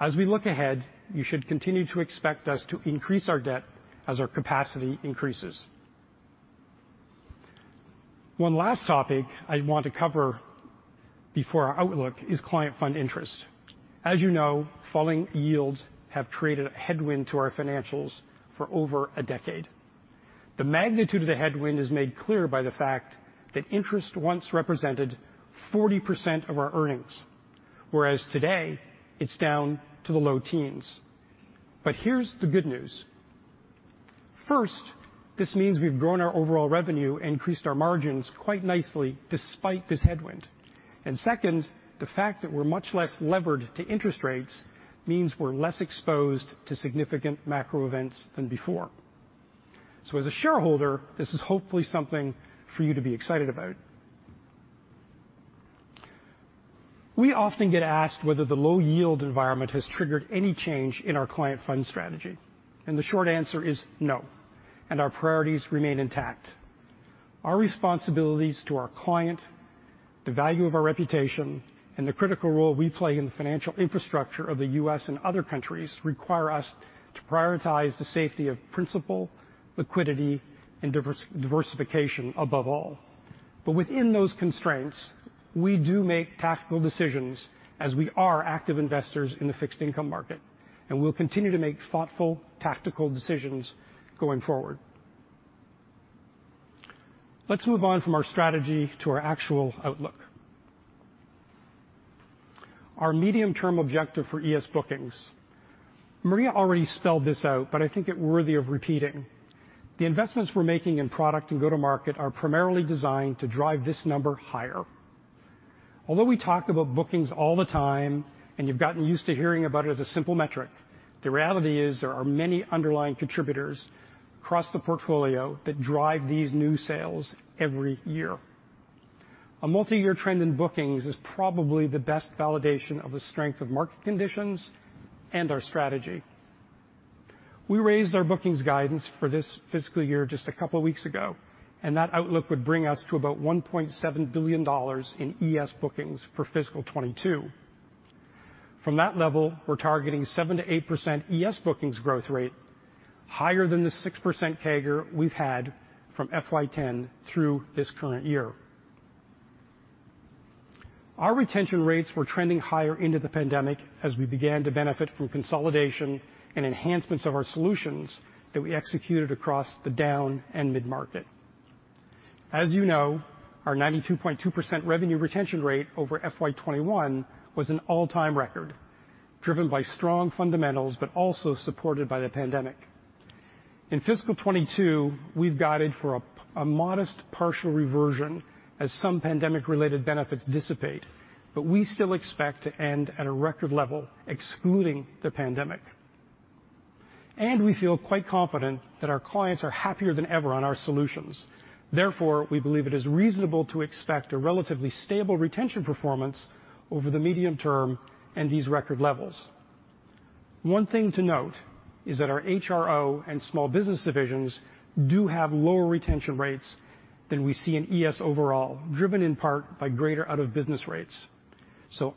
As we look ahead, you should continue to expect us to increase our debt as our capacity increases. One last topic I want to cover before our outlook is client fund interest. As you know, falling yields have created a headwind to our financials for over a decade. The magnitude of the headwind is made clear by the fact that interest once represented 40% of our earnings, whereas today it's down to the low teens. But here's the good news. First, this means we've grown our overall revenue and increased our margins quite nicely despite this headwind. And second, the fact that we're much less levered to interest rates means we're less exposed to significant macro events than before. As a shareholder, this is hopefully something for you to be excited about. We often get asked whether the low yield environment has triggered any change in our client fund strategy, and the short answer is no. Our priorities remain intact. Our responsibilities to our client, the value of our reputation, and the critical role we play in the financial infrastructure of the U.S. and other countries require us to prioritize the safety of principal, liquidity, and diversification above all. Within those constraints, we do make tactical decisions as we are active investors in the fixed income market, and we'll continue to make thoughtful, tactical decisions going forward. Let's move on from our strategy to our actual outlook. Our medium-term objective for ES bookings. Maria already spelled this out, but I think it's worthy of repeating. The investments we're making in product and go-to-market are primarily designed to drive this number higher. Although we talk about bookings all the time and you've gotten used to hearing about it as a simple metric, the reality is there are many underlying contributors across the portfolio that drive these new sales every year. A multi-year trend in bookings is probably the best validation of the strength of market conditions and our strategy. We raised our bookings guidance for this fiscal year just a couple of weeks ago, and that outlook would bring us to about $1.7 billion in ES bookings for fiscal 2022. From that level, we're targeting 7%-8% ES bookings growth rate higher than the 6% CAGR we've had from FY 2010 through this current year. Our retention rates were trending higher into the pandemic as we began to benefit from consolidation and enhancements of our solutions that we executed across the down and mid-market. As you know, our 92.2% revenue retention rate over FY 2021 was an all-time record, driven by strong fundamentals but also supported by the pandemic. In fiscal 2022, we've guided for a modest partial reversion as some pandemic-related benefits dissipate. We still expect to end at a record level, excluding the pandemic. We feel quite confident that our clients are happier than ever on our solutions. Therefore, we believe it is reasonable to expect a relatively stable retention performance over the medium term and these record levels. One thing to note is that our HRO and small business divisions do have lower retention rates than we see in ES overall, driven in part by greater out-of-business rates.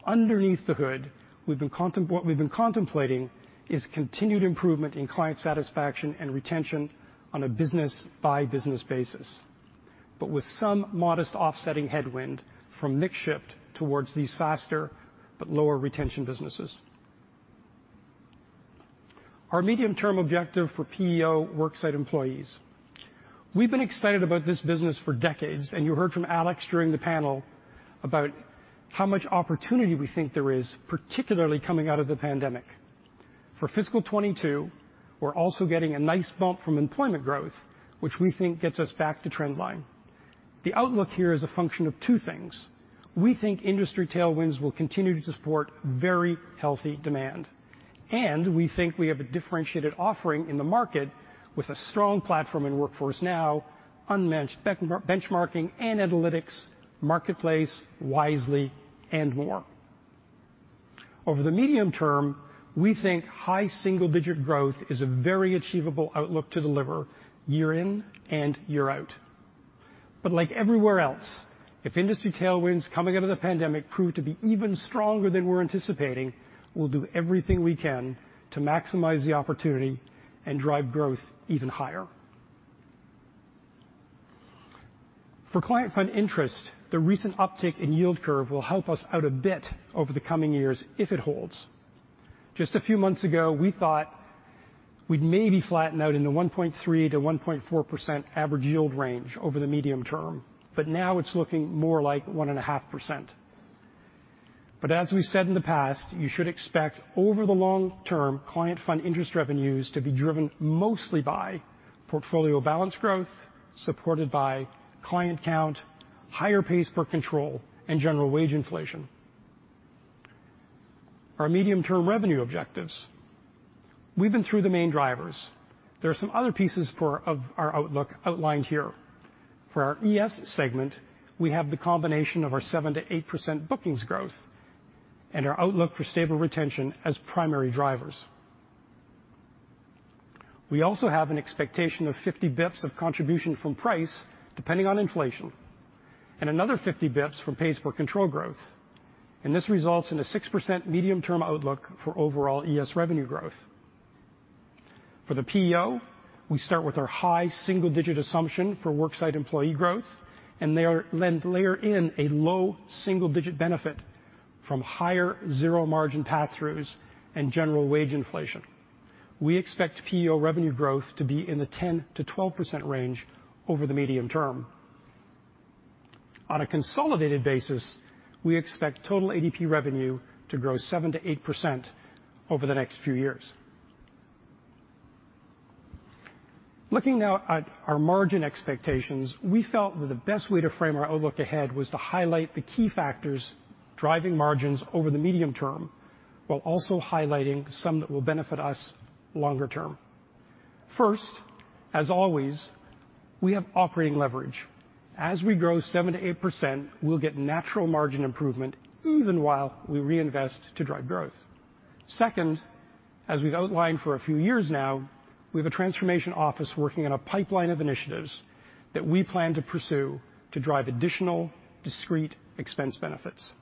Underneath the hood, what we've been contemplating is continued improvement in client satisfaction and retention on a business-by-business basis, but with some modest offsetting headwind from mix shift towards these faster but lower retention businesses. Our medium-term objective for PEO worksite employees. We've been excited about this business for decades, and you heard from Alex during the panel about how much opportunity we think there is, particularly coming out of the pandemic. For fiscal 2022, we're also getting a nice bump from employment growth, which we think gets us back to trend line. The outlook here is a function of two things. We think industry tailwinds will continue to support very healthy demand, and we think we have a differentiated offering in the market with a strong platform in Workforce Now, unmatched benchmarking and analytics, Marketplace, Wisely, and more. Over the medium term, we think high single-digit growth is a very achievable outlook to deliver year in and year out. Like everywhere else, if industry tailwinds coming out of the pandemic prove to be even stronger than we're anticipating, we'll do everything we can to maximize the opportunity and drive growth even higher. For client fund interest, the recent uptick in yield curve will help us out a bit over the coming years if it holds. Just a few months ago, we thought we'd maybe flatten out in the 1.3%-1.4% average yield range over the medium term, but now it's looking more like 1.5%. As we said in the past, you should expect over the long term, client fund interest revenues to be driven mostly by portfolio balance growth, supported by client count, higher pays per control, and general wage inflation. Our medium-term revenue objectives. We've been through the main drivers. There are some other pieces of our outlook outlined here. For our ES segment, we have the combination of our 7%-8% bookings growth and our outlook for stable retention as primary drivers. We also have an expectation of 50 basis points of contribution from price, depending on inflation, and another 50 basis points from pays per control growth. This results in a 6% medium-term outlook for overall ES revenue growth. For the PEO, we start with our high single-digit assumption for worksite employee growth, and then layer in a low single-digit benefit from higher zero-margin passthroughs and general wage inflation. We expect PEO revenue growth to be in the 10%-12% range over the medium term. On a consolidated basis, we expect total ADP revenue to grow 7%-8% over the next few years. Looking now at our margin expectations, we felt that the best way to frame our outlook ahead was to highlight the key factors driving margins over the medium term while also highlighting some that will benefit us longer term. First, as always, we have operating leverage. As we grow 7%-8%, we'll get natural margin improvement even while we reinvest to drive growth. Second, as we've outlined for a few years now, we have a transformation office working on a pipeline of initiatives that we plan to pursue to drive additional discrete expense benefits.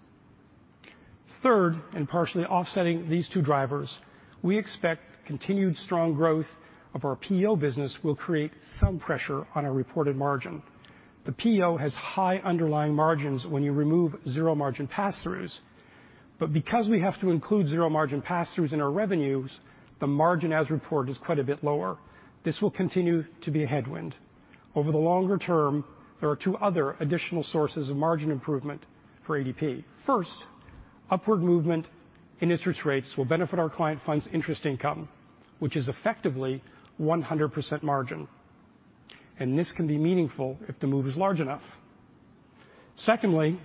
Third, and partially offsetting these two drivers, we expect continued strong growth of our PEO business will create some pressure on our reported margin. The PEO has high underlying margins when you remove zero-margin passthroughs, but because we have to include zero-margin passthroughs in our revenues, the margin as reported is quite a bit lower. This will continue to be a headwind. Over the longer term, there are two other additional sources of margin improvement for ADP. First, upward movement in interest rates will benefit our client funds interest income, which is effectively 100% margin. This can be meaningful if the move is large enough. Secondly,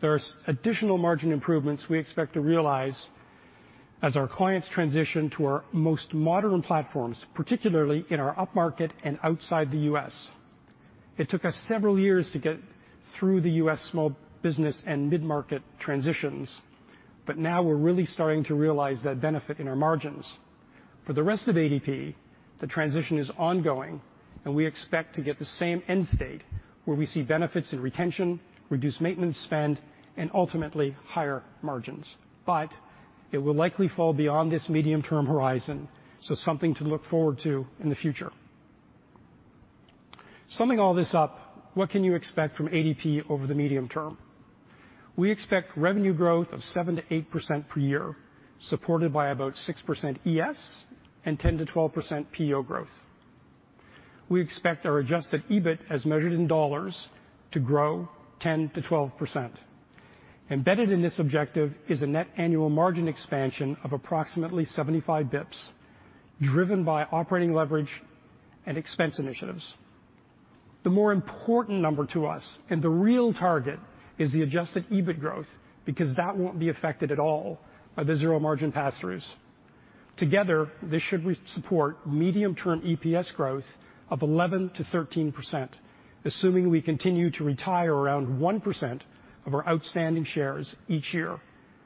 there's additional margin improvements we expect to realize as our clients transition to our most modern platforms, particularly in our upmarket and outside the U.S. It took us several years to get through the U.S. small business and mid-market transitions, but now we're really starting to realize that benefit in our margins. For the rest of ADP, the transition is ongoing, and we expect to get the same end state where we see benefits in retention, reduced maintenance spend, and ultimately, higher margins. It will likely fall beyond this medium-term horizon, so something to look forward to in the future. Summing all this up, what can you expect from ADP over the medium term? We expect revenue growth of 7%-8% per year, supported by about 6% ES and 10%-12% PEO growth. We expect our Adjusted EBIT as measured in dollars to grow 10%-12%. Embedded in this objective is a net annual margin expansion of approximately 75 basis points, driven by operating leverage and expense initiatives. The more important number to us and the real target is the Adjusted EBIT growth because that won't be affected at all by the zero-margin passthroughs. Together, this should support medium-term EPS growth of 11%-13%, assuming we continue to retire around 1% of our outstanding shares each year.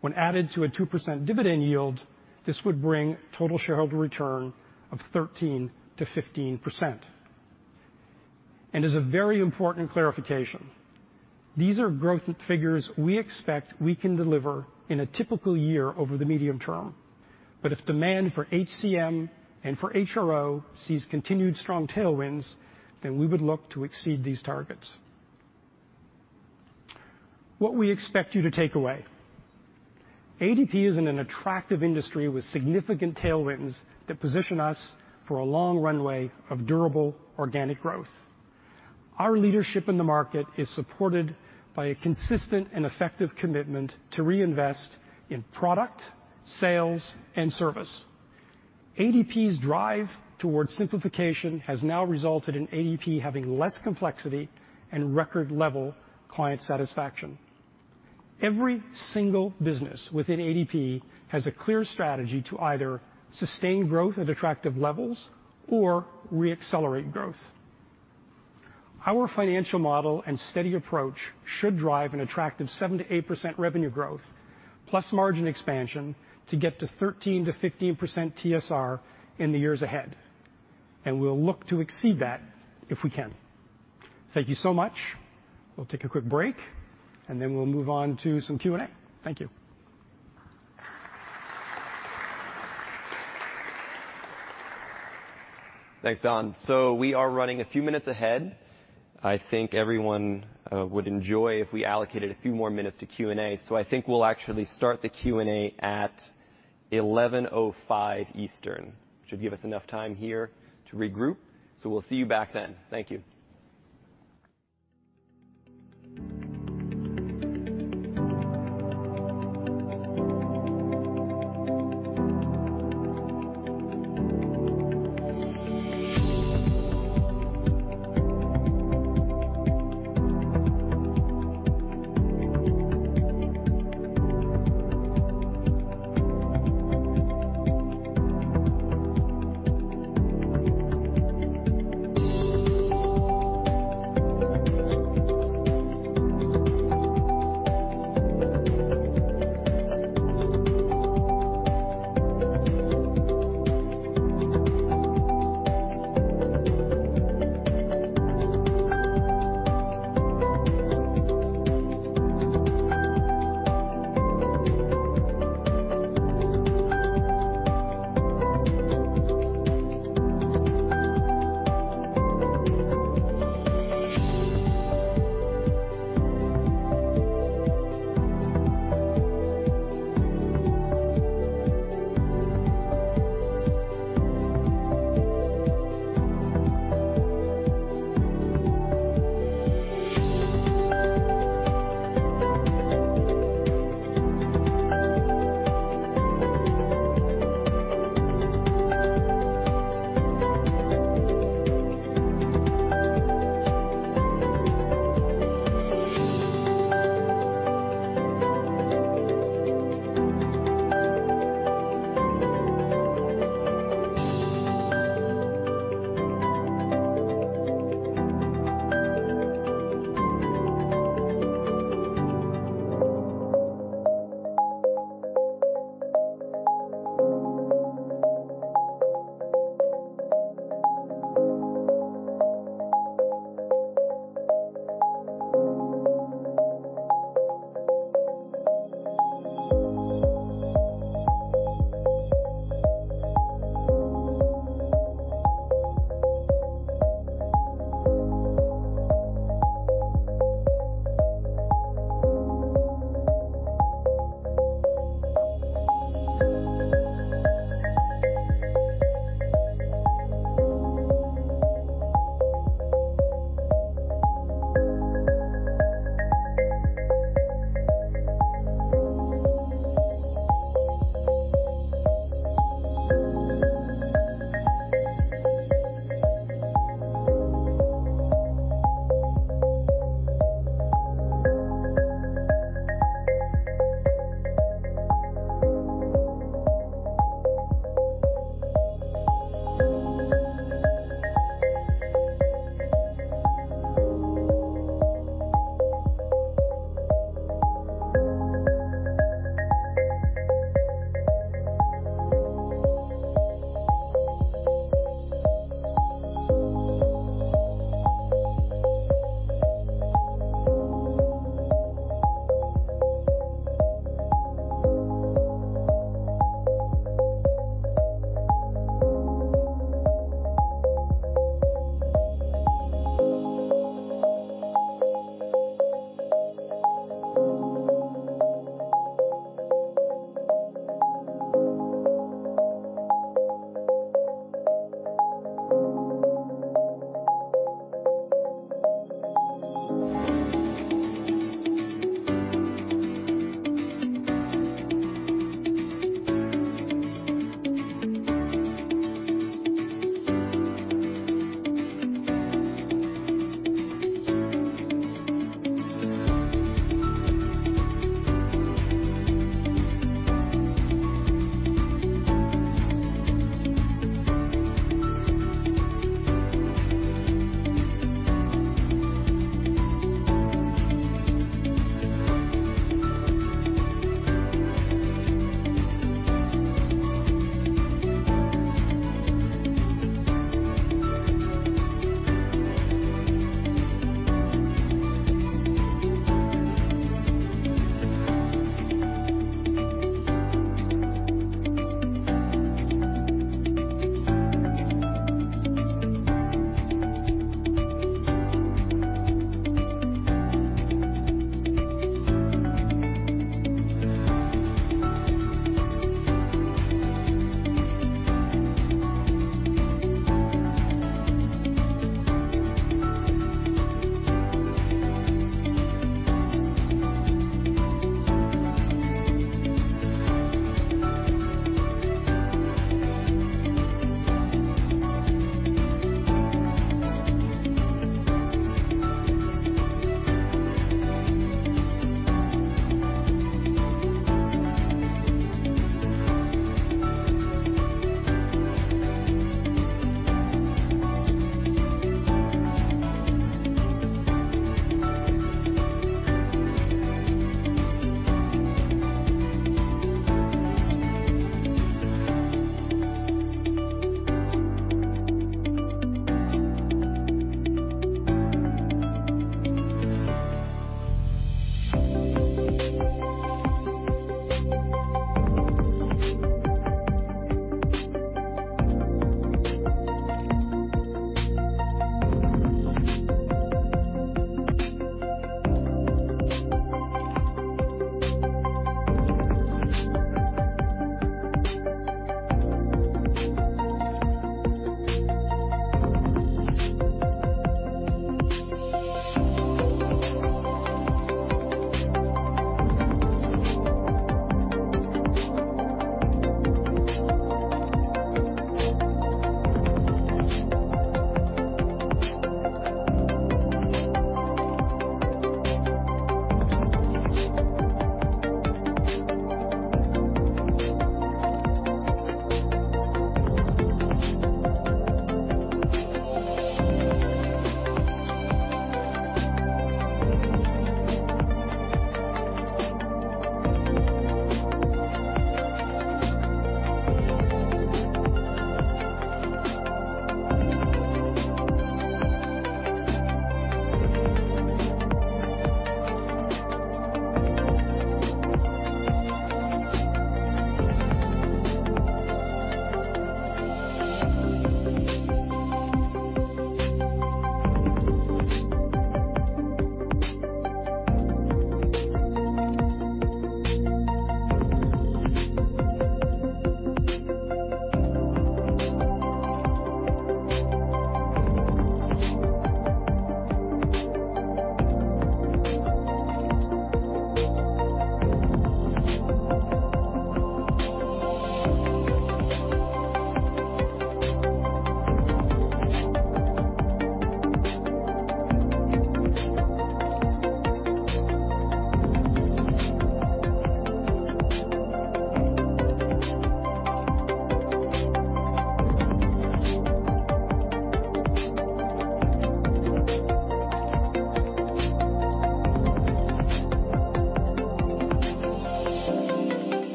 When added to a 2% dividend yield, this would bring total shareholder return of 13%-15%. As a very important clarification, these are growth figures we expect we can deliver in a typical year over the medium term. If demand for HCM and for HRO sees continued strong tailwinds, then we would look to exceed these targets. What we expect you to take away. ADP is in an attractive industry with significant tailwinds that position us for a long runway of durable organic growth. Our leadership in the market is supported by a consistent and effective commitment to reinvest in product, sales, and service. ADP's drive towards simplification has now resulted in ADP having less complexity and record level client satisfaction. Every single business within ADP has a clear strategy to either sustain growth at attractive levels or re-accelerate growth. Our financial model and steady approach should drive an attractive 7%-8% revenue growth, plus margin expansion to get to 13%-15% TSR in the years ahead. We'll look to exceed that if we can. Thank you so much. We'll take a quick break, and then we'll move on to some Q&A. Thank you. Thanks, Don. We are running a few minutes ahead. I think everyone would enjoy if we allocated a few more minutes to Q&A. I think we'll actually start the Q&A at 11:05 Eastern. Should give us enough time here to regroup. We'll see you back then. Thank you.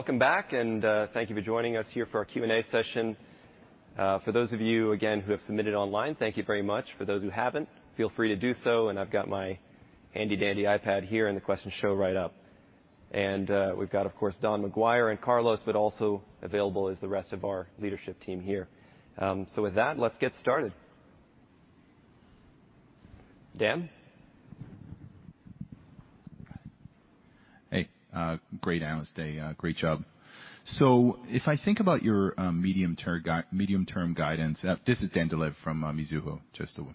All right. Welcome back, and thank you for joining us here for our Q&A session. For those of you, again, who have submitted online, thank you very much. For those who haven't, feel free to do so, and I've got my handy dandy iPad here, and the questions show right up. We've got, of course, Don McGuire and Carlos, but also available is the rest of our leadership team here. With that, let's get started. Dan? Hey, great Analyst Day. Great job. If I think about your medium-term guidance, this is Dan Dolev from Mizuho, just to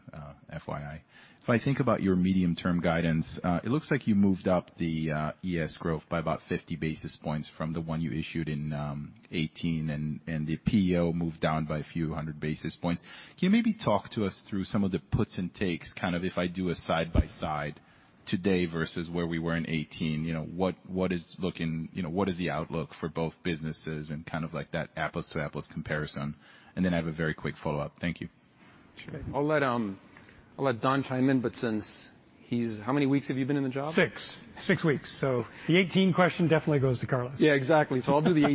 FYI. If I think about your medium-term guidance, it looks like you moved up the ES growth by about 50 basis points from the one you issued in 2018, and the PEO moved down by a few hundred basis points. Can you maybe talk to us through some of the puts and takes? Kind of if I do a side by side today versus where we were in 2018, you know, what is looking, you know, what is the outlook for both businesses and kind of like that apples-to-apples comparison. Then I have a very quick follow-up. Thank you. Sure. I'll let Don chime in. How many weeks have you been in the job? Six weeks. The 18 question definitely goes to Carlos. Yeah, exactly. I'll do the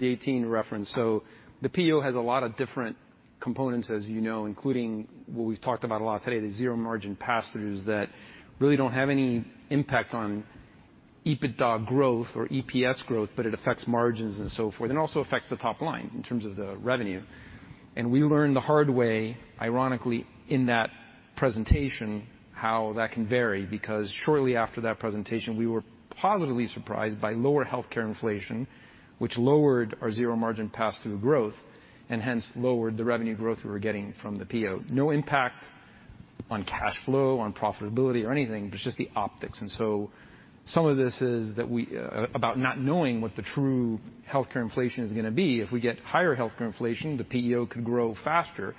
18 reference. The PEO has a lot of different components, as you know, including what we've talked about a lot today, the zero-margin pass-throughs that really don't have any impact on EBITDA growth or EPS growth, but it affects margins and so forth, and it also affects the top line in terms of the revenue. We learned the hard way, ironically, in that presentation, how that can vary, because shortly after that presentation, we were positively surprised by lower healthcare inflation, which lowered our zero-margin pass-through growth and hence lowered the revenue growth we were getting from the PEO. No impact on cash flow, on profitability or anything, but it's just the optics. Some of this is about not knowing what the true healthcare inflation is gonna be. If we get higher healthcare inflation, the PEO could grow faster.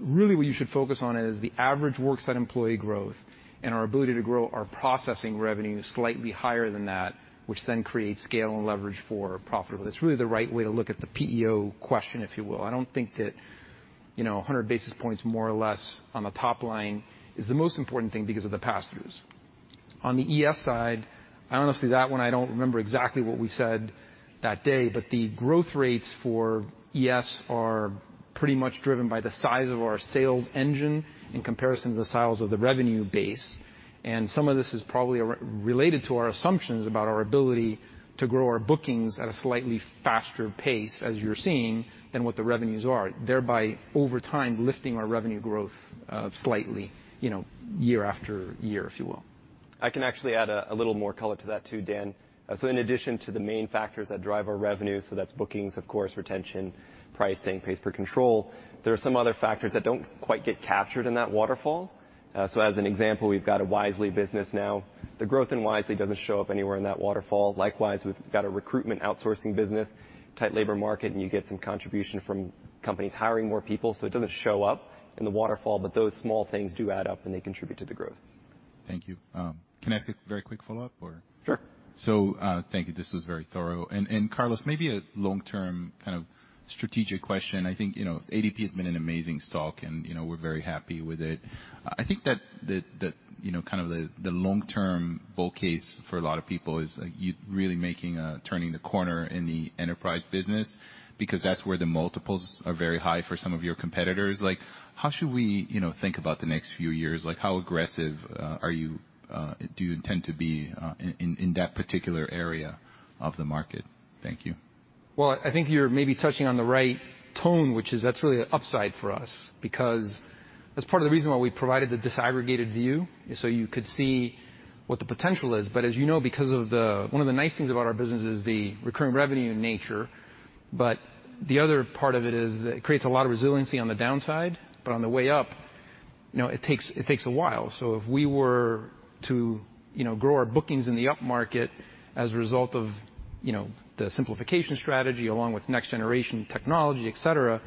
Really what you should focus on is the average worksite employee growth and our ability to grow our processing revenue slightly higher than that, which then creates scale and leverage for profitability. That's really the right way to look at the PEO question, if you will. I don't think that, you know, 100 basis points more or less on the top line is the most important thing because of the pass-throughs. On the ES side, honestly, that one I don't remember exactly what we said that day, but the growth rates for ES are pretty much driven by the size of our sales engine in comparison to the size of the revenue base. Some of this is probably related to our assumptions about our ability to grow our bookings at a slightly faster pace, as you're seeing, than what the revenues are, thereby over time lifting our revenue growth, slightly, you know, year after year, if you will. I can actually add a little more color to that too, Dan. In addition to the main factors that drive our revenue, that's bookings, of course, retention, pricing, pays per control, there are some other factors that don't quite get captured in that waterfall. As an example, we've got a Wisely business now. The growth in Wisely doesn't show up anywhere in that waterfall. Likewise, we've got a recruitment outsourcing business, tight labor market, and you get some contribution from companies hiring more people, so it doesn't show up in the waterfall, but those small things do add up, and they contribute to the growth. Thank you. Can I ask a very quick follow-up or? Sure. Thank you. This was very thorough. Carlos, maybe a long-term kind of strategic question. I think, you know, ADP has been an amazing stock and, you know, we're very happy with it. I think that the, you know, kind of the long-term bull case for a lot of people is you really turning the corner in the enterprise business because that's where the multiples are very high for some of your competitors. Like, how should we, you know, think about the next few years? Like, how aggressive are you do you intend to be in that particular area of the market? Thank you. Well, I think you're maybe touching on the right tone, which is that's really an upside for us because that's part of the reason why we provided the disaggregated view, so you could see what the potential is. As you know, because of the one of the nice things about our business is the recurring revenue in nature, but the other part of it is that it creates a lot of resiliency on the downside, but on the way up, you know, it takes a while. If we were to, you know, grow our bookings in the upmarket as a result of, you know, the simplification strategy along with next generation technology, et cetera,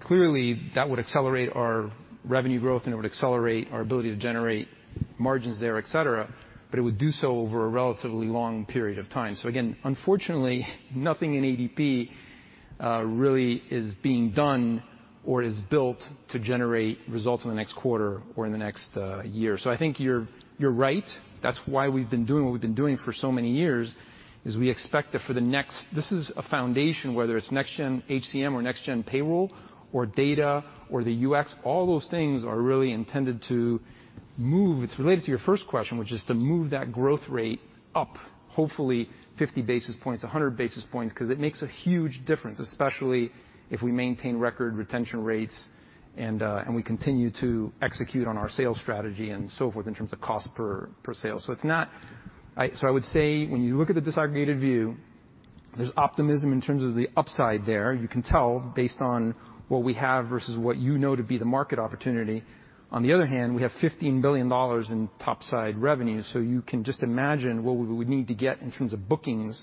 clearly that would accelerate our revenue growth, and it would accelerate our ability to generate margins there, et cetera, but it would do so over a relatively long period of time. Again, unfortunately, nothing in ADP really is being done or is built to generate results in the next quarter or in the next year. I think you're right. That's why we've been doing what we've been doing for so many years, is we expect that for the next. This is a foundation, whether it's Next Gen HCM or Next Gen Payroll or data or the UX, all those things are really intended to move. It's related to your first question, which is to move that growth rate up, hopefully 50 basis points, 100 basis points, 'cause it makes a huge difference, especially if we maintain record retention rates and we continue to execute on our sales strategy and so forth in terms of cost per sale. It's not... I would say when you look at the disaggregated view, there's optimism in terms of the upside there. You can tell based on what we have versus what you know to be the market opportunity. On the other hand, we have $15 billion in upside revenue, so you can just imagine what we would need to get in terms of bookings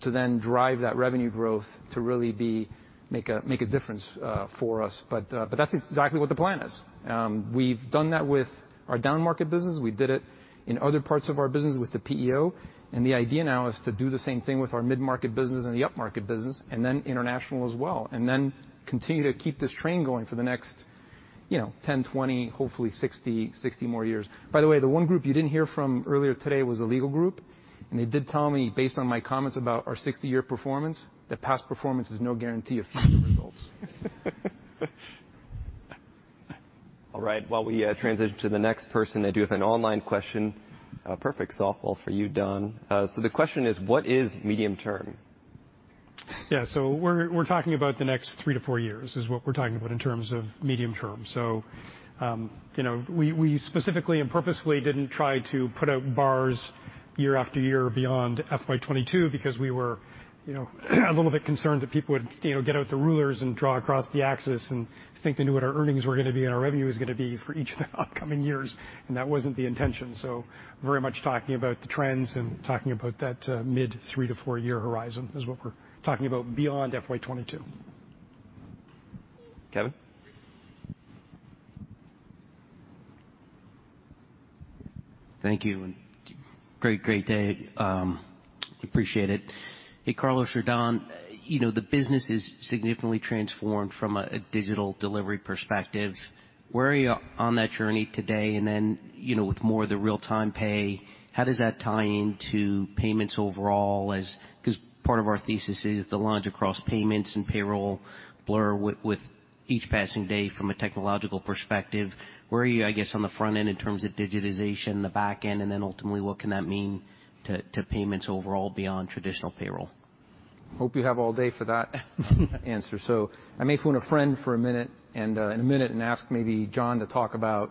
to then drive that revenue growth to really be, make a difference for us. That's exactly what the plan is. We've done that with our downmarket business. We did it in other parts of our business with the PEO, and the idea now is to do the same thing with our mid-market business and the upmarket business, and then international as well, and then continue to keep this train going for the next, you know, 10, 20, hopefully 60 more years. By the way, the one group you didn't hear from earlier today was the legal group. They did tell me based on my comments about our 60-year performance, that past performance is no guarantee of future results. All right. While we transition to the next person, I do have an online question. Perfect softball for you, Don. The question is what is medium term? Yeah. We're talking about the next three-four years is what we're talking about in terms of medium term. You know, we specifically and purposefully didn't try to put out bars year after year beyond FY 2022 because we were, you know, a little bit concerned that people would, you know, get out the rulers and draw across the axis and think they knew what our earnings were gonna be and our revenue was gonna be for each of the upcoming years, and that wasn't the intention. Very much talking about the trends and talking about that, mid three-four-year horizon is what we're talking about beyond FY 2022. Kevin? Thank you, and great day. Appreciate it. Hey, Carlos or Don, you know, the business is significantly transformed from a digital delivery perspective. Where are you on that journey today? You know, with more of the real-time pay, how does that tie into payments overall as 'cause part of our thesis is the lines across payments and payroll blur with each passing day from a technological perspective. Where are you, I guess, on the front end in terms of digitization, the back end, and then ultimately what can that mean to payments overall beyond traditional payroll? Hope you have all day for that answer. I may phone a friend for a minute, and in a minute and ask maybe John to talk about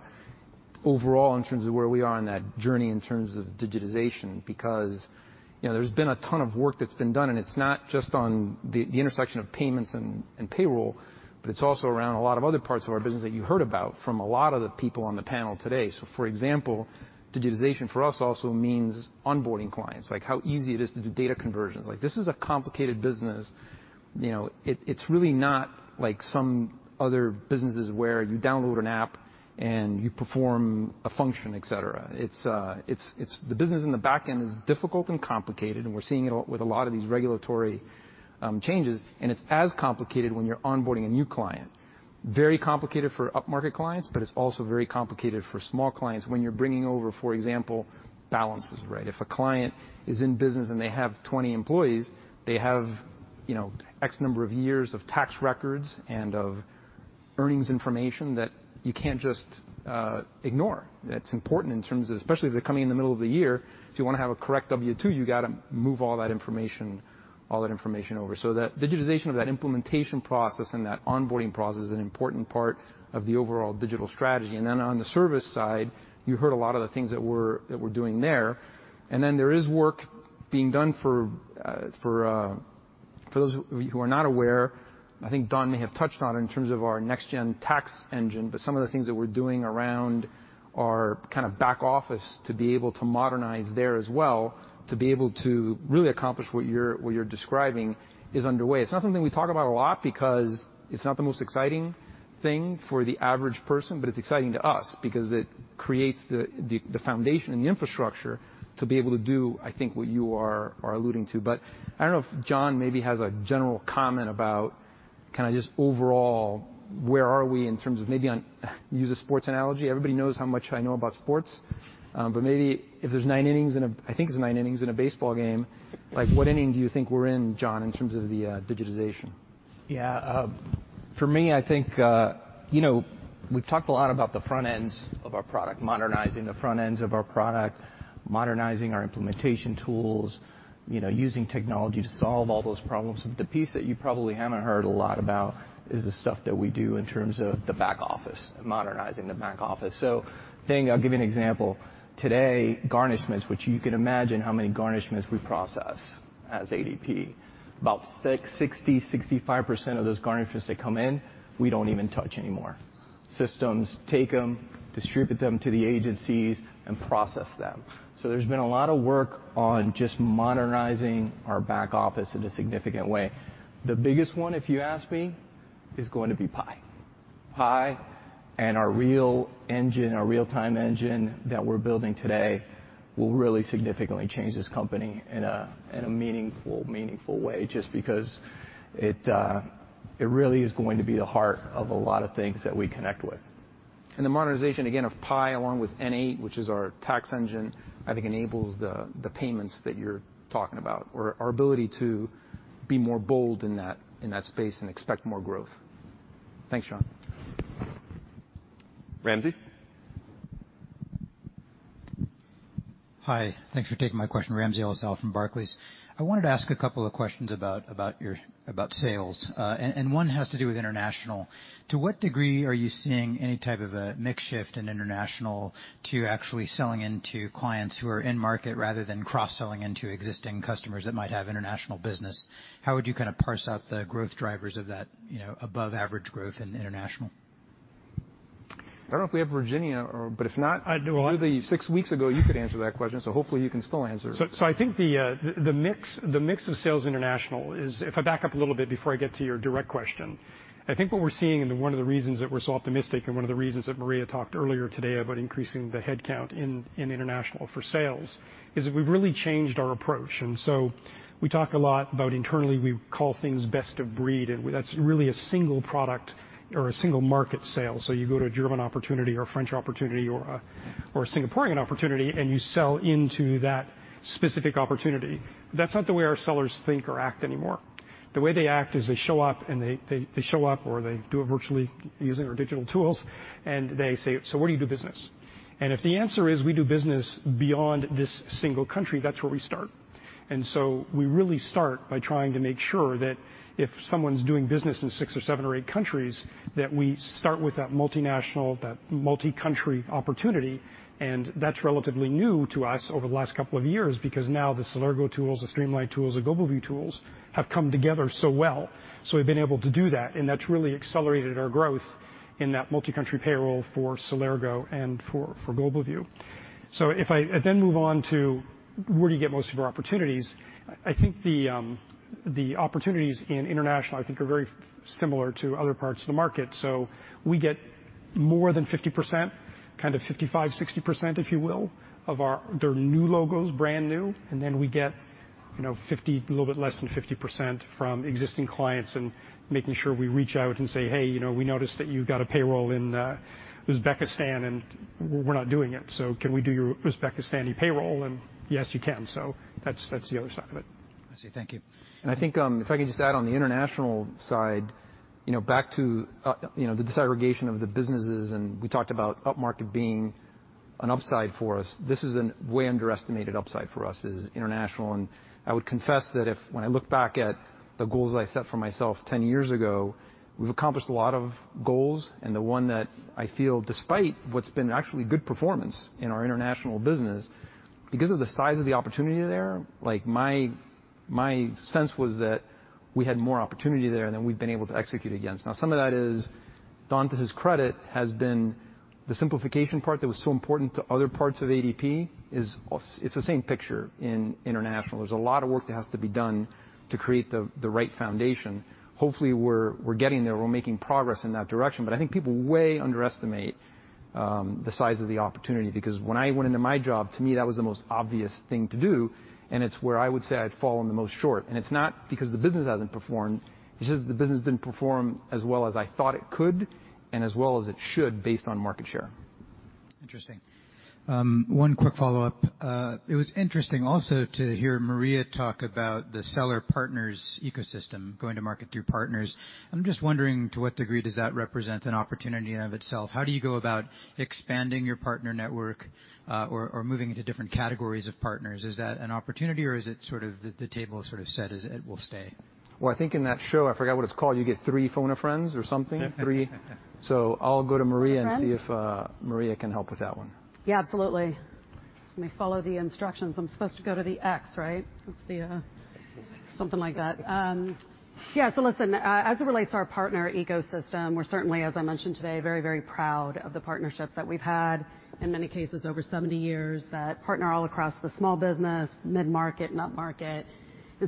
overall in terms of where we are on that journey in terms of digitization. Because, you know, there's been a ton of work that's been done, and it's not just on the intersection of payments and payroll, but it's also around a lot of other parts of our business that you heard about from a lot of the people on the panel today. For example, digitization for us also means onboarding clients, like how easy it is to do data conversions. Like, this is a complicated business. You know, it's really not like some other businesses where you download an app and you perform a function, et cetera. It's... The business in the back end is difficult and complicated, and we're seeing it with a lot of these regulatory changes, and it's as complicated when you're onboarding a new client. Very complicated for upmarket clients, but it's also very complicated for small clients when you're bringing over, for example, balances, right? If a client is in business and they have 20 employees, they have, you know, a number of years of tax records and of earnings information that you can't just ignore. That's important in terms of, especially if they're coming in the middle of the year, if you wanna have a correct W-2, you gotta move all that information over. So that digitization of that implementation process and that onboarding process is an important part of the overall digital strategy. On the service side, you heard a lot of the things that we're doing there. There is work being done for those who are not aware. I think Don may have touched on it in terms of our Next-Generation Tax Engine, but some of the things that we're doing around our kinda back office to be able to modernize there as well, to be able to really accomplish what you're describing, is underway. It's not something we talk about a lot because it's not the most exciting thing for the average person, but it's exciting to us because it creates the foundation and the infrastructure to be able to do, I think, what you are alluding to. I don't know if John maybe has a general comment about kinda just overall, where are we in terms of maybe use a sports analogy. Everybody knows how much I know about sports. I think it's nine innings in a baseball game, like, what inning do you think we're in, John, in terms of the digitization? Yeah. For me, I think, you know, we've talked a lot about the front ends of our product, modernizing the front ends of our product, modernizing our implementation tools, you know, using technology to solve all those problems. The piece that you probably haven't heard a lot about is the stuff that we do in terms of the back office, modernizing the back office. I'll give you an example. Today, garnishments, which you can imagine how many we process as ADP, about 60%, 65% of those garnishments that come in, we don't even touch anymore. Systems take them, distribute them to the agencies, and process them. There's been a lot of work on just modernizing our back office in a significant way. The biggest one, if you ask me, is going to be Pi. Pi and our real engine, our real-time engine that we're building today, will really significantly change this company in a meaningful way just because it really is going to be the heart of a lot of things that we connect with. The modernization, again, of Pi along with N8, which is our tax engine, I think enables the payments that you're talking about or our ability to be more bold in that space and expect more growth. Thanks, John. Ramsey? Hi. Thanks for taking my question. Ramsey El-Assal from Barclays. I wanted to ask a couple of questions about your sales. And one has to do with international. To what degree are you seeing any type of a mix shift in international to actually selling into clients who are in market rather than cross-selling into existing customers that might have international business? How would you kinda parse out the growth drivers of that, you know, above average growth in international? I don't know if we have Virginia. If not I do. Maybe six weeks ago, you could answer that question, so hopefully you can still answer. I think the mix of sales international is if I back up a little bit before I get to your direct question. I think what we're seeing and one of the reasons that we're so optimistic and one of the reasons that Maria talked earlier today about increasing the headcount in international for sales is that we've really changed our approach. We talk a lot about internally. We call things best of breed, and that's really a single product or a single market sale. You go to a German opportunity or a French opportunity or a Singaporean opportunity, and you sell into that specific opportunity. That's not the way our sellers think or act anymore. The way they act is they show up or they do it virtually using our digital tools, and they say, "So where do you do business?" If the answer is, "We do business beyond this single country," that's where we start. We really start by trying to make sure that if someone's doing business in six or seven or eight countries, that we start with that multinational, that multi-country opportunity, and that's relatively new to us over the last couple of years, because now the Celergo tools, the Streamline tools, the GlobalView tools have come together so well. We've been able to do that, and that's really accelerated our growth in that multi-country payroll for Celergo and for GlobalView. If I then move on to where do you get most of your opportunities? I think the opportunities in international, I think, are very similar to other parts of the market. We get more than 50%, kind of 55%-60%, if you will, of our—they're new logos, brand new, and then we get, you know, 50%, a little bit less than 50% from existing clients and making sure we reach out and say, "Hey, you know, we noticed that you've got a payroll in Uzbekistan, and we're not doing it. So can we do your Uzbekistan e-payroll?" And yes, you can. That's the other side of it. I see. Thank you. I think, if I could just add on the international side, you know, back to, you know, the disaggregation of the businesses, and we talked about upmarket being an upside for us. This is a way underestimated upside for us is international. I would confess that when I look back at the goals I set for myself ten years ago, we've accomplished a lot of goals, and the one that I feel despite what's been actually good performance in our international business, because of the size of the opportunity there, like, my sense was that we had more opportunity there than we've been able to execute against. Now, some of that is, Don, to his credit, has been the simplification part that was so important to other parts of ADP. It's the same picture in international. There's a lot of work that has to be done to create the right foundation. Hopefully, we're getting there. We're making progress in that direction. I think people way underestimate the size of the opportunity because when I went into my job, to me, that was the most obvious thing to do, and it's where I would say I'd fallen the most short. It's not because the business hasn't performed, it's just the business didn't perform as well as I thought it could and as well as it should based on market share. Interesting. One quick follow-up. It was interesting also to hear Maria talk about the seller partners ecosystem, going to market through partners. I'm just wondering to what degree does that represent an opportunity in and of itself? How do you go about expanding your partner network, or moving into different categories of partners? Is that an opportunity or is it sort of the table is sort of set as it will stay? Well, I think in that show, I forgot what it's called, you get three phone a friend's or something, three. I'll go to Maria and see if Maria can help with that one. Yeah, absolutely. Just let me follow the instructions. I'm supposed to go to the X, right? That's the something like that. Yeah, listen, as it relates to our partner ecosystem, we're certainly, as I mentioned today, very, very proud of the partnerships that we've had in many cases over 70 years that partner all across the small business, mid-market, and upmarket.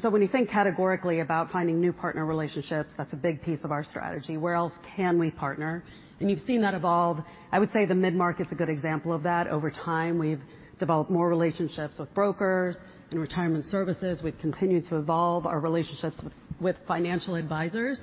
When you think categorically about finding new partner relationships, that's a big piece of our strategy. Where else can we partner? You've seen that evolve. I would say the mid-market is a good example of that. Over time, we've developed more relationships with brokers and retirement services. We've continued to evolve our relationships with financial advisors.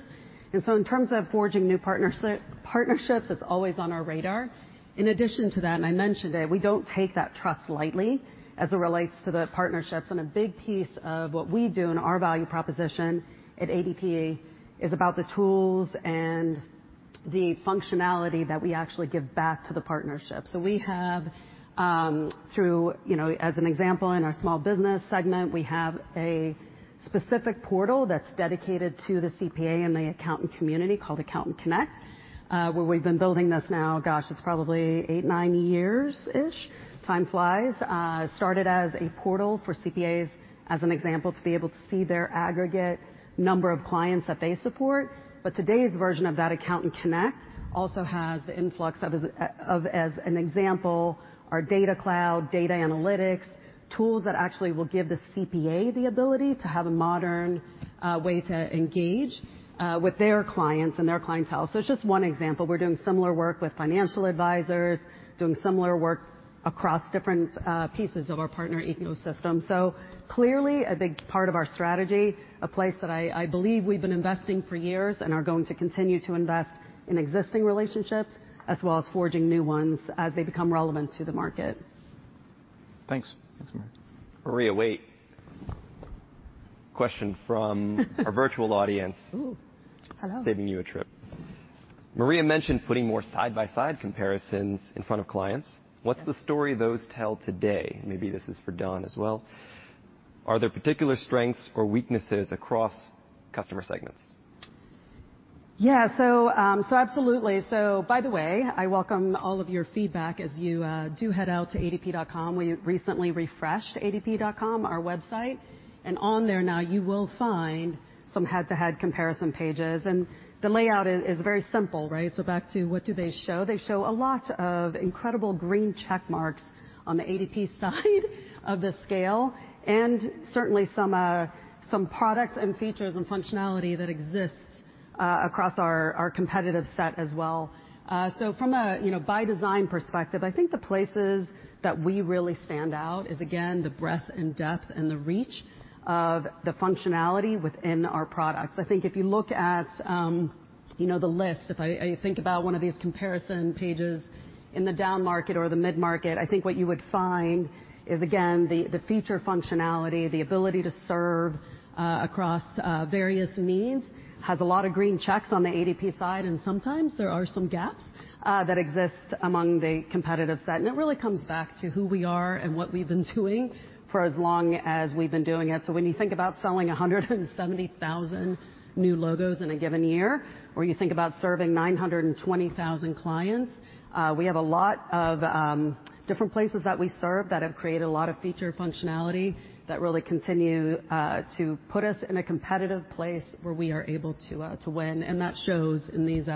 In terms of forging new partnerships, it's always on our radar. In addition to that, and I mentioned it, we don't take that trust lightly as it relates to the partnerships. A big piece of what we do in our value proposition at ADP is about the tools and the functionality that we actually give back to the partnership. We have, through, you know, as an example, in our small business segment, we have a specific portal that's dedicated to the CPA and the accountant community called Accountant Connect, where we've been building this now, gosh, it's probably eight, nine years-ish. Time flies. Started as a portal for CPAs, as an example, to be able to see their aggregate number of clients that they support. Today's version of that Accountant Connect also has the influx of, as an example, our DataCloud, data analytics, tools that actually will give the CPA the ability to have a modern way to engage with their clients and their clientele. It's just one example. We're doing similar work with financial advisors, doing similar work across different pieces of our partner ecosystem. Clearly a big part of our strategy, a place that I believe we've been investing for years and are going to continue to invest in existing relationships as well as forging new ones as they become relevant to the market. Thanks. Thanks, Maria. Maria, wait. Question from our virtual audience. Hello. Saving you a trip. Maria mentioned putting more side-by-side comparisons in front of clients. What's the story those tell today? Maybe this is for Don as well. Are there particular strengths or weaknesses across customer segments? Yeah. Absolutely. By the way, I welcome all of your feedback as you do head out to adp.com. We recently refreshed adp.com, our website, and on there now you will find some head-to-head comparison pages, and the layout is very simple, right? Back to what do they show? They show a lot of incredible green check marks on the ADP side of the scale, and certainly some products and features and functionality that exists across our competitive set as well. From a, you know, by design perspective, I think the places that we really stand out is again, the breadth and depth and the reach of the functionality within our products. I think if you look at, you know, the list, if I think about one of these comparison pages in the down market or the mid-market, I think what you would find is again the feature functionality, the ability to serve across various needs, has a lot of green checks on the ADP side, and sometimes there are some gaps that exist among the competitive set, and it really comes back to who we are and what we've been doing for as long as we've been doing it. When you think about selling 170,000 new logos in a given year, or you think about serving 920,000 clients, we have a lot of different places that we serve that have created a lot of feature functionality that really continue to put us in a competitive place where we are able to win, and that shows in these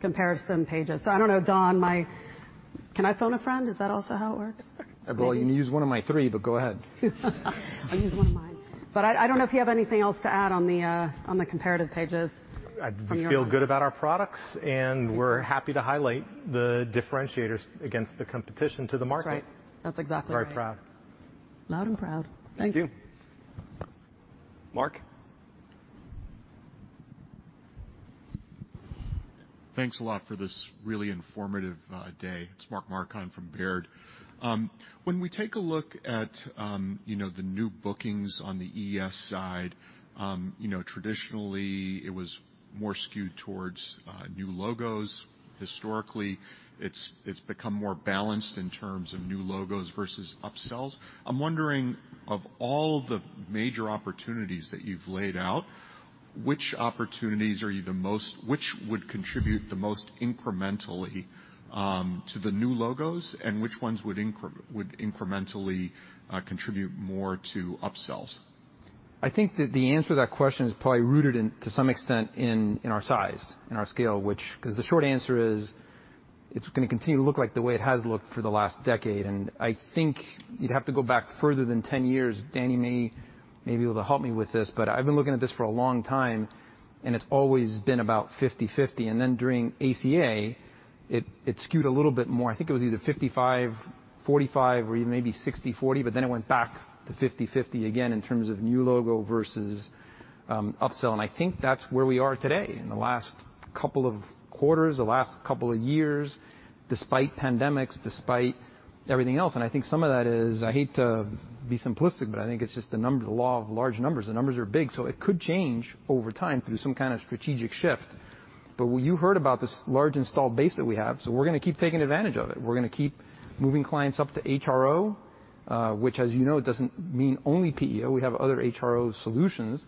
comparison pages. I don't know, Don, Can I phone a friend? Is that also how it works? Well, you can use one of my three, but go ahead. I'll use one of mine. I don't know if you have anything else to add on the comparative pages from your end. We feel good about our products, and we're happy to highlight the differentiators against the competition to the market. That's right. That's exactly right. We're very proud. Loud and proud. Thank you. Thank you. Mark? Thanks a lot for this really informative day. It's Mark Marcon from Baird. When we take a look at, you know, the new bookings on the ES side, you know, traditionally it was more skewed towards new logos. Historically, it's become more balanced in terms of new logos versus upsells. I'm wondering, of all the major opportunities that you've laid out, which would contribute the most incrementally to the new logos, and which ones would incrementally contribute more to upsells? I think that the answer to that question is probably rooted in, to some extent in our size and our scale, 'cause the short answer is, it's gonna continue to look like the way it has looked for the last decade. I think you'd have to go back further than 10 years. Danny may be able to help me with this, but I've been looking at this for a long time, and it's always been about 50/50. Then during ACA, it skewed a little bit more. I think it was either 55/45 or even maybe 60/40, but then it went back to 50/50 again in terms of new logo versus upsell. I think that's where we are today. In the last couple of quarters, the last couple of years, despite pandemics, despite everything else. I think some of that is, I hate to be simplistic, but I think it's just the number, the law of large numbers. The numbers are big, so it could change over time through some kind of strategic shift. What you heard about this large installed base that we have, so we're gonna keep taking advantage of it. We're gonna keep moving clients up to HRO, which, as you know, doesn't mean only PEO. We have other HRO solutions.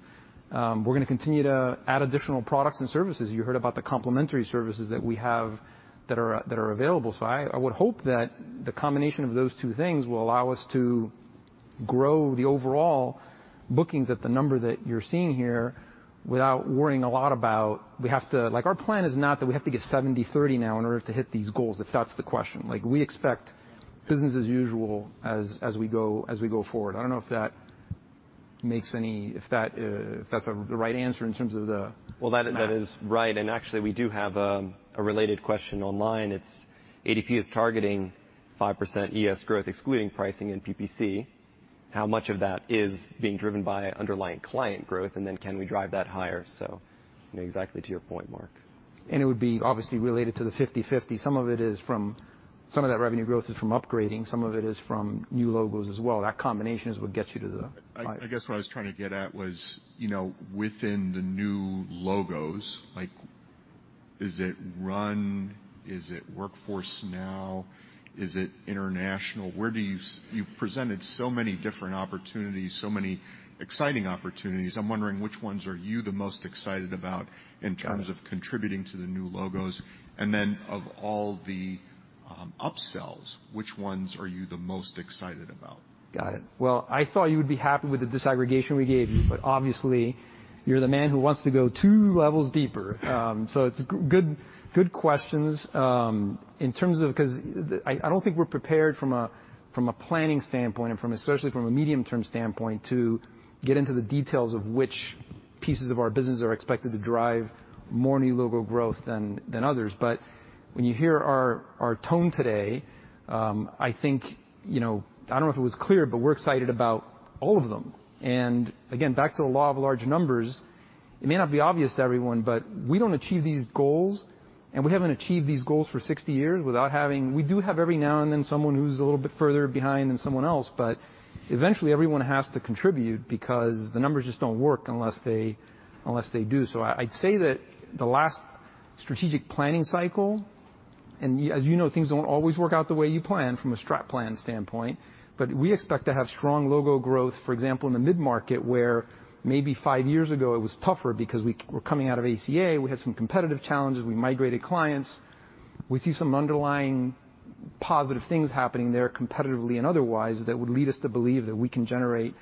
We're gonna continue to add additional products and services. You heard about the complementary services that we have that are available. I would hope that the combination of those two things will allow us to grow the overall bookings at the number that you're seeing here without worrying a lot about we have to... Like, our plan is not that we have to get 70/30 now in order to hit these goals, if that's the question. Like, we expect business as usual as we go forward. I don't know if that makes any. If that, if that's the right answer in terms of the- That is right. Actually, we do have a related question online. It's ADP is targeting 5% ES growth, excluding pricing in PPC. How much of that is being driven by underlying client growth? And then can we drive that higher? You know, exactly to your point, Mark. It would be obviously related to the 50/50. Some of that revenue growth is from upgrading, some of it is from new logos as well. That combination is what gets you to the- I guess what I was trying to get at was, you know, within the new logos, like is it Run? is it Workforce Now? is it international? You've presented so many different opportunities, so many exciting opportunities. I'm wondering which ones are you the most excited about in terms of contributing to the new logos. Of all the upsells, which ones are you the most excited about? Got it. Well, I thought you would be happy with the disaggregation we gave you, but obviously you're the man who wants to go two levels deeper. It's good questions. In terms of 'cause I don't think we're prepared from a planning standpoint and, especially, from a medium-term standpoint, to get into the details of which pieces of our business are expected to drive more new logo growth than others. When you hear our tone today, I think, you know, I don't know if it was clear, but we're excited about all of them. Again, back to the law of large numbers, it may not be obvious to everyone, but we don't achieve these goals, and we haven't achieved these goals for 60 years without having we do have every now and then someone who's a little bit further behind than someone else, but eventually everyone has to contribute because the numbers just don't work unless they, unless they do. I'd say that the last strategic planning cycle, and as you know, things don't always work out the way you plan from a strat plan standpoint, but we expect to have strong logo growth, for example, in the mid-market, where maybe five years ago it was tougher because we're coming out of ACA, we had some competitive challenges, we migrated clients. We see some underlying positive things happening there, competitively and otherwise, that would lead us to believe that we can generate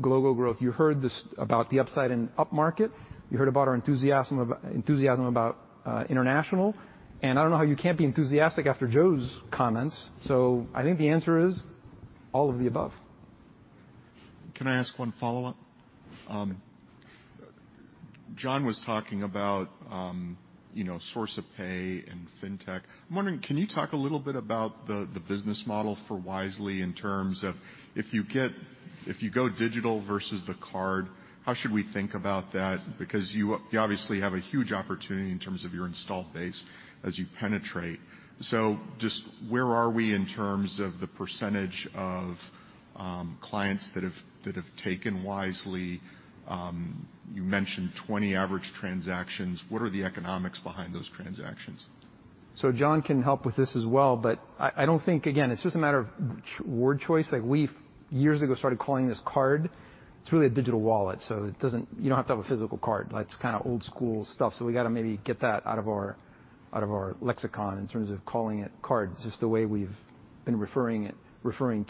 global growth. You heard this about the upside and upmarket. You heard about our enthusiasm about international. I don't know how you can't be enthusiastic after Joe's comments. I think the answer is all of the above. Can I ask one follow-up? John was talking about, you know, source of pay and fintech. I'm wondering, can you talk a little bit about the business model for Wisely in terms of if you go digital versus the card, how should we think about that? Because you obviously have a huge opportunity in terms of your installed base as you penetrate. Just where are we in terms of the percentage of clients that have taken Wisely? You mentioned 20 average transactions. What are the economics behind those transactions? John can help with this as well, but I don't think. Again, it's just a matter of word choice. Like, we a few years ago started calling this card. It's really a digital wallet, so you don't have to have a physical card. That's kinda old school stuff, so we gotta maybe get that out of our lexicon in terms of calling it card. It's just the way we've been referring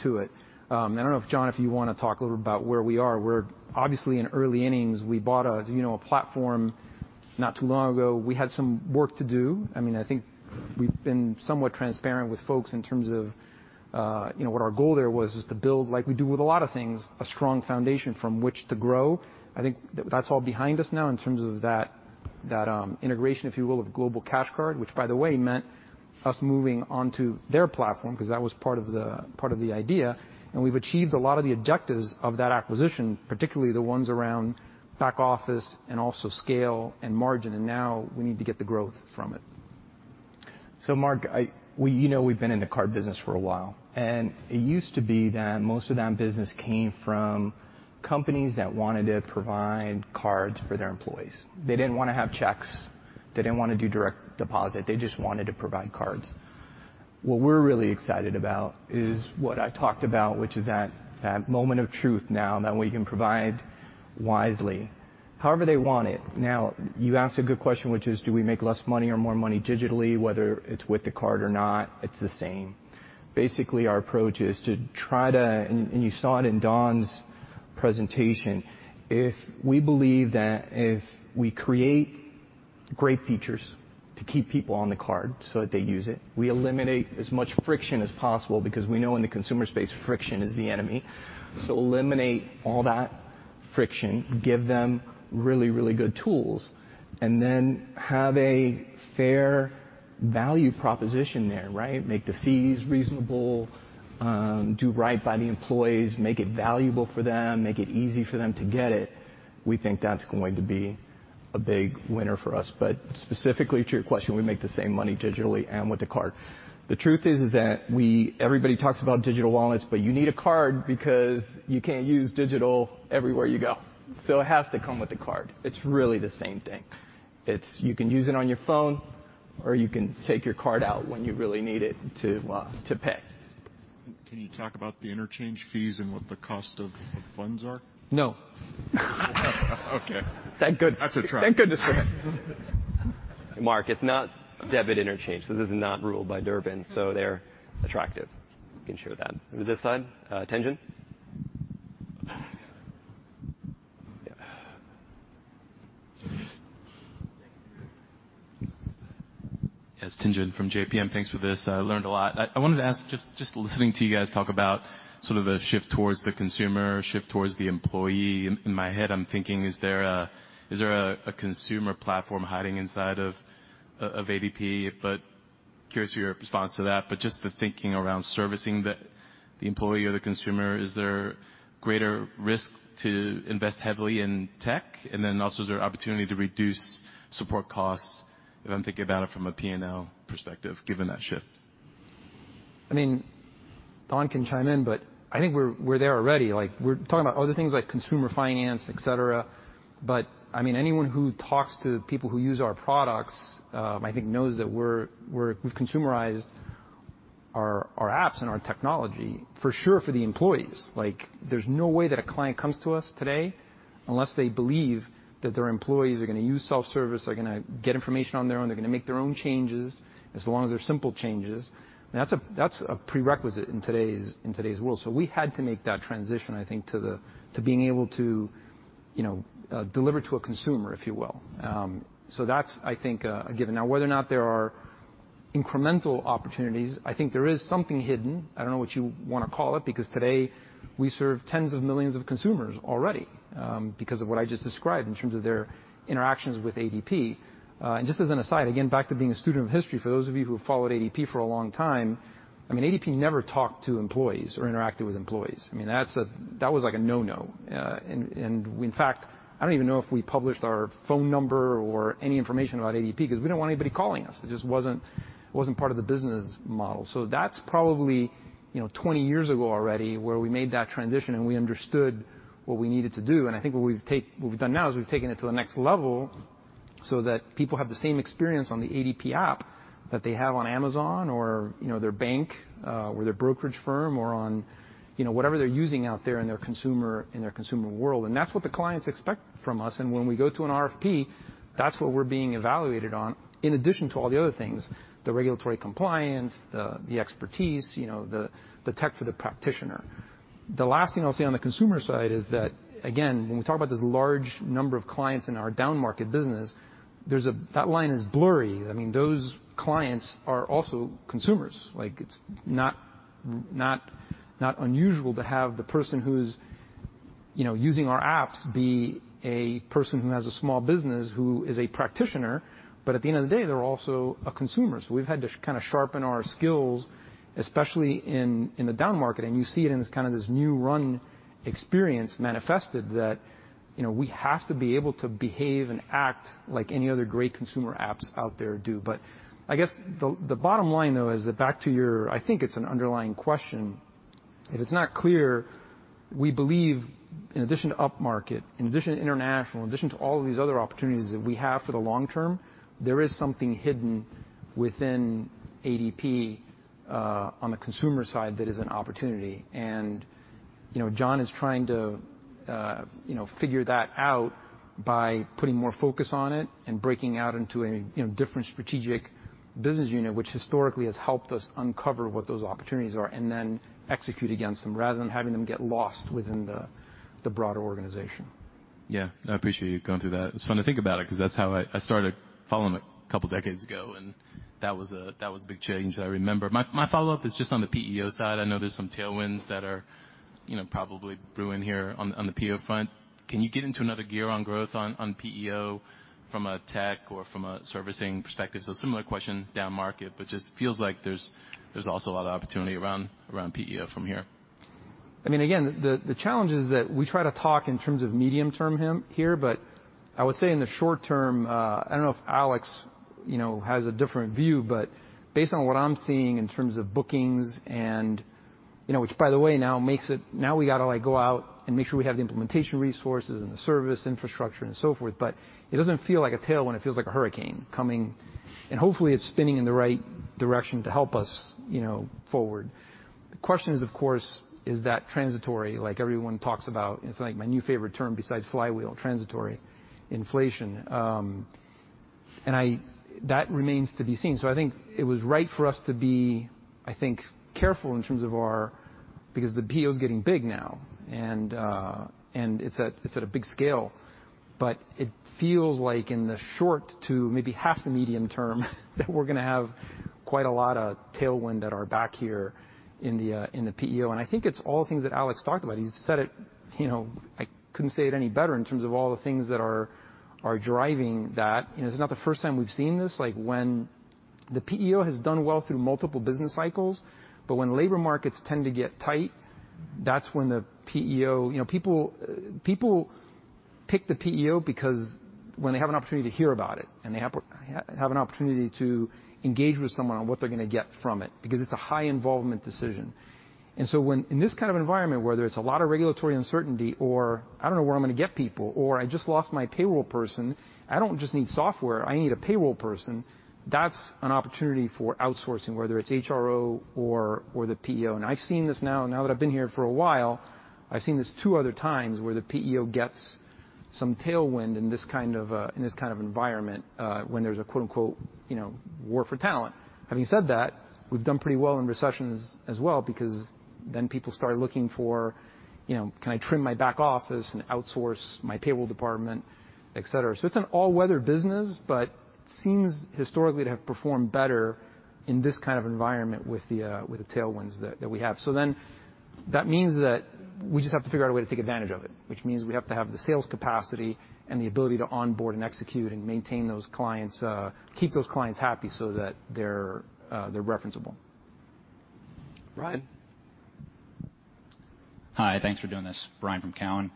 to it. I don't know, John, if you wanna talk a little about where we are. We're obviously in early innings. We bought a platform not too long ago. We had some work to do. I mean, I think we've been somewhat transparent with folks in terms of, you know, what our goal there was, is to build, like we do with a lot of things, a strong foundation from which to grow. I think that's all behind us now in terms of that integration, if you will, of Global Cash Card, which by the way meant us moving onto their platform, 'cause that was part of the idea. We've achieved a lot of the objectives of that acquisition, particularly the ones around back office and also scale and margin, and now we need to get the growth from it. Mark, you know we've been in the card business for a while, and it used to be that most of that business came from companies that wanted to provide cards for their employees. They didn't wanna have checks, they didn't wanna do direct deposit, they just wanted to provide cards. What we're really excited about is what I talked about, which is that moment of truth now that we can provide Wisely however they want it. Now, you asked a good question, which is, do we make less money or more money digitally? Whether it's with the card or not, it's the same. Basically, our approach is to try to and you saw it in Don's presentation. If we believe that we create great features to keep people on the card so that they use it, we eliminate as much friction as possible because we know in the consumer space, friction is the enemy. Eliminate all that friction, give them really, really good tools, and then have a fair value proposition there, right? Make the fees reasonable, do right by the employees, make it valuable for them, make it easy for them to get it. We think that's going to be a big winner for us. Specifically to your question, we make the same money digitally and with the card. The truth is that everybody talks about digital wallets, but you need a card because you can't use digital everywhere you go. It has to come with the card. It's really the same thing. You can use it on your phone, or you can take your card out when you really need it to pay. Can you talk about the interchange fees and what the cost of funds are? No. Okay. Thank goodness. That's attractive. Thank goodness for him. Mark Marcon, it's not debit interchange, so this is not ruled by Durbin, so they're attractive. You can share that. Over this side. Tien-Tsin Huang? Yes. Tien-Tsin Huang from JPMorgan. Thanks for this. I wanted to ask, just listening to you guys talk about sort of a shift towards the consumer, shift towards the employee. In my head I'm thinking is there a consumer platform hiding inside of ADP? Curious for your response to that. Just the thinking around servicing the employee or the consumer. Is there greater risk to invest heavily in tech? Then also, is there opportunity to reduce support costs, if I'm thinking about it from a P&L perspective, given that shift? I mean, Don can chime in, but I think we're there already. Like, we're talking about other things like consumer finance, et cetera. But I mean, anyone who talks to people who use our products, I think knows that we've consumer-ized our apps and our technology for sure for the employees. Like, there's no way that a client comes to us today unless they believe that their employees are gonna use self-service, they're gonna get information on their own, they're gonna make their own changes, as long as they're simple changes. And that's a prerequisite in today's world. We had to make that transition, I think, to being able to, you know, deliver to a consumer, if you will. That's, I think, a given. Now, whether or not there are incremental opportunities, I think there is something hidden. I don't know what you wanna call it, because today we serve tens of millions of consumers already, because of what I just described in terms of their interactions with ADP. And just as an aside, again, back to being a student of history, for those of you who have followed ADP for a long time, I mean, ADP never talked to employees or interacted with employees. I mean, that was like a no-no. And in fact, I don't even know if we published our phone number or any information about ADP, 'cause we didn't want anybody calling us. It just wasn't part of the business model. That's probably, you know, 20 years ago already, where we made that transition and we understood what we needed to do. I think what we've done now is we've taken it to the next level so that people have the same experience on the ADP app that they have on Amazon or, you know, their bank, or their brokerage firm, or on, you know, whatever they're using out there in their consumer world. That's what the clients expect from us. When we go to an RFP, that's what we're being evaluated on, in addition to all the other things, the regulatory compliance, the expertise, you know, the tech for the practitioner. The last thing I'll say on the consumer side is that, again, when we talk about this large number of clients in our down market business, that line is blurry. I mean, those clients are also consumers. Like, it's not unusual to have the person who's, you know, using our apps be a person who has a small business, who is a practitioner, but at the end of the day, they're also a consumer. We've had to kinda sharpen our skills, especially in the down market. You see it in this new RUN experience manifested that, you know, we have to be able to behave and act like any other great consumer apps out there do. I guess the bottom line though is that back to your. I think it's an underlying question. If it's not clear, we believe in addition to upmarket, in addition to international, in addition to all of these other opportunities that we have for the long term, there is something hidden within ADP on the consumer side that is an opportunity. You know, John is trying to figure that out. By putting more focus on it and breaking out into a, you know, different strategic business unit, which historically has helped us uncover what those opportunities are and then execute against them, rather than having them get lost within the broader organization. Yeah. I appreciate you going through that. It's fun to think about it 'cause that's how I started following a couple decades ago, and that was a big change that I remember. My follow-up is just on the PEO side. I know there's some tailwinds that are, you know, probably brewing here on the PEO front. Can you get into another gear on growth on PEO from a tech or from a servicing perspective? Similar question down market but just feels like there's also a lot of opportunity around PEO from here. I mean, again, the challenge is that we try to talk in terms of medium term here, but I would say in the short term, I don't know if Alex, you know, has a different view, but based on what I'm seeing in terms of bookings and, you know, which by the way now makes it. Now we gotta, like, go out and make sure we have the implementation resources and the service infrastructure and so forth. It doesn't feel like a tailwind. It feels like a hurricane coming. Hopefully it's spinning in the right direction to help us, you know, forward. The question is, of course, is that transitory like everyone talks about? It's like my new favorite term besides flywheel, transitory inflation. That remains to be seen. I think it was right for us to be, I think, careful in terms of our. Because the PEO is getting big now, and it's at a big scale, but it feels like in the short to maybe half the medium term, that we're gonna have quite a lot of tailwind at our back here in the PEO. I think it's all things that Alex talked about. He said it, you know, I couldn't say it any better in terms of all the things that are driving that. You know, this is not the first time we've seen this. Like, when the PEO has done well through multiple business cycles, but when labor markets tend to get tight, that's when the PEO. You know, people pick the PEO because when they have an opportunity to hear about it, and they have an opportunity to engage with someone on what they're gonna get from it, because it's a high involvement decision. When in this kind of environment, whether it's a lot of regulatory uncertainty or I don't know where I'm gonna get people or I just lost my payroll person, I don't just need software, I need a payroll person, that's an opportunity for outsourcing, whether it's HRO or the PEO. I've seen this now that I've been here for a while, I've seen this two other times where the PEO gets some tailwind in this kind of environment when there's a quote-unquote, you know, war for talent. Having said that, we've done pretty well in recessions as well because then people start looking for, you know, can I trim my back office and outsource my payroll department, et cetera. It's an all-weather business but seems historically to have performed better in this kind of environment with the tailwinds that we have. That means that we just have to figure out a way to take advantage of it, which means we have to have the sales capacity and the ability to onboard and execute and maintain those clients, keep those clients happy so that they're referenceable. Ryan. Hi. Thanks for doing this. Ryan from TD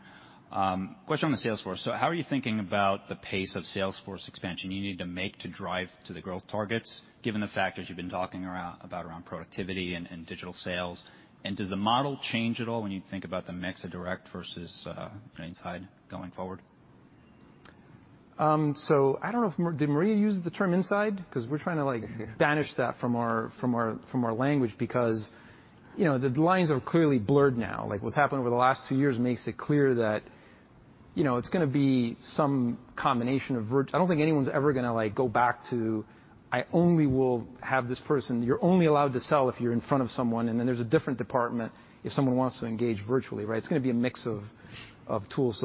Cowen. Question on the sales force. How are you thinking about the pace of sales force expansion you need to make to drive to the growth targets, given the factors you've been talking about productivity and digital sales? And does the model change at all when you think about the mix of direct versus inside going forward? I don't know if Maria did use the term inside, because we're trying to like banish that from our language, you know, the lines are clearly blurred now. Like, what's happened over the last two years makes it clear that, you know, it's gonna be some combination of virtual. I don't think anyone's ever gonna, like, go back to, I only will have this person. You're only allowed to sell if you're in front of someone, and then there's a different department if someone wants to engage virtually, right? It's gonna be a mix of tools.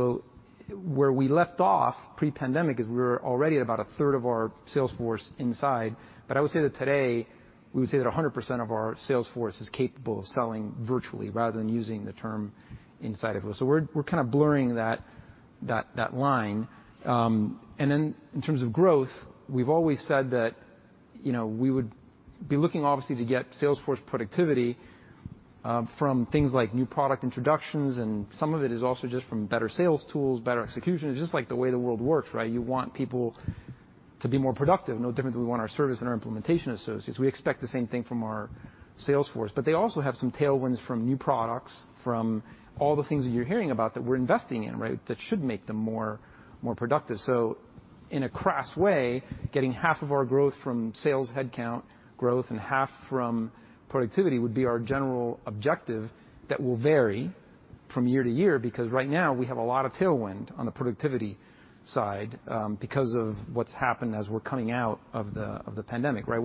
Where we left off pre-pandemic is we were already at about a third of our sales force inside. I would say that today, we would say that 100% of our sales force is capable of selling virtually rather than using the term inside of. We're kind of blurring that line. In terms of growth, we've always said that, you know, we would be looking obviously to get sales force productivity from things like new product introductions, and some of it is also just from better sales tools, better execution. It's just like the way the world works, right? You want people to be more productive. No different than we want our service and our implementation associates. We expect the same thing from our sales force. They also have some tailwinds from new products, from all the things that you're hearing about that we're investing in, right? That should make them more productive. In a crass way, getting half of our growth from sales headcount growth and half from productivity would be our general objective that will vary from year to year, because right now, we have a lot of tailwind on the productivity side, because of what's happened as we're coming out of the pandemic, right?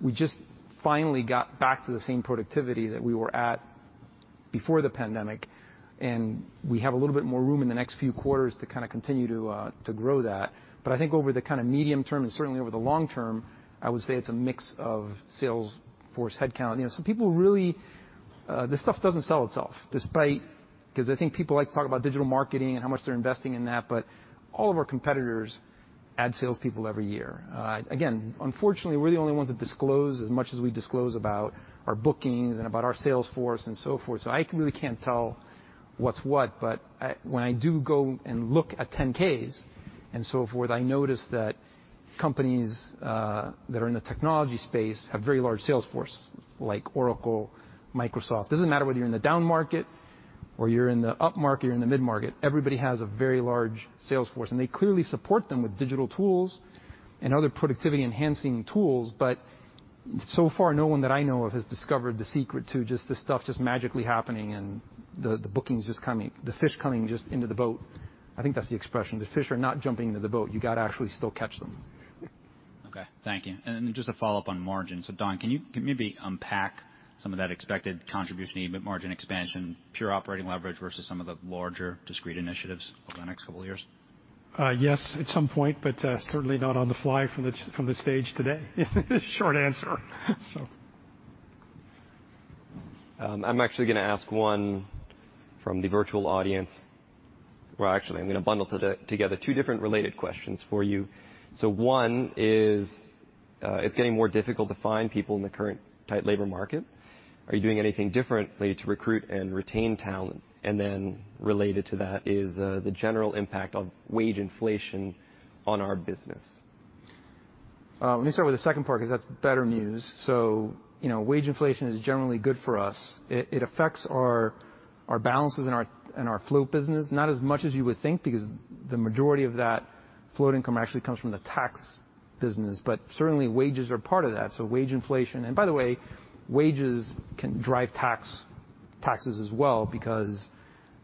We just finally got back to the same productivity that we were at before the pandemic, and we have a little bit more room in the next few quarters to kinda continue to grow that. I think over the kinda medium term and certainly over the long term, I would say it's a mix of sales force headcount. You know, some people really, this stuff doesn't sell itself despite... 'Cause I think people like to talk about digital marketing and how much they're investing in that, but all of our competitors add salespeople every year. Again, unfortunately, we're the only ones that disclose as much as we disclose about our bookings and about our sales force and so forth, so I really can't tell what's what. But when I do go and look at 10-K's and so forth, I notice that companies that are in the technology space have very large sales force, like Oracle, Microsoft. Doesn't matter whether you're in the down market or you're in the upmarket or you're in the mid-market, everybody has a very large sales force, and they clearly support them with digital tools and other productivity-enhancing tools. So far, no one that I know of has discovered the secret to just the stuff just magically happening and the bookings just coming, the fish coming just into the boat. I think that's the expression. The fish are not jumping into the boat. You gotta actually still catch them. Okay. Thank you. Just a follow-up on margins. Don, can you maybe unpack some of that expected contribution, EBIT margin expansion, pure operating leverage versus some of the larger discrete initiatives over the next couple years? Yes, at some point, but certainly not on the fly from the stage today is the short answer. I'm actually gonna ask one from the virtual audience. Well, actually, I'm gonna bundle together two different related questions for you. One is, it's getting more difficult to find people in the current tight labor market. Are you doing anything differently to recruit and retain talent? And then related to that is, the general impact of wage inflation on our business. Let me start with the second part, 'cause that's better news. You know, wage inflation is generally good for us. It affects our balances in our float business, not as much as you would think, because the majority of that float income actually comes from the tax business. Certainly, wages are part of that. Wage inflation. By the way, wages can drive taxes as well because,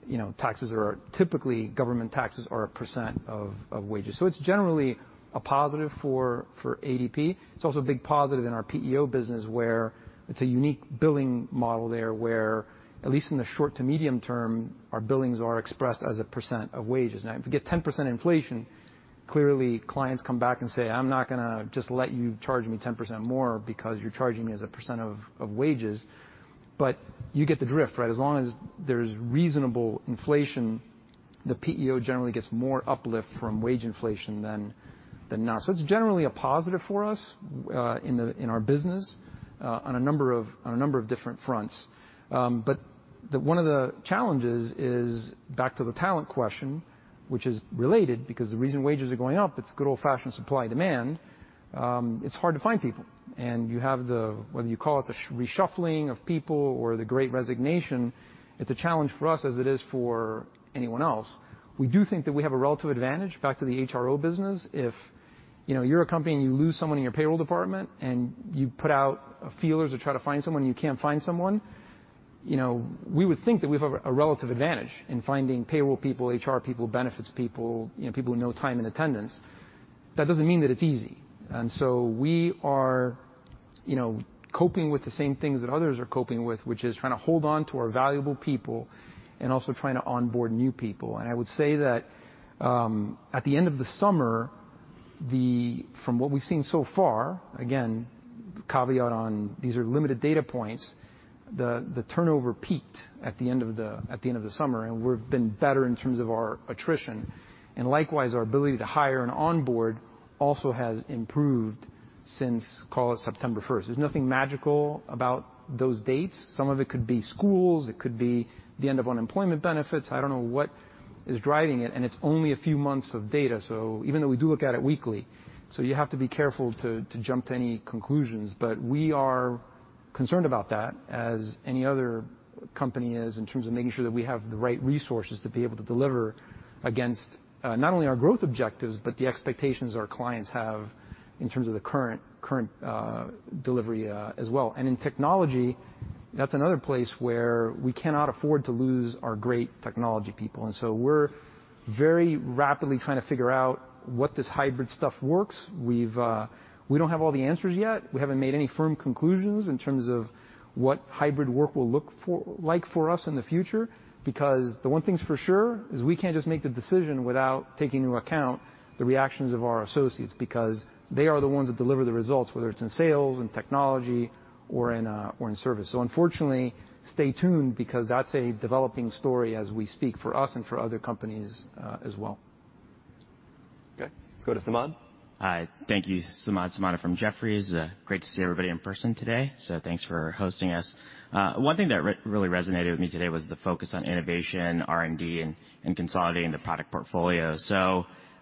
you know, taxes are typically government taxes are a percent of wages. It's generally a positive for ADP. It's also a big positive in our PEO business where it's a unique billing model there, where at least in the short to medium term, our billings are expressed as a percent of wages. Now, if you get 10% inflation, clearly, clients come back and say, "I'm not gonna just let you charge me 10% more because you're charging me as a percent of wages." You get the drift, right? As long as there's reasonable inflation, the PEO generally gets more uplift from wage inflation than not. It's generally a positive for us in our business on a number of different fronts. One of the challenges is back to the talent question, which is related because the reason wages are going up, it's good old-fashioned supply demand. It's hard to find people. You have the, whether you call it the reshuffling of people or the great resignation, it's a challenge for us as it is for anyone else. We do think that we have a relative advantage back to the HRO business. If, you know, you're a company and you lose someone in your payroll department and you put out feelers to try to find someone, and you can't find someone, you know, we would think that we have a relative advantage in finding payroll people, HR people, benefits people, you know, people who know time and attendance. That doesn't mean that it's easy. We are, you know, coping with the same things that others are coping with, which is trying to hold on to our valuable people and also trying to onboard new people. I would say that at the end of the summer. From what we've seen so far, again, caveat on these are limited data points, the turnover peaked at the end of the summer, and we've been better in terms of our attrition. Likewise, our ability to hire and onboard also has improved since, call it September first. There's nothing magical about those dates. Some of it could be schools, it could be the end of unemployment benefits. I don't know what is driving it, and it's only a few months of data, so even though we do look at it weekly, so you have to be careful to jump to any conclusions. We are concerned about that as any other company is in terms of making sure that we have the right resources to be able to deliver against not only our growth objectives, but the expectations our clients have in terms of the current delivery as well. In technology, that's another place where we cannot afford to lose our great technology people. We're very rapidly trying to figure out what this hybrid stuff works. We don't have all the answers yet. We haven't made any firm conclusions in terms of what hybrid work will look like for us in the future, because the one thing's for sure is we can't just make the decision without taking into account the reactions of our associates, because they are the ones that deliver the results, whether it's in sales, in technology, or in service. Unfortunately, stay tuned because that's a developing story as we speak for us and for other companies, as well. Okay. Let's go to Samad Samana. Hi. Thank you. Samad Samana from Jefferies. Great to see everybody in person today, so thanks for hosting us. One thing that really resonated with me today was the focus on innovation, R&D, and consolidating the product portfolio.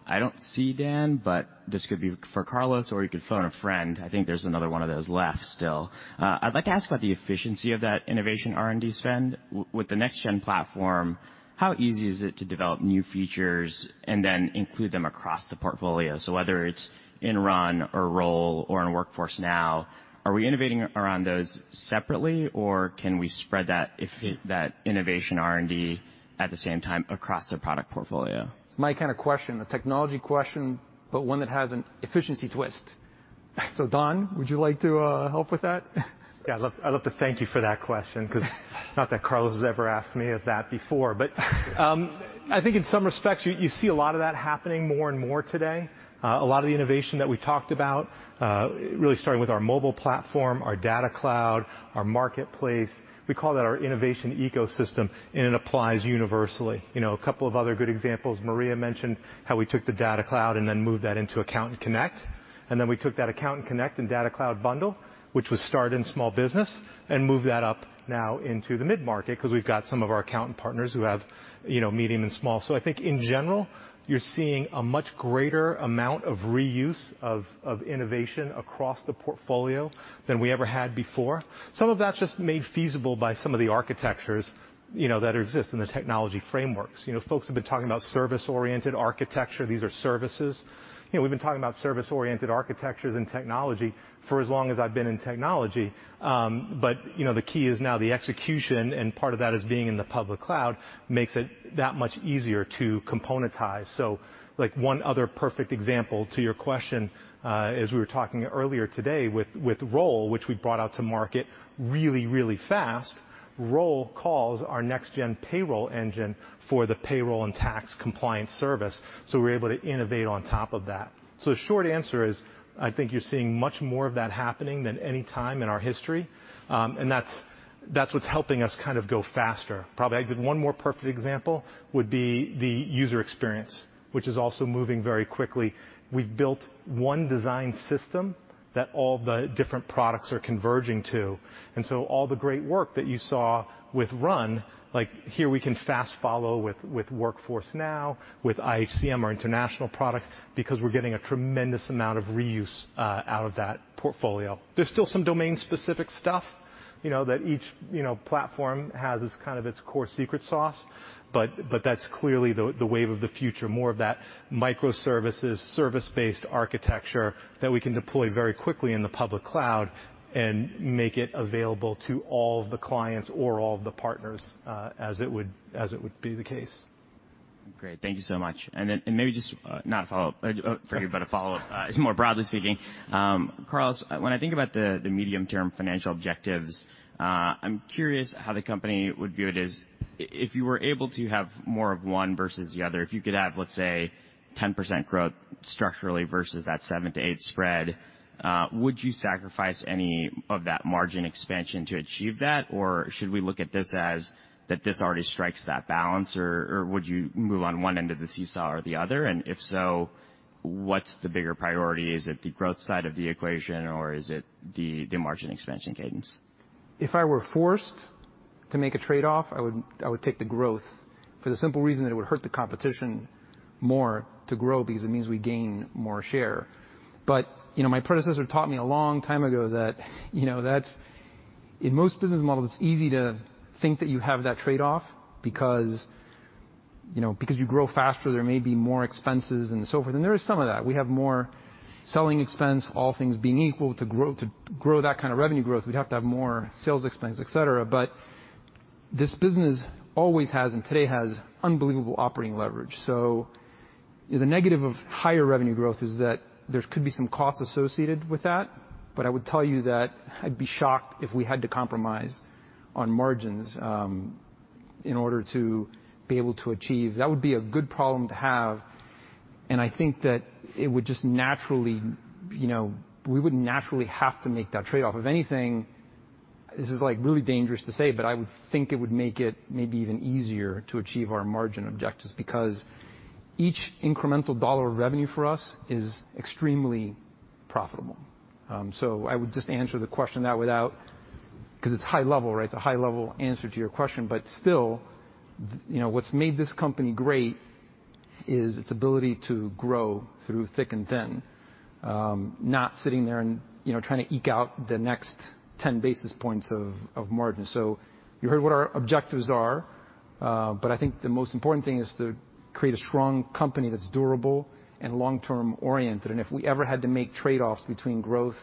I don't see Dan, but this could be for Carlos, or you could phone a friend. I think there's another one of those left still. I'd like to ask about the efficiency of that innovation R&D spend. With the Next Gen platform, how easy is it to develop new features and then include them across the portfolio? Whether it's in RUN or Roll or in Workforce Now, are we innovating around those separately, or can we spread that innovation R&D at the same time across the product portfolio? It's my kind of question, a technology question, but one that has an efficiency twist. Don, would you like to help with that? Yeah. I'd love to thank you for that question 'cause not that Carlos has ever asked me that before. I think in some respects, you see a lot of that happening more and more today. A lot of the innovation that we talked about, really starting with our mobile platform, our DataCloud, our Marketplace, we call that our innovation ecosystem, and it applies universally. You know, a couple of other good examples, Maria mentioned how we took the DataCloud and then moved that into Accountant Connect. We took that Accountant Connect and DataCloud bundle, which was started in small business, and moved that up now into the mid-market 'cause we've got some of our accountant partners who have, you know, medium and small. I think in general, you're seeing a much greater amount of reuse of innovation across the portfolio than we ever had before. Some of that's just made feasible by some of the architectures, you know, that exist and the technology frameworks. You know, folks have been talking about service-oriented architecture. These are services. You know, we've been talking about service-oriented architectures and technology for as long as I've been in technology. But, you know, the key is now the execution, and part of that is being in the public cloud makes it that much easier to componentize. Like, one other perfect example to your question, as we were talking earlier today with Roll, which we brought out to market really, really fast. Powers our Next Gen payroll engine for the payroll and tax compliance service, so we're able to innovate on top of that. The short answer is, I think you're seeing much more of that happening than any time in our history. That's what's helping us kind of go faster. Probably I give one more perfect example would be the user experience, which is also moving very quickly. We've built one design system that all the different products are converging to. All the great work that you saw with Run, like, here we can fast follow with Workforce Now, with iHCM, our international product, because we're getting a tremendous amount of reuse out of that portfolio. There's still some domain-specific stuff, you know, that each, you know, platform has as kind of its core secret sauce, but that's clearly the wave of the future. More of that microservices, service-based architecture that we can deploy very quickly in the public cloud and make it available to all of the clients or all of the partners, as it would be the case. Great. Thank you so much. Maybe just not a follow-up for you, but a follow-up more broadly speaking. Carlos, when I think about the medium-term financial objectives, I'm curious how the company would view it as if you were able to have more of one versus the other, if you could have, let's say, 10% growth structurally versus that 7%-8% spread, would you sacrifice any of that margin expansion to achieve that? Or should we look at this as that this already strikes that balance? Or would you move on one end of the seesaw or the other? If so, what's the bigger priority? Is it the growth side of the equation, or is it the margin expansion cadence? If I were forced to make a trade-off, I would take the growth for the simple reason that it would hurt the competition more to grow because it means we gain more share. You know, my predecessor taught me a long time ago that, you know, that's. In most business models, it's easy to think that you have that trade-off because, you know, because you grow faster, there may be more expenses and so forth, and there is some of that. We have more selling expense, all things being equal, to grow that kind of revenue growth, we'd have to have more sales expense, et cetera. This business always has and today has unbelievable operating leverage. The negative of higher revenue growth is that there could be some costs associated with that, but I would tell you that I'd be shocked if we had to compromise on margins in order to be able to achieve. That would be a good problem to have, and I think that it would just naturally, you know, we would naturally have to make that trade-off. If anything, this is, like, really dangerous to say, but I would think it would make it maybe even easier to achieve our margin objectives because each incremental dollar of revenue for us is extremely profitable. I would just answer the question that without 'cause it's high level, right? It's a high-level answer to your question. Still, you know, what's made this company great is its ability to grow through thick and thin, not sitting there and, you know, trying to eke out the next 10 basis points of margin. You heard what our objectives are, but I think the most important thing is to create a strong company that's durable and long-term oriented. If we ever had to make trade-offs between growth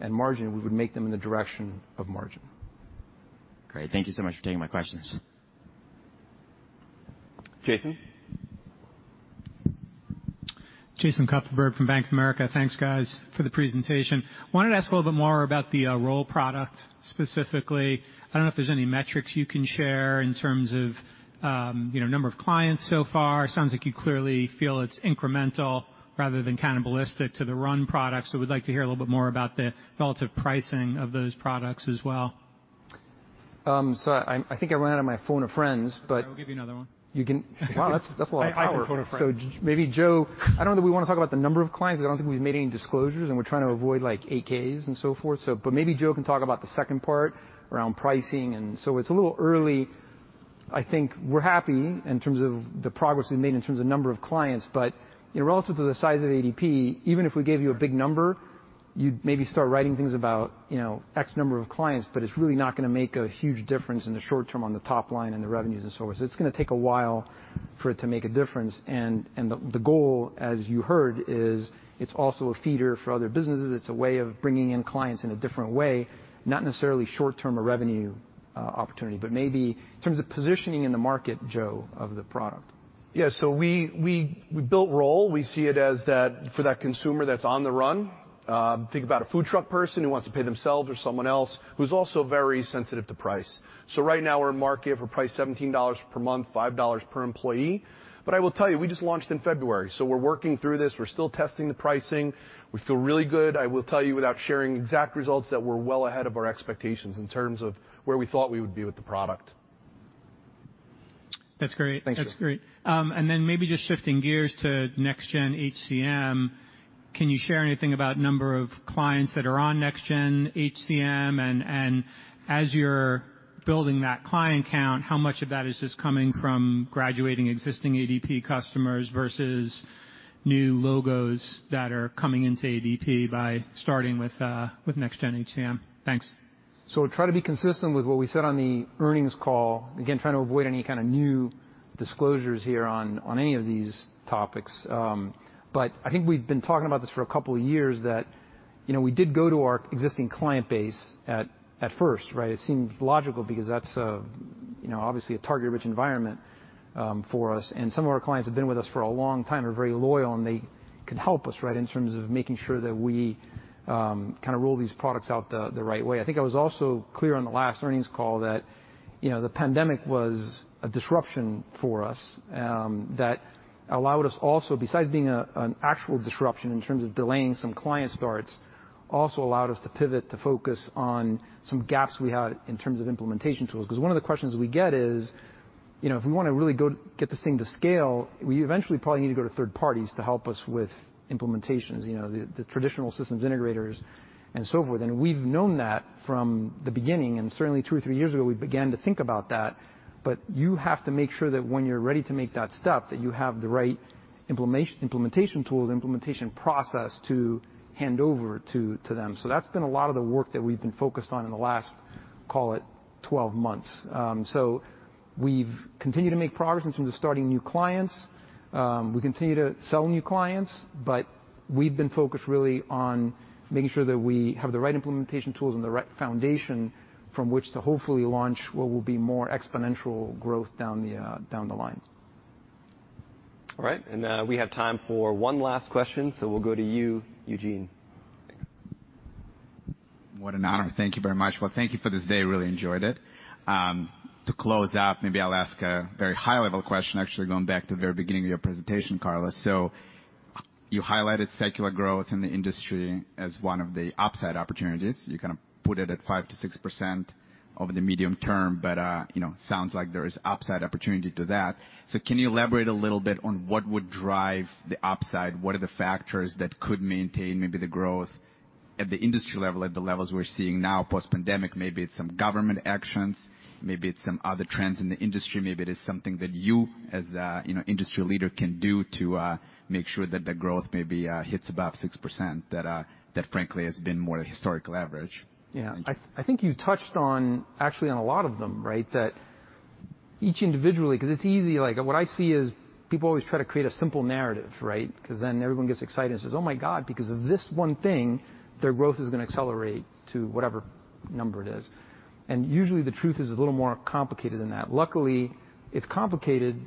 and margin, we would make them in the direction of margin. Great. Thank you so much for taking my questions. Jason? Jason Kupferberg from Bank of America. Thanks, guys, for the presentation. Wanted to ask a little bit more about the Roll product specifically. I don't know if there's any metrics you can share in terms of you know, number of clients so far. Sounds like you clearly feel it's incremental rather than cannibalistic to the Run products, so we'd like to hear a little bit more about the relative pricing of those products as well. I think I ran out of my phone of friends, but I'll give you another one. Wow, that's a lot of power. I can phone a friend. Maybe Joe... I don't know that we wanna talk about the number of clients, because I don't think we've made any disclosures, and we're trying to avoid, like, 8-Ks and so forth. Maybe Joe can talk about the second part around pricing and... It's a little early. I think we're happy in terms of the progress we've made in terms of number of clients. But, you know, relative to the size of ADP, even if we gave you a big number, you'd maybe start writing things about, you know, X number of clients, but it's really not gonna make a huge difference in the short term on the top line and the revenues and so forth. It's gonna take a while for it to make a difference. The goal, as you heard, is it's also a feeder for other businesses. It's a way of bringing in clients in a different way, not necessarily short-term or revenue opportunity. Maybe in terms of positioning in the market, Joe, of the product. Yeah. We built Roll. We see it as that, for that consumer that's on the run. Think about a food truck person who wants to pay themselves or someone else, who's also very sensitive to price. Right now we're in market. We're priced $17 per month, $5 per employee. I will tell you, we just launched in February, so we're working through this. We're still testing the pricing. We feel really good. I will tell you, without sharing exact results, that we're well ahead of our expectations in terms of where we thought we would be with the product. That's great. Thanks. That's great. Maybe just shifting gears to Next Gen HCM, can you share anything about number of clients that are on Next Gen HCM and as you're building that client count, how much of that is just coming from graduating existing ADP customers versus new logos that are coming into ADP by starting with Next Gen HCM? Thanks. Try to be consistent with what we said on the earnings call. Again, trying to avoid any kind of new disclosures here on any of these topics. I think we've been talking about this for a couple of years, that you know, we did go to our existing client base at first, right? It seemed logical because that's a you know, obviously a target-rich environment for us, and some of our clients have been with us for a long time, are very loyal, and they can help us, right, in terms of making sure that we kind of roll these products out the right way. I think I was also clear on the last earnings call that you know, the pandemic was a disruption for us that allowed us also. Besides being an actual disruption in terms of delaying some client starts, also allowed us to pivot to focus on some gaps we had in terms of implementation tools. 'Cause one of the questions we get is, you know, if we wanna really go get this thing to scale, we eventually probably need to go to third parties to help us with implementations, you know, the traditional systems integrators and so forth. We've known that from the beginning, and certainly two or three years ago, we began to think about that. You have to make sure that when you're ready to make that step, that you have the right implementation tools, implementation process to hand over to them. That's been a lot of the work that we've been focused on in the last, call it, 12 months. We've continued to make progress in terms of starting new clients. We continue to sell new clients, but we've been focused really on making sure that we have the right implementation tools and the right foundation from which to hopefully launch what will be more exponential growth down the line. All right, we have time for one last question, so we'll go to you, Eugene. What an honor. Thank you very much. Well, thank you for this day. Really enjoyed it. To close out, maybe I'll ask a very high-level question, actually going back to the very beginning of your presentation, Carlos. You highlighted secular growth in the industry as one of the upside opportunities. You kind of put it at 5%-6% over the medium term, but, you know, sounds like there is upside opportunity to that. Can you elaborate a little bit on what would drive the upside? What are the factors that could maintain maybe the growth at the industry level, at the levels we're seeing now post-pandemic? Maybe it's some government actions, maybe it's some other trends in the industry. Maybe it is something that you as, you know, industry leader can do to make sure that the growth maybe hits above 6%, that frankly has been more the historical average. Yeah. I think you touched on, actually, on a lot of them, right? That each individually 'cause it's easy, like what I see is people always try to create a simple narrative, right? 'Cause then everyone gets excited and says, "Oh my god," because of this one thing, their growth is gonna accelerate to whatever number it is. Usually, the truth is a little more complicated than that. Luckily, it's complicated,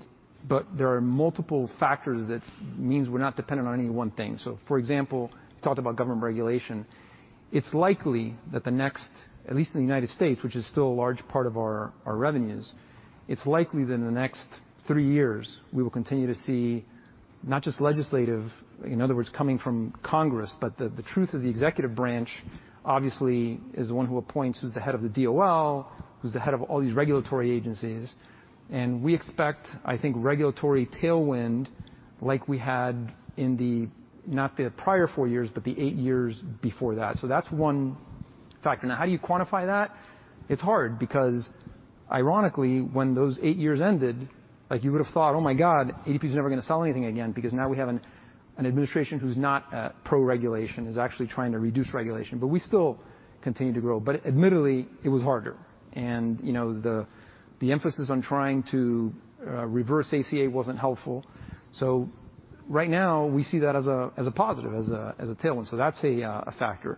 but there are multiple factors that means we're not dependent on any one thing. For example, talked about government regulation. It's likely that the next, at least in the United States, which is still a large part of our revenues, it's likely that in the next three years, we will continue to see not just legislative, in other words, coming from Congress, but the truth is the executive branch obviously is the one who appoints who's the head of the DOL, who's the head of all these regulatory agencies. We expect, I think, regulatory tailwind like we had in the, not the prior four years, but the eight years before that. That's one factor. Now, how do you quantify that? It's hard because ironically, when those eight years ended, like you would've thought, "Oh my god, ADP's never gonna sell anything again," because now we have an administration who's not pro-regulation, is actually trying to reduce regulation. We still continue to grow. Admittedly, it was harder. You know, the emphasis on trying to reverse ACA wasn't helpful. Right now, we see that as a positive, as a tailwind. That's a factor.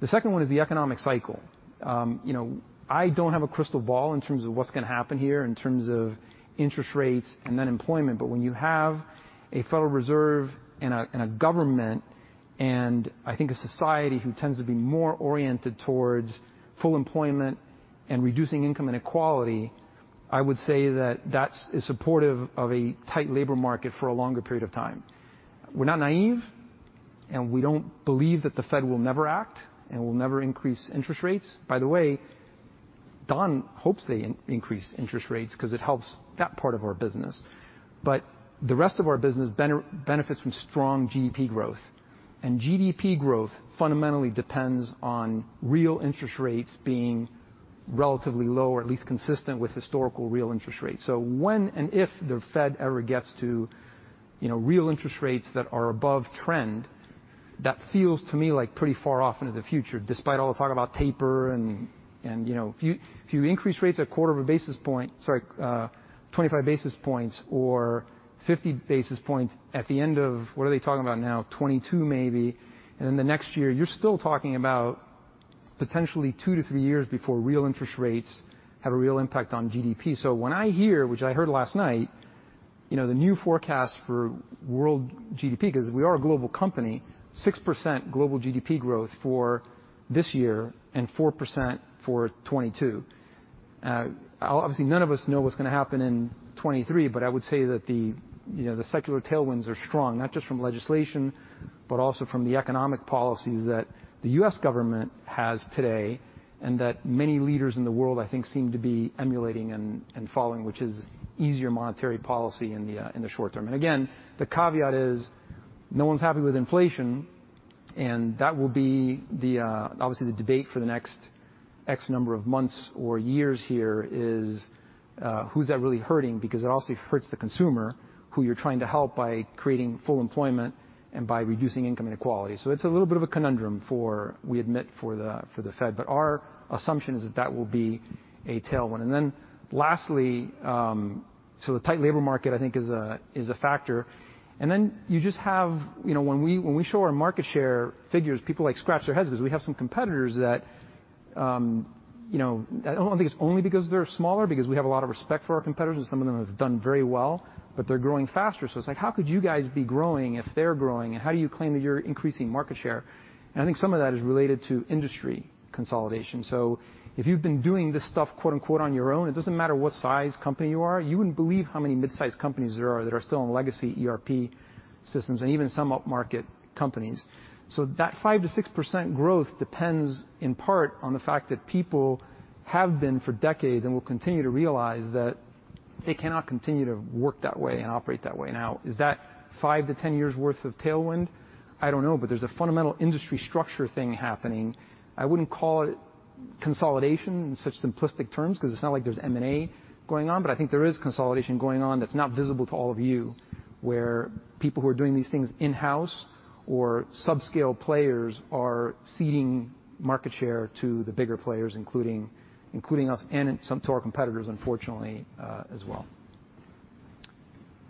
The second one is the economic cycle. I don't have a crystal ball in terms of what's gonna happen here in terms of interest rates and then employment, but when you have a Federal Reserve and a government, and I think a society who tends to be more oriented towards full employment and reducing income inequality, I would say that that's supportive of a tight labor market for a longer period of time. We're not naive, and we don't believe that the Fed will never act and will never increase interest rates. By the way, Don hopes they increase interest rates 'cause it helps that part of our business. The rest of our business benefits from strong GDP growth. GDP growth fundamentally depends on real interest rates being relatively low or at least consistent with historical real interest rates. When and if the Fed ever gets to real interest rates that are above trend, that feels to me like pretty far off into the future, despite all the talk about taper. If you increase rates at 25 basis points or 50 basis points at the end of 2022 maybe. What are they talking about now? In the next year, you're still talking about potentially 2 to 3 years before real interest rates have a real impact on GDP. When I hear, which I heard last night, you know, the new forecast for world GDP, 'cause we are a global company, 6% global GDP growth for this year and 4% for 2022. Obviously, none of us know what's gonna happen in 2023, but I would say that the, you know, the secular tailwinds are strong, not just from legislation, but also from the economic policies that the U.S. government has today, and that many leaders in the world, I think, seem to be emulating and following, which is easier monetary policy in the short term. Again, the caveat is no one's happy with inflation, and that will be, obviously, the debate for the next X number of months or years here is, who's that really hurting? Because it also hurts the consumer who you're trying to help by creating full employment and by reducing income inequality. It's a little bit of a conundrum for, we admit, for the Fed. Our assumption is that will be a tailwind. Then lastly, the tight labor market, I think, is a factor. Then you just have you know when we show our market share figures, people like scratch their heads 'cause we have some competitors that, you know, I don't think it's only because they're smaller, because we have a lot of respect for our competitors. Some of them have done very well, but they're growing faster. It's like, how could you guys be growing if they're growing? How do you claim that you're increasing market share? I think some of that is related to industry consolidation. If you've been doing this stuff, quote-unquote, on your own, it doesn't matter what size company you are. You wouldn't believe how many midsize companies there are that are still in legacy ERP systems and even some upmarket companies. That 5%-6% growth depends in part on the fact that people have been for decades and will continue to realize that they cannot continue to work that way and operate that way. Now, is that five-10 year's worth of tailwind? I don't know. There's a fundamental industry structure thing happening. I wouldn't call it consolidation in such simplistic terms 'cause it's not like there's M&A going on. I think there is consolidation going on that's not visible to all of you, where people who are doing these things in-house or subscale players are ceding market share to the bigger players, including us and some to our competitors, unfortunately, as well.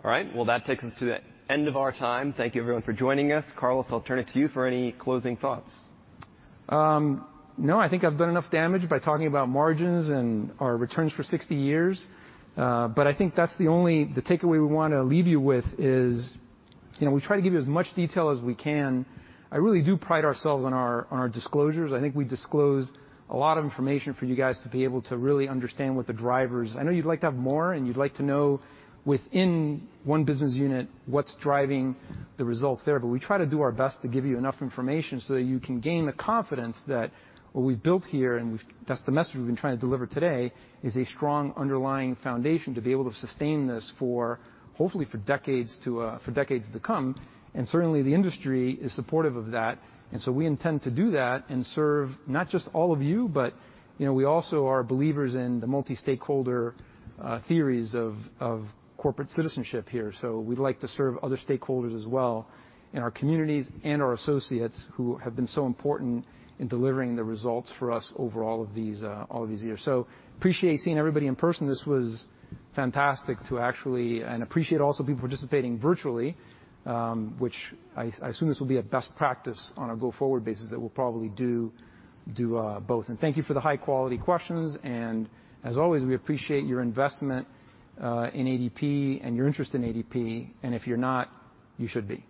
All right. Well, that takes us to the end of our time. Thank you everyone for joining us. Carlos, I'll turn it to you for any closing thoughts. No, I think I've done enough damage by talking about margins and our returns for 60 years. I think that's the only takeaway we wanna leave you with is, you know, we try to give you as much detail as we can. I really do pride ourselves on our disclosures. I think we disclose a lot of information for you guys to be able to really understand what the drivers. I know you'd like to have more, and you'd like to know within one business unit what's driving the results there. We try to do our best to give you enough information so that you can gain the confidence that what we've built here, that's the message we've been trying to deliver today, is a strong underlying foundation to be able to sustain this for, hopefully, decades to come. Certainly, the industry is supportive of that. We intend to do that and serve not just all of you, but, you know, we also are believers in the multi-stakeholder theories of corporate citizenship here. We'd like to serve other stakeholders as well in our communities and our associates who have been so important in delivering the results for us over all of these years. Appreciate seeing everybody in person. This was fantastic to actually - and appreciate also people participating virtually, which I assume this will be a best practice on a go-forward basis that we'll probably do both. Thank you for the high-quality questions. As always, we appreciate your investment in ADP and your interest in ADP. If you're not, you should be.